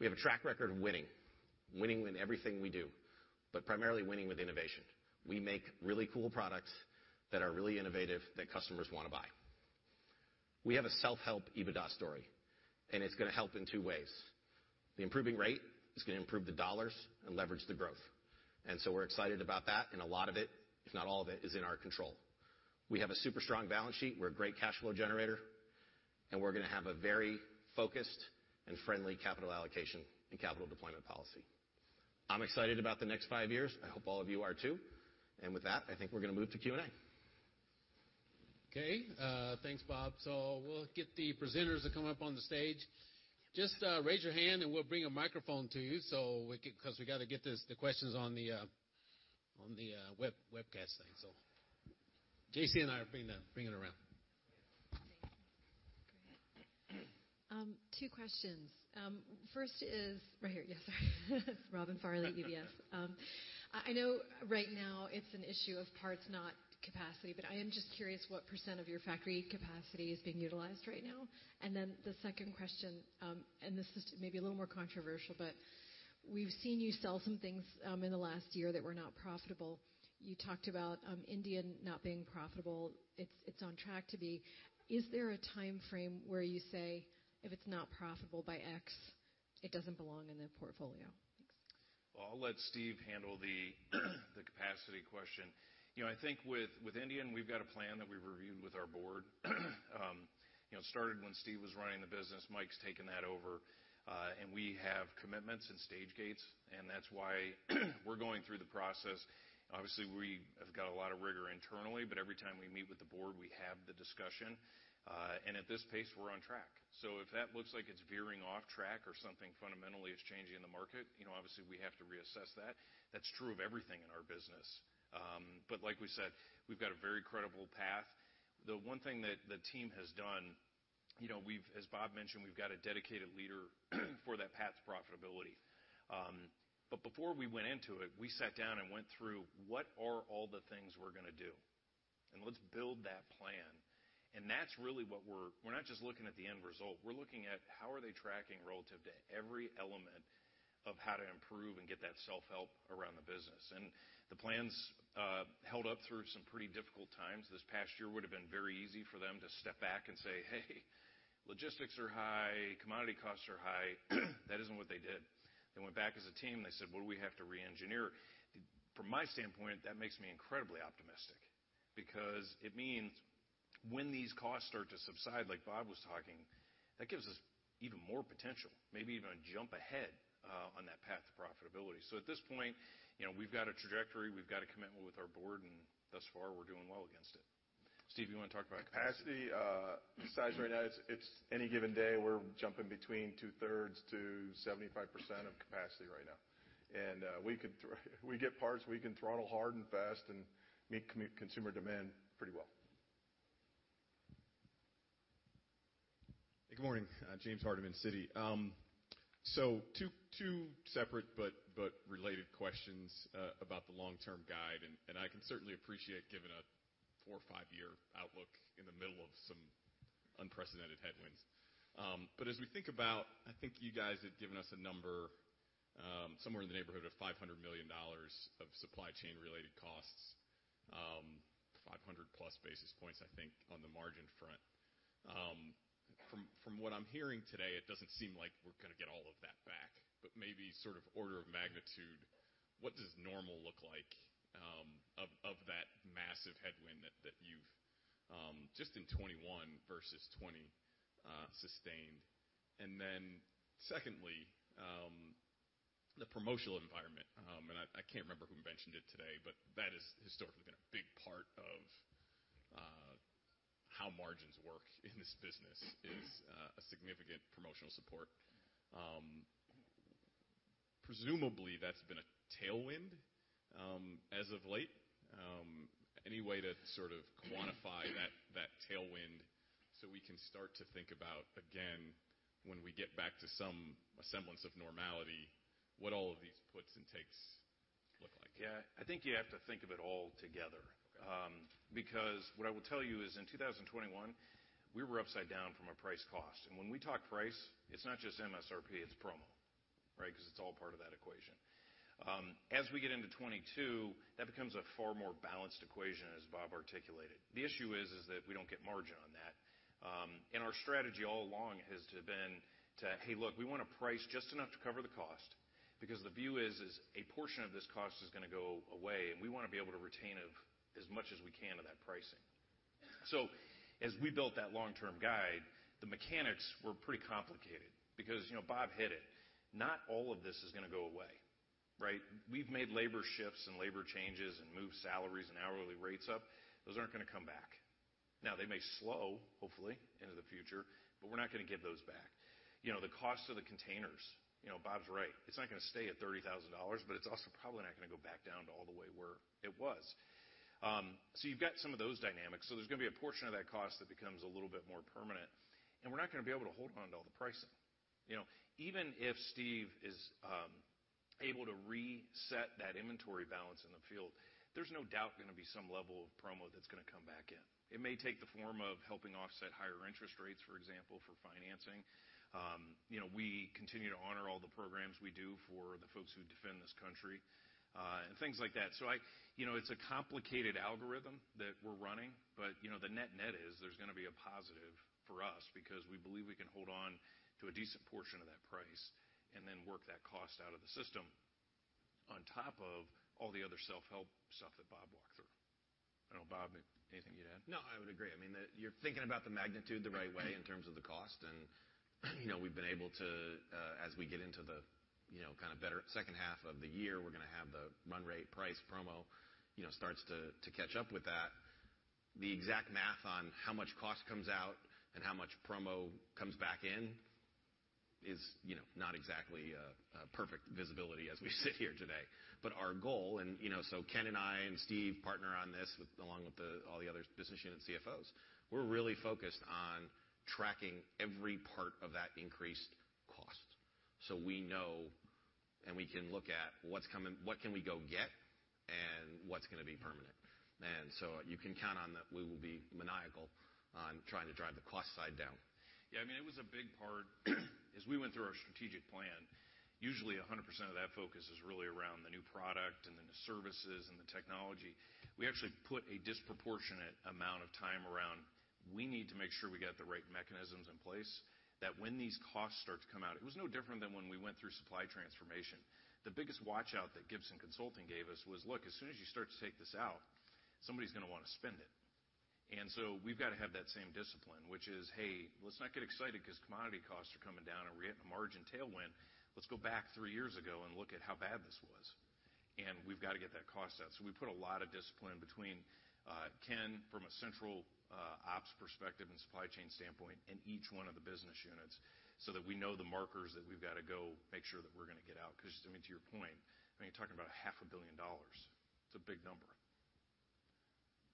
We have a track record of winning in everything we do, but primarily winning with innovation. We make really cool products that are really innovative that customers wanna buy. We have a self-help EBITDA story, and it's gonna help in two ways. The improving rate is gonna improve the dollars and leverage the growth. We're excited about that, and a lot of it, if not all of it, is in our control. We have a super strong balance sheet. We're a great cash flow generator, and we're gonna have a very focused and friendly capital allocation and capital deployment policy. I'm excited about the next five years. I hope all of you are too. With that, I think we're gonna move to Q&A. Okay. Thanks, Bob. We'll get the presenters to come up on the stage. Just raise your hand and we'll bring a microphone to you so we can 'cause we gotta get this, the questions on the webcast thing. J.C. and I are bringing it around. Two questions. First. Right here. Yes. Robin Farley, UBS. I know right now it's an issue of parts, not capacity, but I am just curious what precent of your factory capacity is being utilized right now. Then the second question, and this is maybe a little more controversial, but we've seen you sell some things, in the last year that were not profitable. You talked about, Indian not being profitable. It's on track to be. Is there a timeframe where you say, if it's not profitable by X, it doesn't belong in the portfolio? Thanks. Well, I'll let Steve handle the capacity question. You know, I think with Indian, we've got a plan that we've reviewed with our board. You know, it started when Steve was running the business. Mike's taken that over, and we have commitments and stage gates, and that's why we're going through the process. Obviously, we have got a lot of rigor internally, but every time we meet with the board, we have the discussion. At this pace, we're on track. If that looks like it's veering off track or something fundamentally is changing in the market, you know, obviously we have to reassess that. That's true of everything in our business. Like we said, we've got a very credible path. The one thing that the team has done, you know, as Bob mentioned, we've got a dedicated leader for that path to profitability. Before we went into it, we sat down and went through what are all the things we're gonna do, and let's build that plan. That's really what we're not just looking at the end result, we're looking at how are they tracking relative to every element of how to improve and get that self-help around the business. The plan's held up through some pretty difficult times. This past year would have been very easy for them to step back and say, "Hey, logistics are high, commodity costs are high." That isn't what they did. They went back as a team, and they said, "What do we have to re-engineer?" From my standpoint, that makes me incredibly optimistic because it means when these costs start to subside, like Bob was talking, that gives us even more potential, maybe even a jump ahead, on that path to profitability. At this point, you know, we've got a trajectory. We've got With our board, and thus far we're doing well against it. Steve, you wanna talk about capacity? Capacity size right now, it's any given day, we're jumping between 2/3 to 75% of capacity right now. We could if we get parts, we can throttle hard and fast and meet consumer demand pretty well. Good morning. James Hardiman, Citi. So two separate but related questions about the long-term guide. I can certainly appreciate giving a four or five-year outlook in the middle of some unprecedented headwinds. As we think about, I think you guys had given us a number somewhere in the neighborhood of $500 million of supply chain related costs, 500+ basis points, I think, on the margin front. From what I'm hearing today, it doesn't seem like we're gonna get all of that back, but maybe sort of order of magnitude, what does normal look like of that massive headwind that you've just in 2021 versus 2020 sustained? Then secondly, the promotional environment. I can't remember who mentioned it today, but that has historically been a big part of how margins work in this business is a significant promotional support. Presumably, that's been a tailwind as of late. Any way to sort of quantify that tailwind so we can start to think about, again, when we get back to some semblance of normality, what all of these puts and takes look like? Yeah. I think you have to think of it all together. Okay. Because what I will tell you is in 2021, we were upside down from a price cost. When we talk price, it's not just MSRP, it's promo, right? 'Cause it's all part of that equation. As we get into 2022, that becomes a far more balanced equation, as Bob articulated. The issue is that we don't get margin on that. Our strategy all along has been to, "Hey, look, we wanna price just enough to cover the cost," because the view is a portion of this cost is gonna go away, and we wanna be able to retain as much as we can of that pricing. As we built that long-term guide, the mechanics were pretty complicated because, you know, Bob hit it. Not all of this is gonna go away, right? We've made labor shifts and labor changes and moved salaries and hourly rates up. Those aren't gonna come back. Now, they may slow, hopefully, into the future, but we're not gonna give those back. You know, the cost of the containers, you know, Bob's right. It's not gonna stay at $30,000, but it's also probably not gonna go back down to all the way where it was. So you've got some of those dynamics. So there's gonna be a portion of that cost that becomes a little bit more permanent, and we're not gonna be able to hold on to all the pricing. You know? Even if Steve is able to reset that inventory balance in the field, there's no doubt gonna be some level of promo that's gonna come back in. It may take the form of helping offset higher interest rates, for example, for financing. You know, we continue to honor all the programs we do for the folks who defend this country, and things like that. You know, it's a complicated algorithm that we're running, but, you know, the net-net is there's gonna be a positive for us because we believe we can hold on to a decent portion of that price and then work that cost out of the system on top of all the other self-help stuff that Bob walked through. I don't know, Bob, anything you'd add? No, I would agree. I mean, you're thinking about the magnitude the right way in terms of the cost. You know, we've been able to, as we get into the, you know, kind of better second half of the year, we're gonna have the run rate price promo, you know, starts to catch up with that. The exact math on how much cost comes out and how much promo comes back in is, you know, not exactly a perfect visibility as we sit here today. Our goal, you know, so Ken and I and Steve partner on this along with all the other business unit CFOs. We're really focused on tracking every part of that increased cost so we know and we can look at what's coming, what can we go get, and what's gonna be permanent. You can count on that we will be maniacal on trying to drive the cost side down. Yeah. I mean, it was a big part, as we went through our strategic plan. Usually 100% of that focus is really around the new product and then the services and the technology. We actually put a disproportionate amount of time around we need to make sure we get the right mechanisms in place, that when these costs start to come out. It was no different than when we went through supply transformation. The biggest watch-out that Gibson Consulting gave us was, "Look, as soon as you start to take this out, somebody's gonna wanna spend it." We've gotta have that same discipline, which is, "Hey, let's not get excited 'cause commodity costs are coming down and we're getting a margin tailwind. Let's go back three years ago and look at how bad this was." We've gotta get that cost out. We put a lot of discipline between Ken from a central ops perspective and supply chain standpoint and each one of the business units, so that we know the markers that we've gotta go make sure that we're gonna get out. 'Cause I mean, to your point, I mean, you're talking about $500 million. It's a big number.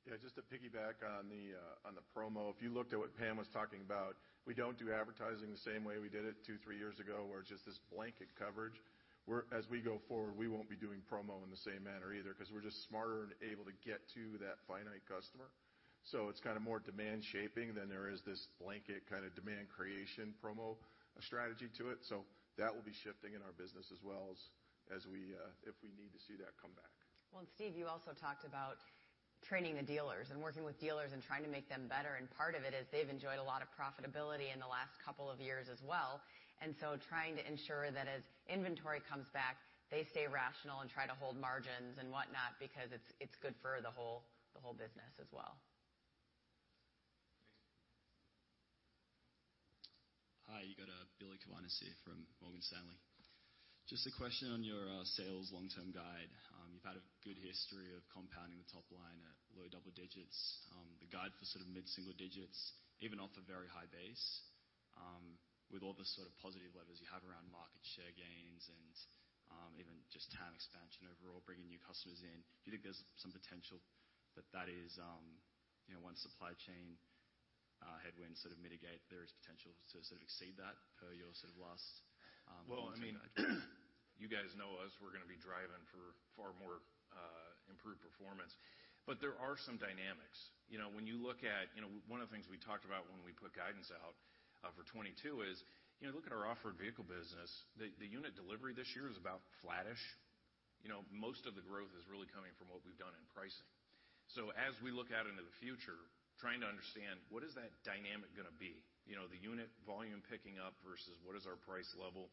Yeah. Just to piggyback on the promo. If you looked at what Pam was talking about, we don't do advertising the same way we did it two-three years ago, where it's just this blanket coverage. As we go forward, we won't be doing promo in the same manner either, 'cause we're just smarter and able to get to that finite customer. It's kinda more demand shaping than there is this blanket kinda demand creation promo strategy to it. That will be shifting in our business if we need to see that come back. Well, Steve, you also talked about training the dealers and working with dealers and trying to make them better, and part of it is they've enjoyed a lot of profitability in the last couple of years as well. Trying to ensure that as inventory comes back, they stay rational and try to hold margins and whatnot because it's good for the whole business as well. Billy Seay from Morgan Stanley. Just a question on your sales long-term guide. You've had a good history of compounding the top line at low double-digits. The guide for sort of mid-single digits even off a very high base. With all the sort of positive levers you have around market share gains and even just TAM expansion overall, bringing new customers in. Do you think there's some potential that is, you know, once supply chain headwind sort of mitigate. There is potential to sort of exceed that per your sort of last. Well, I mean, you guys know us. We're gonna be driving for far more improved performance. There are some dynamics. You know, one of the things we talked about when we put guidance out for 2022 is, you know, look at our off-road vehicle business. The unit delivery this year is about flattish. You know, most of the growth is really coming from what we've done in pricing. As we look out into the future, trying to understand what is that dynamic gonna be, you know, the unit volume picking up versus what is our price level.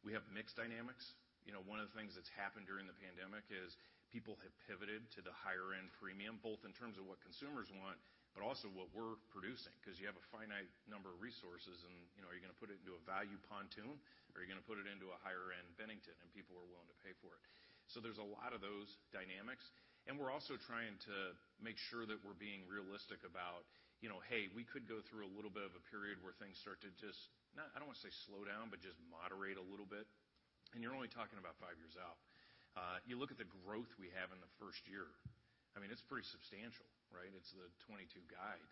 We have mixed dynamics. You know, one of the things that's happened during the pandemic is people have pivoted to the higher end premium, both in terms of what consumers want, but also what we're producing. You have a finite number of resources, and, you know, are you gonna put it into a value pontoon or are you gonna put it into a higher end Bennington? People are willing to pay for it. There's a lot of those dynamics. We're also trying to make sure that we're being realistic about, you know, hey, we could go through a little bit of a period where things start to just, I don't wanna say slow down, but just moderate a little bit. You're only talking about five 5 years out. You look at the growth we have in the first year. I mean, it's pretty substantial, right? It's the 2022 guide.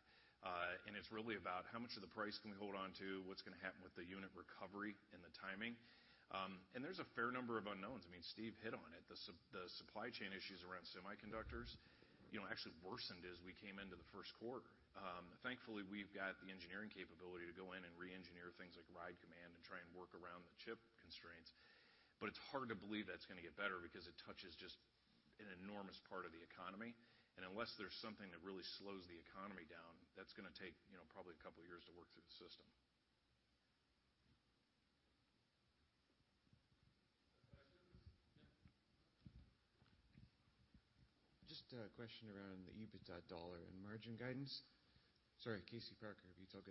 It's really about how much of the price can we hold on to, what's gonna happen with the unit recovery and the timing. There's a fair number of unknowns. I mean, Steve hit on it. The supply chain issues around semiconductors, you know, actually worsened as we came into the first quarter. Thankfully, we've got the engineering capability to go in and re-engineer things like Ride Command and try and work around the chip constraints. But it's hard to believe that's gonna get better because it touches just an enormous part of the economy. Unless there's something that really slows the economy down, that's gonna take, you know, probably a couple of years to work through the system. Questions? Yeah. Just a question around the EBITDA dollar and margin guidance. Sorry, Kasey Parker, BTIG.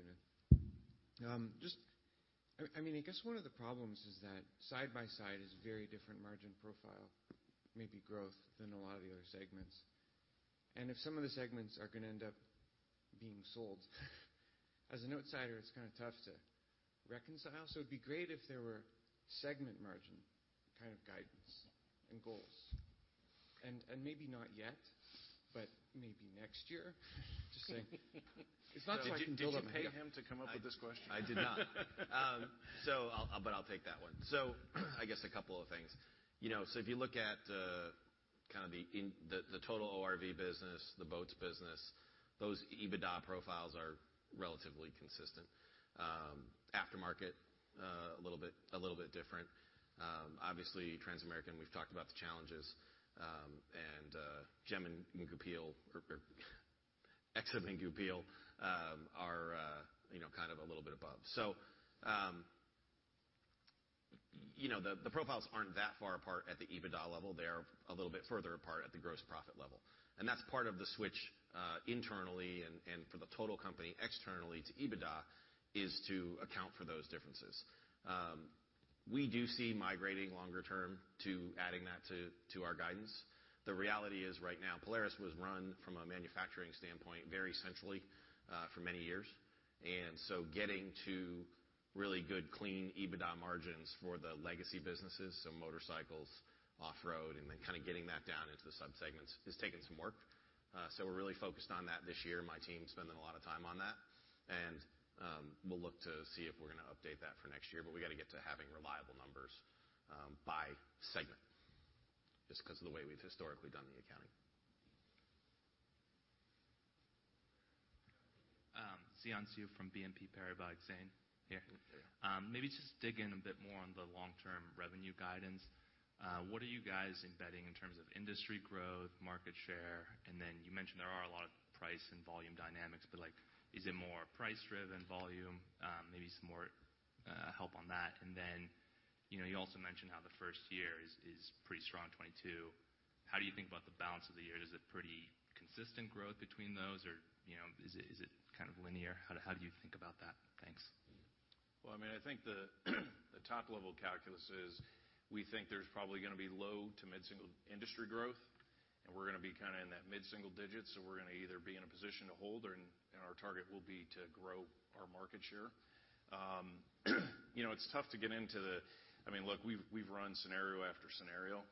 I mean, I guess one of the problems is that side by side is very different margin profile, maybe growth than a lot of the other segments. If some of the segments are gonna end up being sold, as an outsider, it's kinda tough to reconcile. It'd be great if there were segment margin kind of guidance and goals. Maybe not yet, but maybe next year. Just saying. It's not so I can build up. Did you pay him to come up with this question? I did not. I'll take that one. I guess a couple of things. If you look at kinda the total ORV business, the boats business, those EBITDA profiles are relatively consistent. Aftermarket, a little bit different. Obviously, Transamerican, we've talked about the challenges. GEM and Goupil or ex-Goupil are kind of a little bit above. The profiles aren't that far apart at the EBITDA level. They're a little bit further apart at the gross profit level. That's part of the switch internally and for the total company externally to EBITDA is to account for those differences. We do see migrating longer term to adding that to our guidance. The reality is right now, Polaris was run from a manufacturing standpoint, very centrally, for many years. Getting to really good clean EBITDA margins for the legacy businesses, so motorcycles, off-road, and then kinda getting that down into the subsegments is taking some work. We're really focused on that this year. My team's spending a lot of time on that. We'll look to see if we're gonna update that for next year. We got to get to having reliable numbers, by segment just 'cause of the way we've historically done the accounting. Xian Siew from BNP Paribas Exane. Here. Yeah. Maybe just dig in a bit more on the long-term revenue guidance. What are you guys embedding in terms of industry growth, market share? You mentioned there are a lot of price and volume dynamics, but like, is it more price-driven volume? Maybe some more help on that. You know, you also mentioned how the first year is pretty strong, 2022. How do you think about the balance of the year? Is it pretty consistent growth between those or, you know, is it kind of linear? How do you think about that? Thanks. Well, I mean, I think the top-level calculus is we think there's probably gonna be low- to mid-single-digit industry growth, and we're gonna be kinda in that mid-single-digit. We're gonna either be in a position to hold, and our target will be to grow our market share. You know, it's tough to get into. I mean, look, we've run scenario after scenario.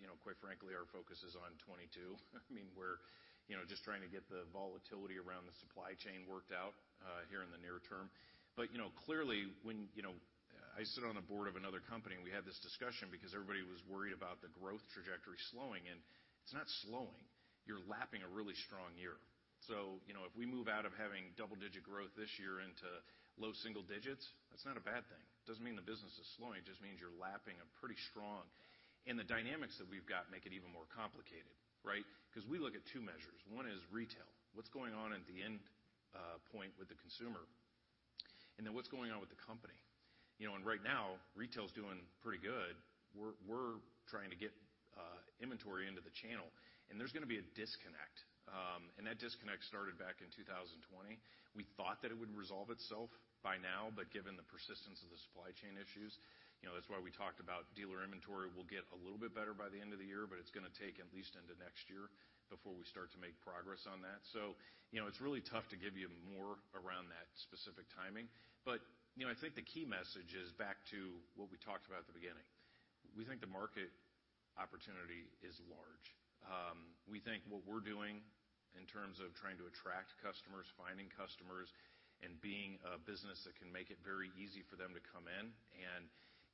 You know, quite frankly, our focus is on 2022. I mean, we're, you know, just trying to get the volatility around the supply chain worked out here in the near term. You know, clearly, when, you know, I sit on the board of another company and we had this discussion because everybody was worried about the growth trajectory slowing, and it's not slowing. You're lapping a really strong year. You know, if we move out of having double-digit growth this year into low single digits, that's not a bad thing. It doesn't mean the business is slowing. It just means you're lapping a pretty strong. The dynamics that we've got make it even more complicated, right? 'Cause we look at two measures. One is retail. What's going on at the end point with the consumer? And then what's going on with the company? You know, and right now retail's doing pretty good. We're trying to get inventory into the channel, and there's gonna be a disconnect. That disconnect started back in 2020. We thought that it would resolve itself by now, but given the persistence of the supply chain issues, you know, that's why we talked about dealer inventory will get a little bit better by the end of the year, but it's gonna take at least into next year before we start to make progress on that. You know, it's really tough to give you more around that specific timing. You know, I think the key message is back to what we talked about at the beginning. We think the market opportunity is large. We think what we're doing in terms of trying to attract customers, finding customers, and being a business that can make it very easy for them to come in and,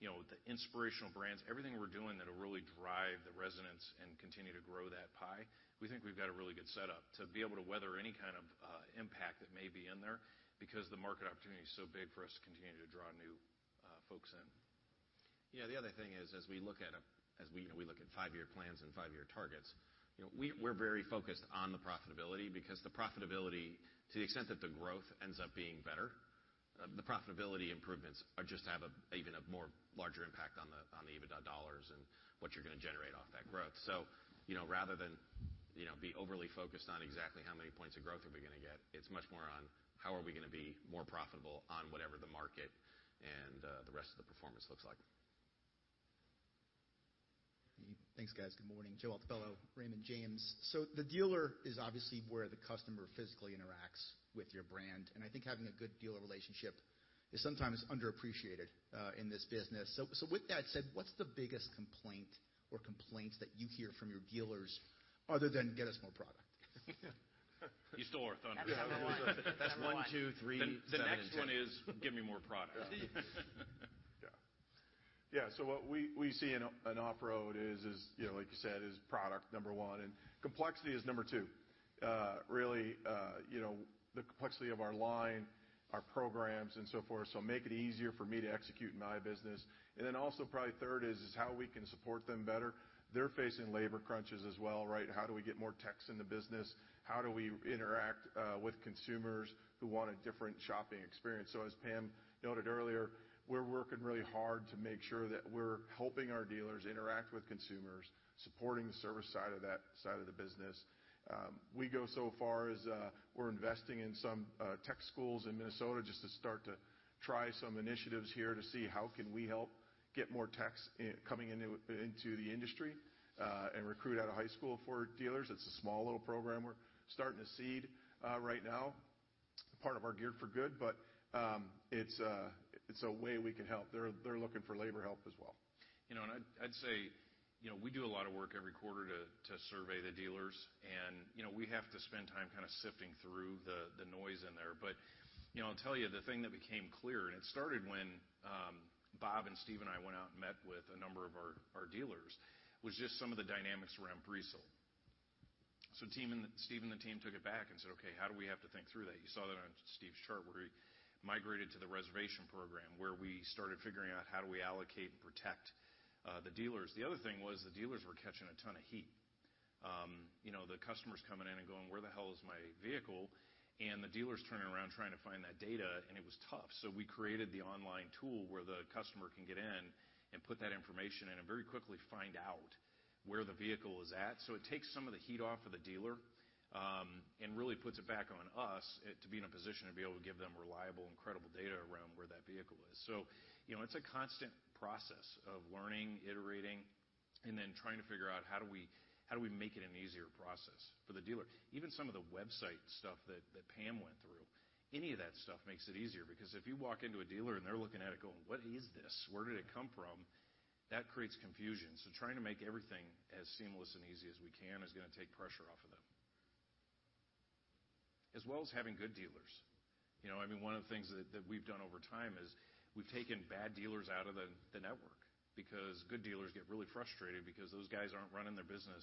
you know, the inspirational brands, everything we're doing that'll really drive the resonance and continue to grow that pie. We think we've got a really good setup to be able to weather any kind of impact that may be in there because the market opportunity is so big for us to continue to draw new folks in. Yeah, the other thing is, as we look at five-year plans and five-year targets, you know, we're very focused on the profitability because the profitability to the extent that the growth ends up being better, the profitability improvements are just going to have an even larger impact on the EBITDA dollars and what you're gonna generate off that growth. You know, rather than be overly focused on exactly how many points of growth are we gonna get, it's much more on how are we gonna be more profitable on whatever the market and the rest of the performance looks like. Thanks, guys. Good morning. Joe Altobello, Raymond James. The dealer is obviously where the customer physically interacts with your brand, and I think having a good dealer relationship is sometimes underappreciated in this business. With that said, what's the biggest complaint or complaints that you hear from your dealers other than get us more product? You stole our thunder. That's the one. That's one, two, three. The next one is, give me more product. Yeah. What we see in off-road is, you know, like you said, is product number one, and complexity is number two. Really, you know, the complexity of our line, our programs, and so forth to make it easier for me to execute my business. Also probably third is how we can support them better. They're facing labor crunches as well, right? How do we get more techs in the business? How do we interact with consumers who want a different shopping experience? As Pam noted earlier, we're working really hard to make sure that we're helping our dealers interact with consumers, supporting the service side of that side of the business. We go so far as, we're investing in some tech schools in Minnesota just to start to try some initiatives here to see how we can help get more techs coming into the industry, and recruit out of high school for dealers. It's a small little program we're starting to seed right now, part of our Geared For Good. It's a way we can help. They're looking for labor help as well. You know, I'd say, you know, we do a lot of work every quarter to survey the dealers and, you know, we have to spend time kinda sifting through the noise in there. You know, I'll tell you the thing that became clear, and it started when Bob and Steve and I went out and met with a number of our dealers, was just some of the dynamics around presale. Steve and the team took it back and said, "Okay, how do we have to think through that?" You saw that on Steve's chart, where he migrated to the Reservation program, where we started figuring out how do we allocate and protect the dealers. The other thing was the dealers were catching a ton of heat. You know, the customers coming in and going, "Where the hell is my vehicle?" The dealers turning around trying to find that data, and it was tough. We created the online tool where the customer can get in and put that information in and very quickly find out where the vehicle is at. It takes some of the heat off of the dealer, and really puts it back on us, to be in a position to be able to give them reliable and credible data around where that vehicle is. You know, it's a constant process of learning, iterating, and then trying to figure out how do we, how do we make it an easier process for the dealer. Even some of the website stuff that Pam went through, any of that stuff makes it easier because if you walk into a dealer, and they're looking at it going, "What is this? Where did it come from," that creates confusion. Trying to make everything as seamless and easy as we can is gonna take pressure off of them. As well as having good dealers. You know, I mean, one of the things that we've done over time is we've taken bad dealers out of the network because good dealers get really frustrated because those guys aren't running their business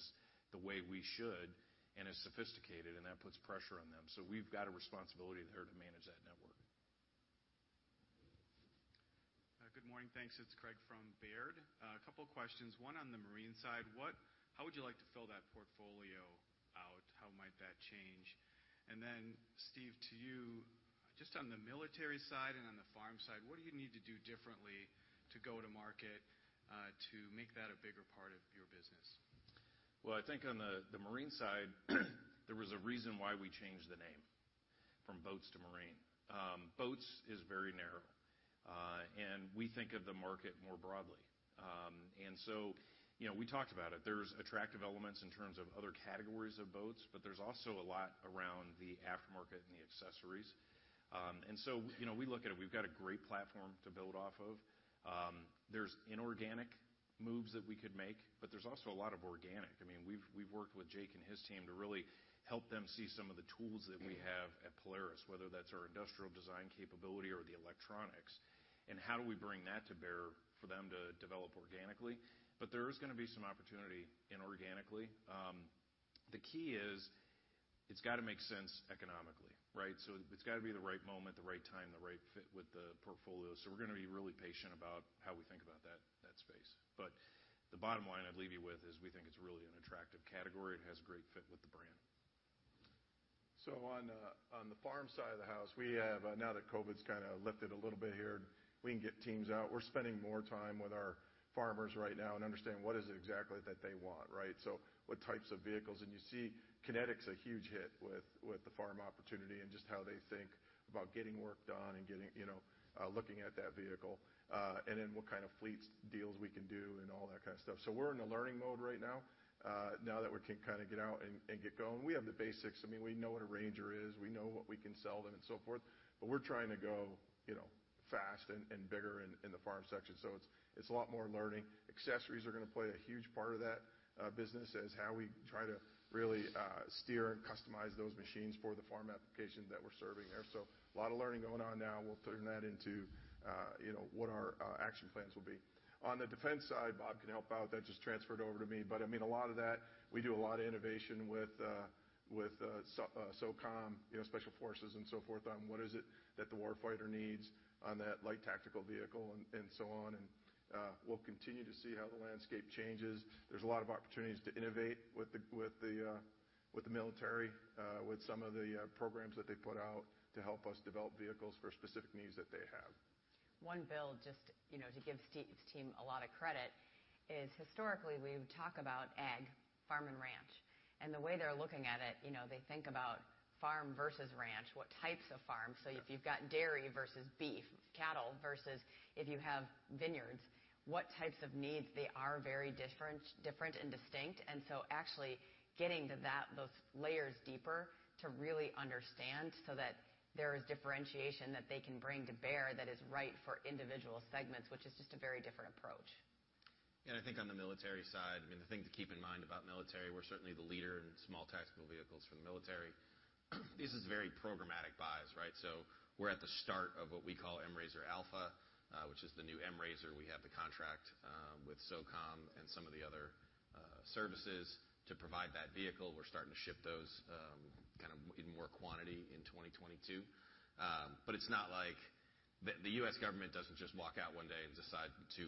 the way we should and as sophisticated, and that puts pressure on them. We've got a responsibility there to manage that network. Good morning, thanks. It's Craig from Baird. A couple questions. One on the marine side. How would you like to fill that portfolio out? How might that change? Steve, to you, just on the military side and on the farm side, what do you need to do differently to go to market, to make that a bigger part of your business? Well, I think on the marine side, there was a reason why we changed the name from boats to marine. Boats is very narrow, and we think of the market more broadly. You know, we talked about it. There's attractive elements in terms of other categories of boats, but there's also a lot around the aftermarket and the accessories. You know, we look at it. We've got a great platform to build off of. There's inorganic moves that we could make, but there's also a lot of organic. I mean, we've worked with Jake and his team to really help them see some of the tools that we have at Polaris, whether that's our industrial design capability or the electronics, and how do we bring that to bear for them to develop organically. There is gonna be some opportunity inorganically. The key is it's gotta make sense economically, right? It's gotta be the right moment, the right time, the right fit with the portfolio. We're gonna be really patient about how we think about that space. The bottom line I'd leave you with is we think it's really an attractive category. It has great fit with the brand. On the farm side of the house, now that COVID's kinda lifted a little bit here, we can get teams out. We're spending more time with our farmers right now and understanding what is it exactly that they want, right? What types of vehicles. You see Kinetic's a huge hit with the farm opportunity and just how they think about getting work done and, you know, looking at that vehicle. Then what kind of fleet deals we can do and all that kind of stuff. We're in a learning mode right now that we can kinda get out and get going. We have the basics. I mean, we know what a RANGER is, we know what we can sell them and so forth, but we're trying to go, you know, fast and bigger in the farm section. It's a lot more learning. Accessories are gonna play a huge part of that business as how we try to really steer and customize those machines for the farm application that we're serving there. A lot of learning going on now. We'll turn that into, you know, what our action plans will be. On the defense side, Bob can help out. That just transferred over to me. I mean, a lot of that, we do a lot of innovation with USSOCOM, you know, special forces and so forth on what is it that the war fighter needs on that light tactical vehicle and so on. We'll continue to see how the landscape changes. There's a lot of opportunities to innovate with the military with some of the programs that they put out to help us develop vehicles for specific needs that they have. One, Bill, just, you know, to give Steve's team a lot of credit is historically we would talk about ag, farm and ranch, and the way they're looking at it, you know, they think about farm versus ranch, what types of farms. If you've got dairy versus beef, cattle versus if you have vineyards, what types of needs, they are very different and distinct. Actually getting to that, those layers deeper to really understand so that there is differentiation that they can bring to bear that is right for individual segments, which is just a very different approach. I think on the military side, I mean, the thing to keep in mind about military, we're certainly the leader in small tactical vehicles for the military. This is very programmatic buys, right? We're at the start of what we call M-RZR Alpha, which is the new M-RZR. We have the contract with SOCOM and some of the other services to provide that vehicle. We're starting to ship those kind of in more quantity in 2022. But it's not like the U.S. government doesn't just walk out one day and decide to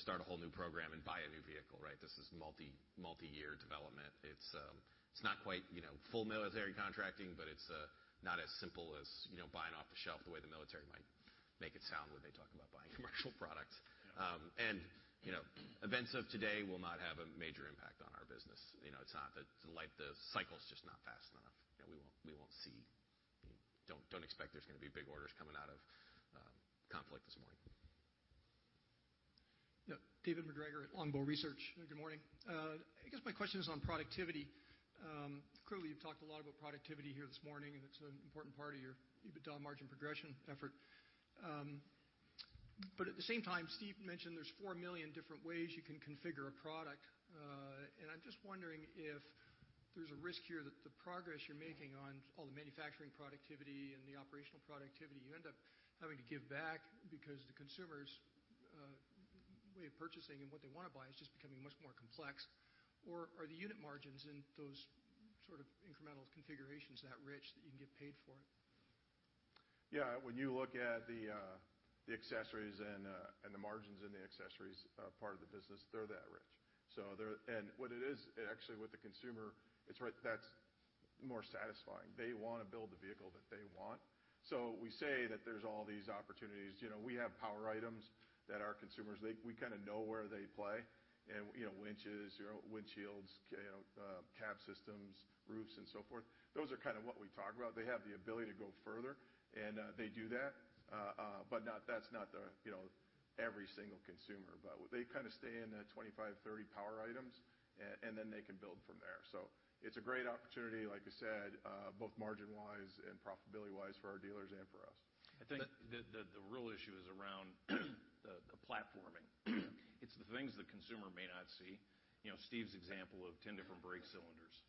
start a whole new program and buy a new vehicle, right? This is multi-year development. It's not quite, you know, full military contracting, but it's not as simple as, you know, buying off the shelf the way the military might make it sound when they talk about buying commercial products. Yeah. You know, events of today will not have a major impact on our business. You know, it's not like the cycle's just not fast enough. You know, we won't see. Don't expect there's gonna be big orders coming out of conflict this morning. Yeah. David MacGregor at Longbow Research. Good morning. I guess my question is on productivity. Clearly you've talked a lot about productivity here this morning, and it's an important part of your EBITDA margin progression effort. But at the same time, Steve mentioned there's 4 million different ways you can configure a product. I'm just wondering if there's a risk here that the progress you're making on all the manufacturing productivity and the operational productivity, you end up having to give back because the consumer's way of purchasing and what they wanna buy is just becoming much more complex. Or are the unit margins in those sort of incremental configurations so rich that you can get paid for it? Yeah. When you look at the accessories and the margins in the accessories part of the business, they're that rich. What it is actually with the consumer, it's right, that's more satisfying. They wanna build the vehicle that they want. We say that there's all these opportunities. You know, we have power items that our consumers, they, we kinda know where they play and, you know, winches, you know, windshields, you know, cab systems, roofs and so forth. Those are kinda what we talk about. They have the ability to go further and they do that. But not, that's not the, you know, every single consumer. They kinda stay in the 25, 30 power items and then they can build from there. It's a great opportunity, like I said, both margin wise and profitability wise for our dealers and for us. I think the real issue is around the platforming. It's the things the consumer may not see. You know, Steve's example of 10 different brake cylinders.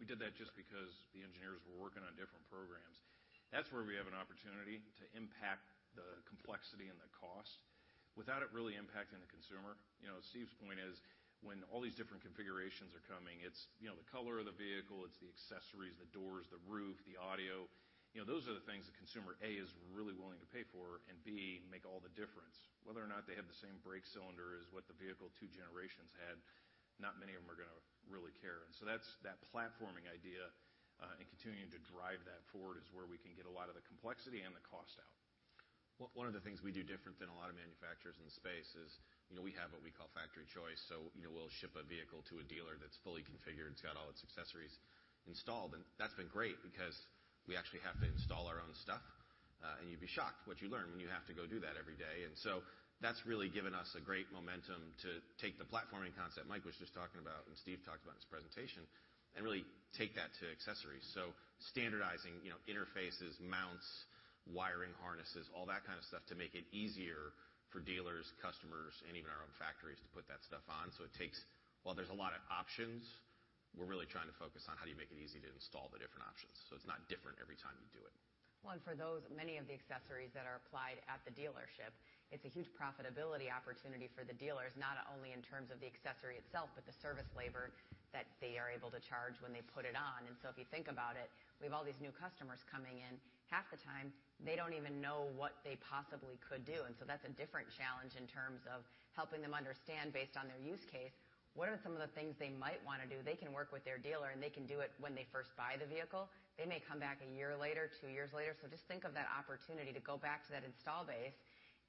We did that just because the engineers were working on different programs. That's where we have an opportunity to impact the complexity and the cost without it really impacting the consumer. You know, Steve's point is when all these different configurations are coming, you know, the color of the vehicle, it's the accessories, the doors, the roof, the audio, you know, those are the things the consumer, A, is really willing to pay for and, B, make all the difference. Whether or not they have the same brake cylinder as what the vehicle two generations had, not many of them are gonna really care. That's that platforming idea, and continuing to drive that forward is where we can get a lot of the complexity and the cost out. One of the things we do different than a lot of manufacturers in the space is, you know, we have what we call Factory Choice. You know, we'll ship a vehicle to a dealer that's fully configured. It's got all its accessories installed, and that's been great because we actually have to install our own stuff. You'd be shocked what you learn when you have to go do that every day. That's really given us a great momentum to take the platforming concept Mike was just talking about and Steve talked about in his presentation and really take that to accessories. Standardizing, you know, interfaces, mounts, wiring harnesses, all that kind of stuff to make it easier for dealers, customers, and even our own factories to put that stuff on. It takes. While there's a lot of options, we're really trying to focus on how do you make it easy to install the different options so it's not different every time you do it. Well, for those, many of the accessories that are applied at the dealership, it's a huge profitability opportunity for the dealers, not only in terms of the accessory itself, but the service labor that they are able to charge when they put it on. If you think about it, we have all these new customers coming in. Half the time they don't even know what they possibly could do. That's a different challenge in terms of helping them understand based on their use case, what are some of the things they might wanna do. They can work with their dealer, and they can do it when they first buy the vehicle. They may come back a year later, two years later. Just think of that opportunity to go back to that installed base.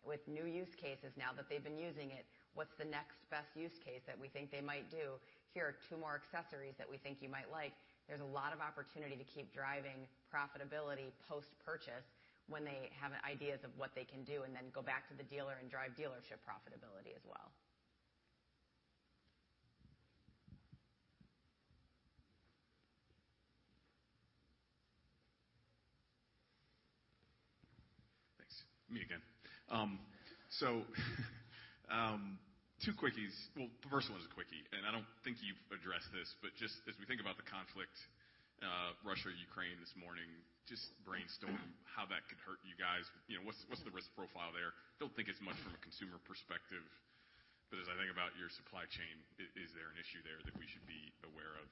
With new use cases now that they've been using it, what's the next best use case that we think they might do? Here are two more accessories that we think you might like. There's a lot of opportunity to keep driving profitability post-purchase when they have ideas of what they can do, and then go back to the dealer and drive dealership profitability as well. Thanks. Me again. So, two quickies. Well, the first one is a quickie, and I don't think you've addressed this, but just as we think about the conflict, Russia, Ukraine this morning, just brainstorm how that could hurt you guys. You know, what's the risk profile there? Don't think it's much from a consumer perspective, but as I think about your supply chain, is there an issue there that we should be aware of?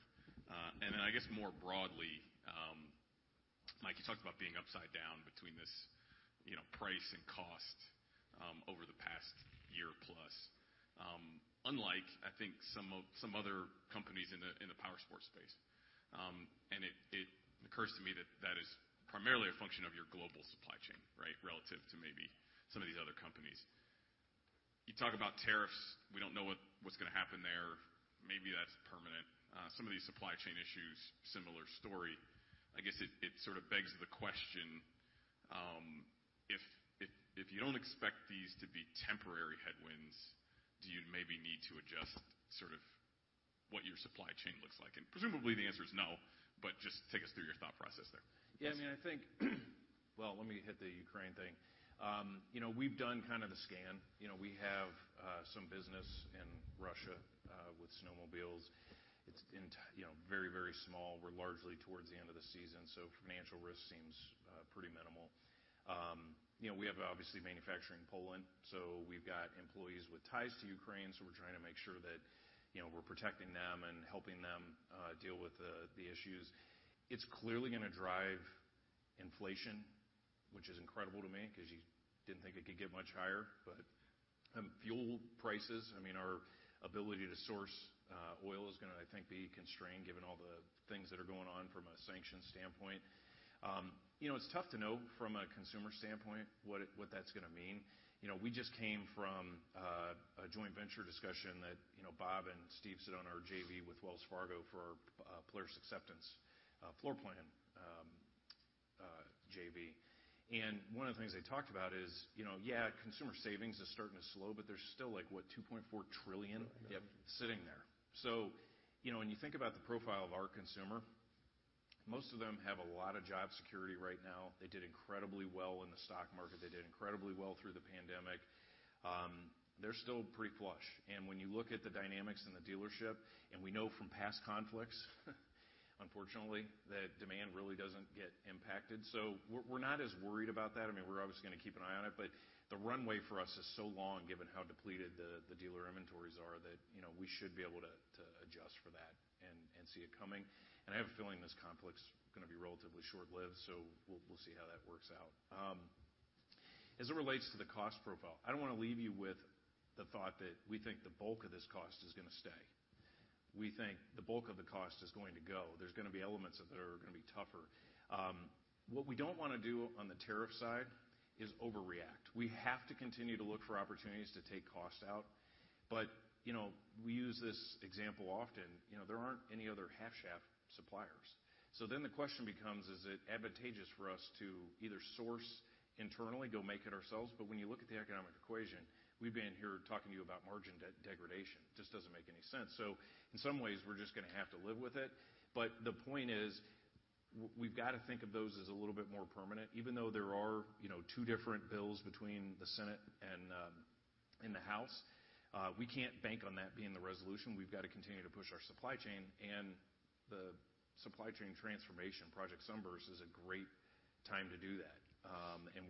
I guess more broadly, Mike, you talked about being upside down between this, you know, price and cost, over the past year plus. Unlike, I think, some other companies in the powersports space. It occurs to me that that is primarily a function of your global supply chain, right? Relative to maybe some of these other companies. You talk about tariffs. We don't know what's gonna happen there. Maybe that's permanent. Some of these supply chain issues, similar story. I guess it sort of begs the question, if you don't expect these to be temporary headwinds, do you maybe need to adjust sort of what your supply chain looks like? Presumably the answer is no, but just take us through your thought process there. Well, let me hit the Ukraine thing. You know, we've done kind of the scan. You know, we have some business in Russia with snowmobiles. It's very, very small. We're largely towards the end of the season, so financial risk seems pretty minimal. You know, we have obviously manufacturing in Poland, so we've got employees with ties to Ukraine, so we're trying to make sure that, you know, we're protecting them and helping them deal with the issues. It's clearly gonna drive inflation, which is incredible to me, 'cause you didn't think it could get much higher. Fuel prices, I mean, our ability to source oil is gonna, I think, be constrained given all the things that are going on from a sanctions standpoint. You know, it's tough to know from a consumer standpoint what that's gonna mean. You know, we just came from a joint venture discussion that, you know, Bob and Steve sit on our JV with Wells Fargo for Polaris Acceptance floor plan JV. One of the things they talked about is, you know, yeah, consumer savings is starting to slow, but there's still, like, what, $2.4 trillion- Yep. Sitting there. You know, when you think about the profile of our consumer, most of them have a lot of job security right now. They did incredibly well in the stock market. They did incredibly well through the pandemic. They're still pretty flush. When you look at the dynamics in the dealership, we know from past conflicts, unfortunately, that demand really doesn't get impacted. We're not as worried about that. I mean, we're obviously gonna keep an eye on it, but the runway for us is so long given how depleted the dealer inventories are that, you know, we should be able to adjust for that and see it coming. I have a feeling this conflict's gonna be relatively short-lived, so we'll see how that works out. As it relates to the cost profile, I don't wanna leave you with the thought that we think the bulk of this cost is gonna stay. We think the bulk of the cost is going to go. There's gonna be elements of that are gonna be tougher. What we don't wanna do on the tariff side is overreact. We have to continue to look for opportunities to take costs out. You know, we use this example often. You know, there aren't any other half shaft suppliers. The question becomes, is it advantageous for us to either source internally, go make it ourselves? When you look at the economic equation, we've been here talking to you about margin degradation. It just doesn't make any sense. In some ways, we're just gonna have to live with it. The point is, we've got to think of those as a little bit more permanent. Even though there are, you know, two different bills between the Senate and in the House, we can't bank on that being the resolution. We've got to continue to push our supply chain and the supply chain transformation, Project Sunburst, is a great time to do that.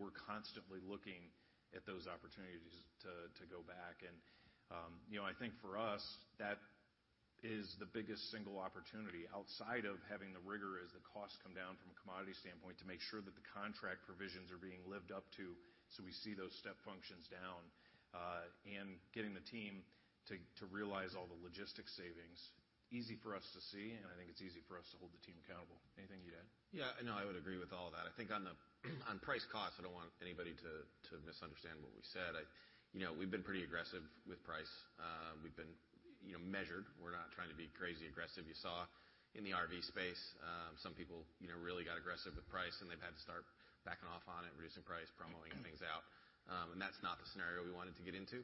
We're constantly looking at those opportunities to go back. You know, I think for us, that is the biggest single opportunity outside of having the rigor as the costs come down from a commodity standpoint to make sure that the contract provisions are being lived up to, so we see those step functions down and getting the team to realize all the logistics savings. Easy for us to see, and I think it's easy for us to hold the team accountable. Anything to add? Yeah, no, I would agree with all that. I think on price cost, I don't want anybody to misunderstand what we said. You know, we've been pretty aggressive with price. We've been, you know, measured. We're not trying to be crazy aggressive. You saw in the RV space, some people, you know, really got aggressive with price, and they've had to start backing off on it, reducing price, promoting things out. That's not the scenario we wanted to get into.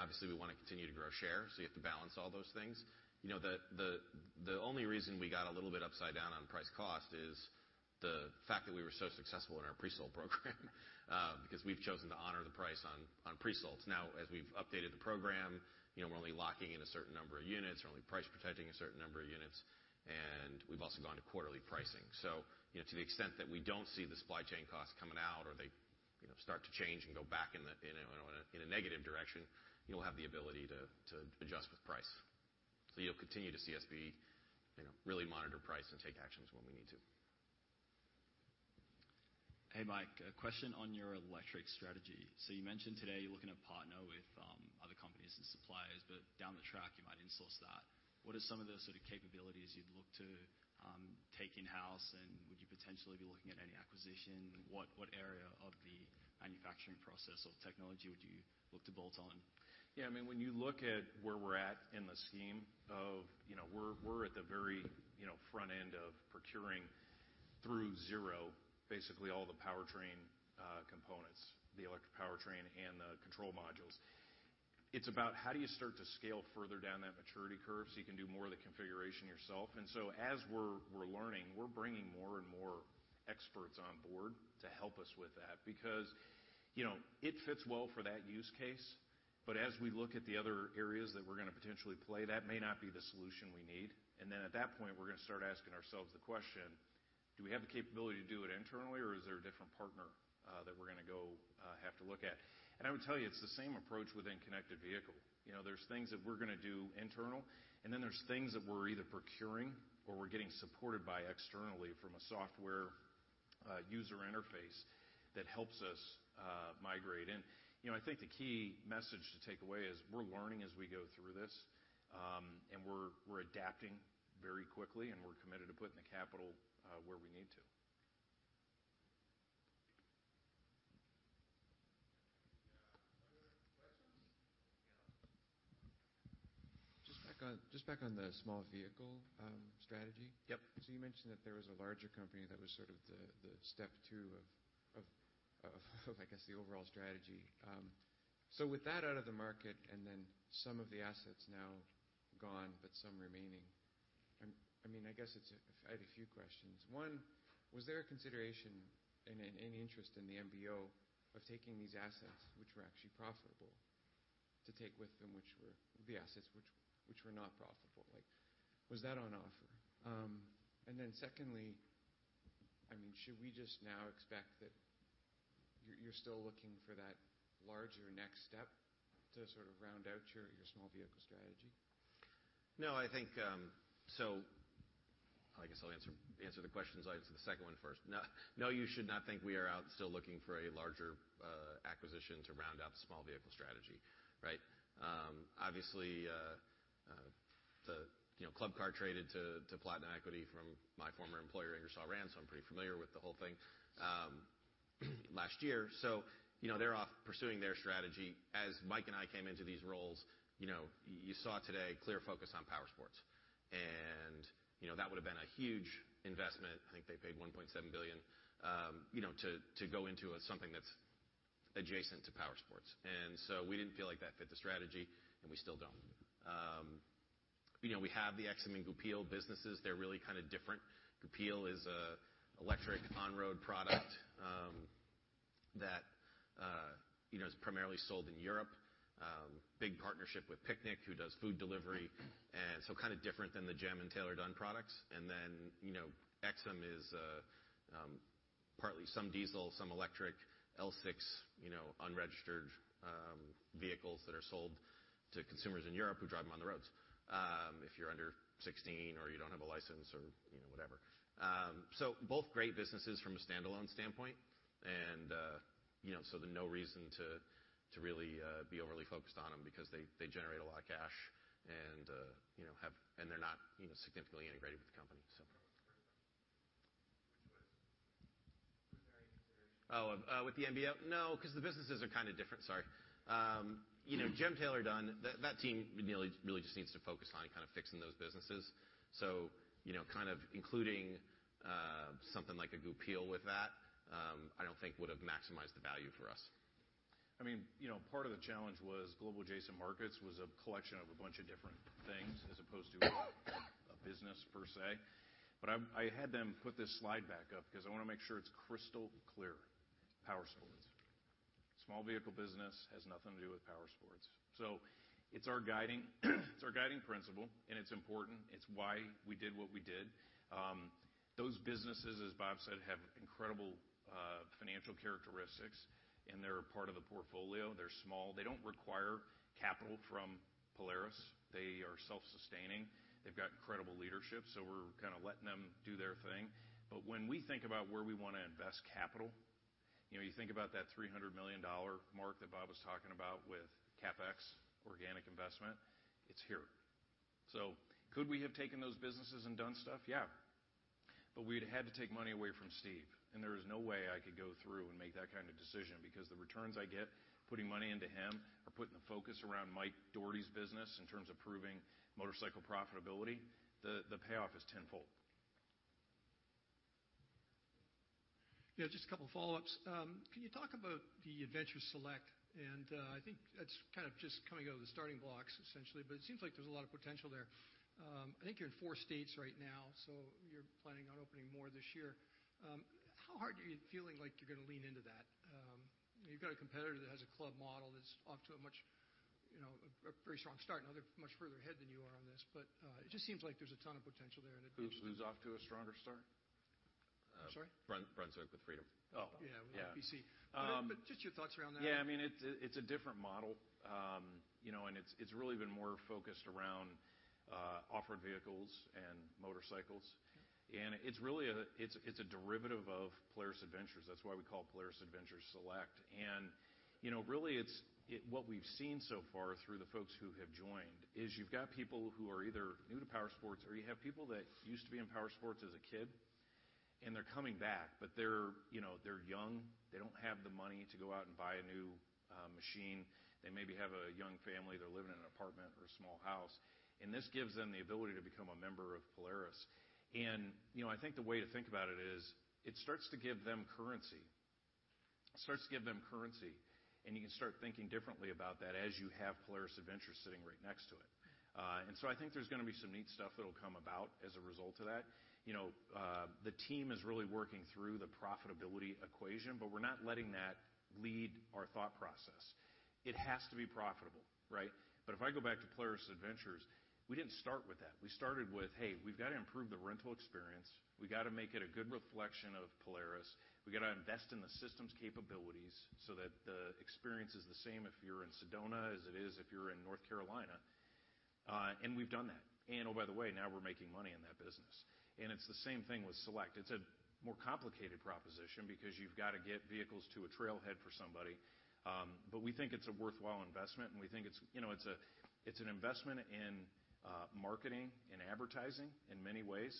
Obviously, we wanna continue to grow share, so you have to balance all those things. You know, the only reason we got a little bit upside down on price cost is the fact that we were so successful in our presale program, because we've chosen to honor the price on presales. Now, as we've updated the program, you know, we're only locking in a certain number of units. We're only price protecting a certain number of units, and we've also gone to quarterly pricing. You know, to the extent that we don't see the supply chain costs coming out or they, you know, start to change and go back in a negative direction, you'll have the ability to adjust with price. You'll continue to see us be, you know, really monitor price and take actions when we need to. Hey, Mike, a question on your electric strategy. You mentioned today you're looking to partner with, best-in-class suppliers, but down the track you might insource that. What are some of the sort of capabilities you'd look to take in-house, and would you potentially be looking at any acquisition? What area of the manufacturing process or technology would you look to build on? Yeah, I mean, when you look at where we're at in the scheme of, you know, we're at the very, you know, front end of procuring through Zero, basically all the powertrain components, the electric powertrain and the control modules. It's about how do you start to scale further down that maturity curve so you can do more of the configuration yourself. As we're learning, we're bringing more and more experts on board to help us with that because, you know, it fits well for that use case. As we look at the other areas that we're gonna potentially play, that may not be the solution we need. Then at that point, we're gonna start asking ourselves the question, do we have the capability to do it internally, or is there a different partner that we're gonna go have to look at? I would tell you, it's the same approach within connected vehicle. You know, there's things that we're gonna do internal, and then there's things that we're either procuring or we're getting supported by externally from a software user interface that helps us migrate. You know, I think the key message to take away is we're learning as we go through this, and we're adapting very quickly, and we're committed to putting the capital where we need to. Any other questions? Yeah. Just back on the small vehicle strategy. Yep. You mentioned that there was a larger company that was sort of the step two of the overall strategy. With that out of the market and then some of the assets now gone, but some remaining, I mean, I guess I had a few questions. One, was there a consideration and an interest in the MBO of taking these assets which were actually profitable to take with them, which were the assets which were not profitable? Like, was that on offer? And then secondly, I mean, should we just now expect that you're still looking for that larger next step to sort of round out your small vehicle strategy? No, I think so I guess I'll answer the questions. I'll answer the second one first. No, you should not think we are out still looking for a larger acquisition to round out the small vehicle strategy, right? Obviously, you know, Club Car traded to Platinum Equity from my former employer, Ingersoll Rand, so I'm pretty familiar with the whole thing last year. You know, they're off pursuing their strategy. As Mike and I came into these roles, you know, you saw today clear focus on powersports. You know, that would have been a huge investment, I think they paid $1.7 billion, you know, to go into something that's adjacent to powersports. We didn't feel like that fit the strategy, and we still don't. You know, we have the Aixam and Goupil businesses. They're really kind of different. Goupil is an electric on-road product that you know is primarily sold in Europe. Big partnership with Picnic, who does food delivery and so kind of different than the GEM and Taylor-Dunn products. You know, Aixam is partly some diesel, some electric L6e, you know, unregistered vehicles that are sold to consumers in Europe who drive them on the roads if you're under 16 or you don't have a license or you know whatever. Both great businesses from a standalone standpoint and you know no reason to really be overly focused on them because they generate a lot of cash and you know they're not significantly integrated with the company, so. With the MBO? No, 'cause the businesses are kinda different, sorry. You know, GEM, Taylor-Dunn, that team really just needs to focus on kind of fixing those businesses. You know, kind of including something like a Goupil with that, I don't think would have maximized the value for us. I mean, you know, part of the challenge was Global Adjacent Markets was a collection of a bunch of different things as opposed to a business per se. I had them put this slide back up because I wanna make sure it's crystal clear. Powersports. Small vehicle business has nothing to do with powersports. It's our guiding principle, and it's important. It's why we did what we did. Those businesses, as Bob said, have incredible financial characteristics, and they're a part of the portfolio. They're small. They don't require capital from Polaris. They are self-sustaining. They've got incredible leadership, so we're kinda letting them do their thing. When we think about where we wanna invest capital, you know, you think about that $300 million mark that Bob was talking about with CapEx, organic investment, it's here. Could we have taken those businesses and done stuff? Yeah. We'd had to take money away from Steve, and there is no way I could go through and make that kind of decision because the returns I get putting money into him or putting the focus around Mike Dougherty's business in terms of proving motorcycle profitability, the payoff is tenfold. Yeah, just a couple follow-ups. Can you talk about the Adventures Select? I think that's kind of just coming out of the starting blocks essentially, but it seems like there's a lot of potential there. I think you're in four states right now, so you're planning on opening more this year. How hard are you feeling like you're gonna lean into that? You've got a competitor that has a club model that's off to a much very strong start. I know they're much further ahead than you are on this, but it just seems like there's a ton of potential there. Who's off to a stronger start? I'm sorry? Brunswick with Freedom. Oh. Yeah, with [APC]. Um- Just your thoughts around that. Yeah, I mean, it's a different model. You know, it's really been more focused around off-road vehicles and motorcycles. It's really a derivative of Polaris Adventures. That's why we call it Polaris Adventures Select. You know, really it's what we've seen so far through the folks who have joined is you've got people who are either new to powersports or you have people that used to be in powersports as a kid, and they're coming back, but they're young. They don't have the money to go out and buy a new machine. They maybe have a young family. They're living in an apartment or a small house. This gives them the ability to become a member of Polaris. You know, I think the way to think about it is it starts to give them currency, and you can start thinking differently about that as you have Polaris Adventures sitting right next to it. I think there's gonna be some neat stuff that'll come about as a result of that. You know, the team is really working through the profitability equation, but we're not letting that lead our thought process. It has to be profitable, right? If I go back to Polaris Adventures, we didn't start with that. We started with, "Hey, we've got to improve the rental experience. We got to make it a good reflection of Polaris. We got to invest in the systems capabilities so that the experience is the same if you're in Sedona as it is if you're in North Carolina. We've done that. Oh, by the way, now we're making money in that business. It's the same thing with Select. It's a more complicated proposition because you've got to get vehicles to a trailhead for somebody. We think it's a worthwhile investment and we think it's, you know, it's an investment in marketing and advertising in many ways,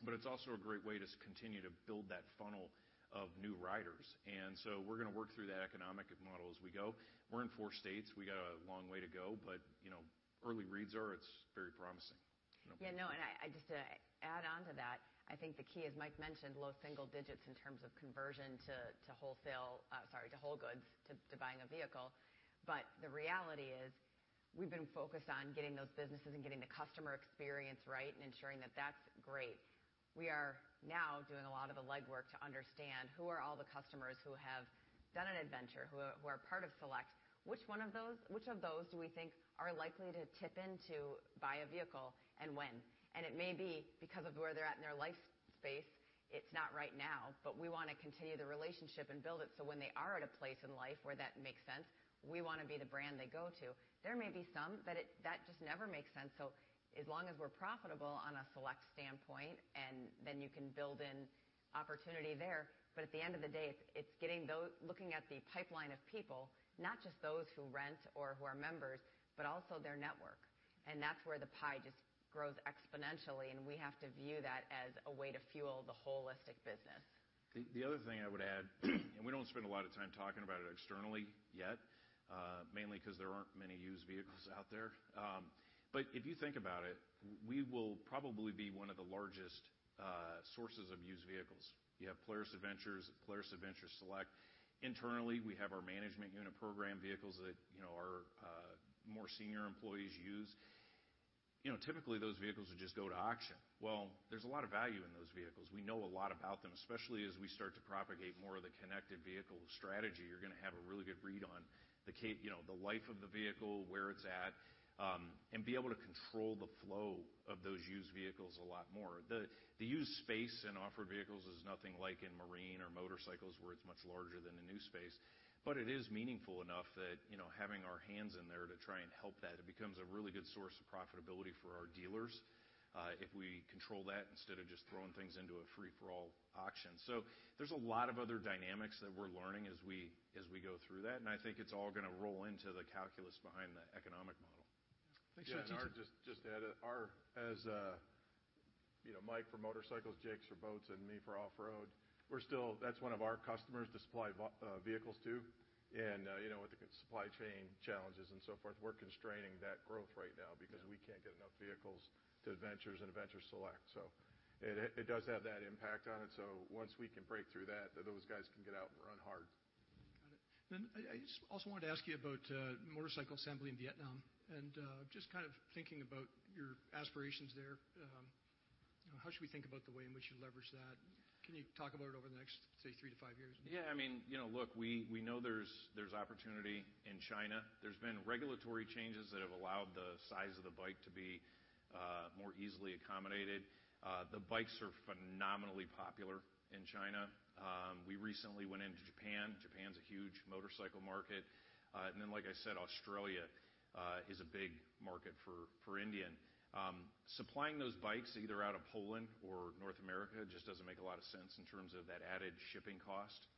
but it's also a great way to continue to build that funnel of new riders. We're gonna work through that economic model as we go. We're in four states, we got a long way to go, but, you know, early reads are it's very promising. Yeah, no, I just to add on to that, I think the key, as Mike mentioned, low single digits in terms of conversion to whole goods, to buying a vehicle. But the reality is we've been focused on getting those businesses and getting the customer experience right and ensuring that that's great. We are now doing a lot of the legwork to understand who are all the customers who have done an adventure, who are part of Select. Which of those do we think are likely to tip into buy a vehicle and when? It may be because of where they're at in their life stage, it's not right now, but we wanna continue the relationship and build it so when they are at a place in life where that makes sense, we wanna be the brand they go to. There may be some that just never makes sense. As long as we're profitable on a Select standpoint, and then you can build in opportunity there. At the end of the day, it's looking at the pipeline of people, not just those who rent or who are members, but also their network. That's where the pie just grows exponentially, and we have to view that as a way to fuel the holistic business. The other thing I would add, and we don't spend a lot of time talking about it externally yet, mainly 'cause there aren't many used vehicles out there. If you think about it, we will probably be one of the largest sources of used vehicles. You have Polaris Adventures, Polaris Adventures Select. Internally, we have our management unit program vehicles that, you know, our more senior employees use. You know, typically those vehicles would just go to auction. Well, there's a lot of value in those vehicles. We know a lot about them, especially as we start to propagate more of the connected vehicle strategy. You're gonna have a really good read on you know, the life of the vehicle, where it's at, and be able to control the flow of those used vehicles a lot more. The used space in off-road vehicles is nothing like in marine or motorcycles, where it's much larger than the new space. It is meaningful enough that, you know, having our hands in there to try and help that, it becomes a really good source of profitability for our dealers, if we control that instead of just throwing things into a free-for-all auction. There's a lot of other dynamics that we're learning as we go through that, and I think it's all gonna roll into the calculus behind the economic model. Thanks. I'll just add, as you know, Mike for motorcycles, Jake's for boats, and me for off-road, that's one of our customers to supply vehicles to. With the supply chain challenges and so forth, we're constraining that growth right now because we can't get enough vehicles to Adventures and Adventures Select. It does have that impact on it. Once we can break through that, those guys can get out and run hard. Got it. I just also wanted to ask you about motorcycle assembly in Vietnam, and just kind of thinking about your aspirations there. How should we think about the way in which you leverage that? Can you talk about it over the next, say, three-five years? Yeah. I mean, you know, look, we know there's opportunity in China. There's been regulatory changes that have allowed the size of the bike to be more easily accommodated. The bikes are phenomenally popular in China. We recently went into Japan. Japan's a huge motorcycle market. Like I said, Australia is a big market for Indian. Supplying those bikes either out of Poland or North America just doesn't make a lot of sense in terms of that added shipping cost.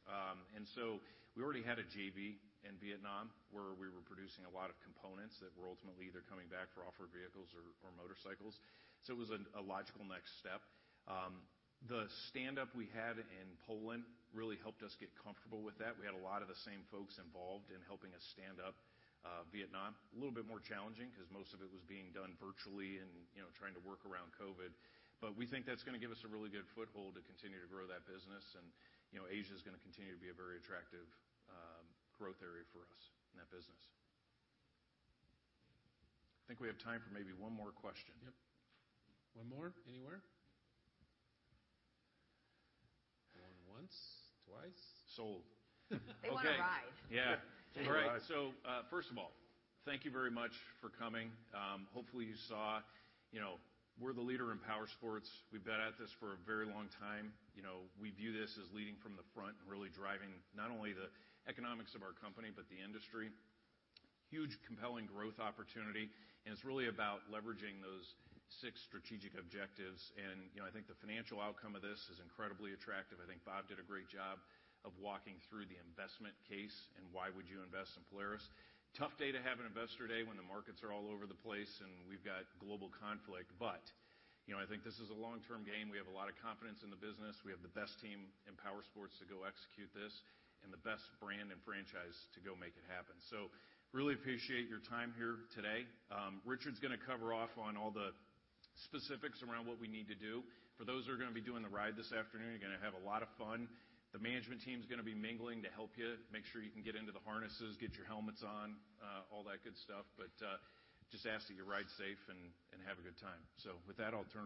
We already had a JV in Vietnam, where we were producing a lot of components that were ultimately either coming back for off-road vehicles or motorcycles. It was a logical next step. The stand-up we had in Poland really helped us get comfortable with that. We had a lot of the same folks involved in helping us stand up Vietnam. It was a little bit more challenging 'cause most of it was being done virtually and, you know, trying to work around COVID. We think that's gonna give us a really good foothold to continue to grow that business. You know, Asia is gonna continue to be a very attractive growth area for us in that business. I think we have time for maybe one more question. Yep. One more, anywhere. Going once, twice. Sold. They wanna ride. Yeah. All right. First of all, thank you very much for coming. Hopefully you saw, you know, we're the leader in powersports. We've been at this for a very long time. You know, we view this as leading from the front and really driving not only the economics of our company, but the industry. Huge compelling growth opportunity. It's really about leveraging those six strategic objectives. You know, I think the financial outcome of this is incredibly attractive. I think Bob did a great job of walking through the investment case and why would you invest in Polaris. Tough day to have an investor day when the markets are all over the place and we've got global conflict, but, you know, I think this is a long-term game. We have a lot of confidence in the business. We have the best team in powersports to go execute this and the best brand and franchise to go make it happen. Really appreciate your time here today. Richard's gonna cover off on all the specifics around what we need to do. For those who are gonna be doing the ride this afternoon, you're gonna have a lot of fun. The management team's gonna be mingling to help you make sure you can get into the harnesses, get your helmets on, all that good stuff. Just ask that you ride safe and have a good time. With that, I'll turn it over to Richard.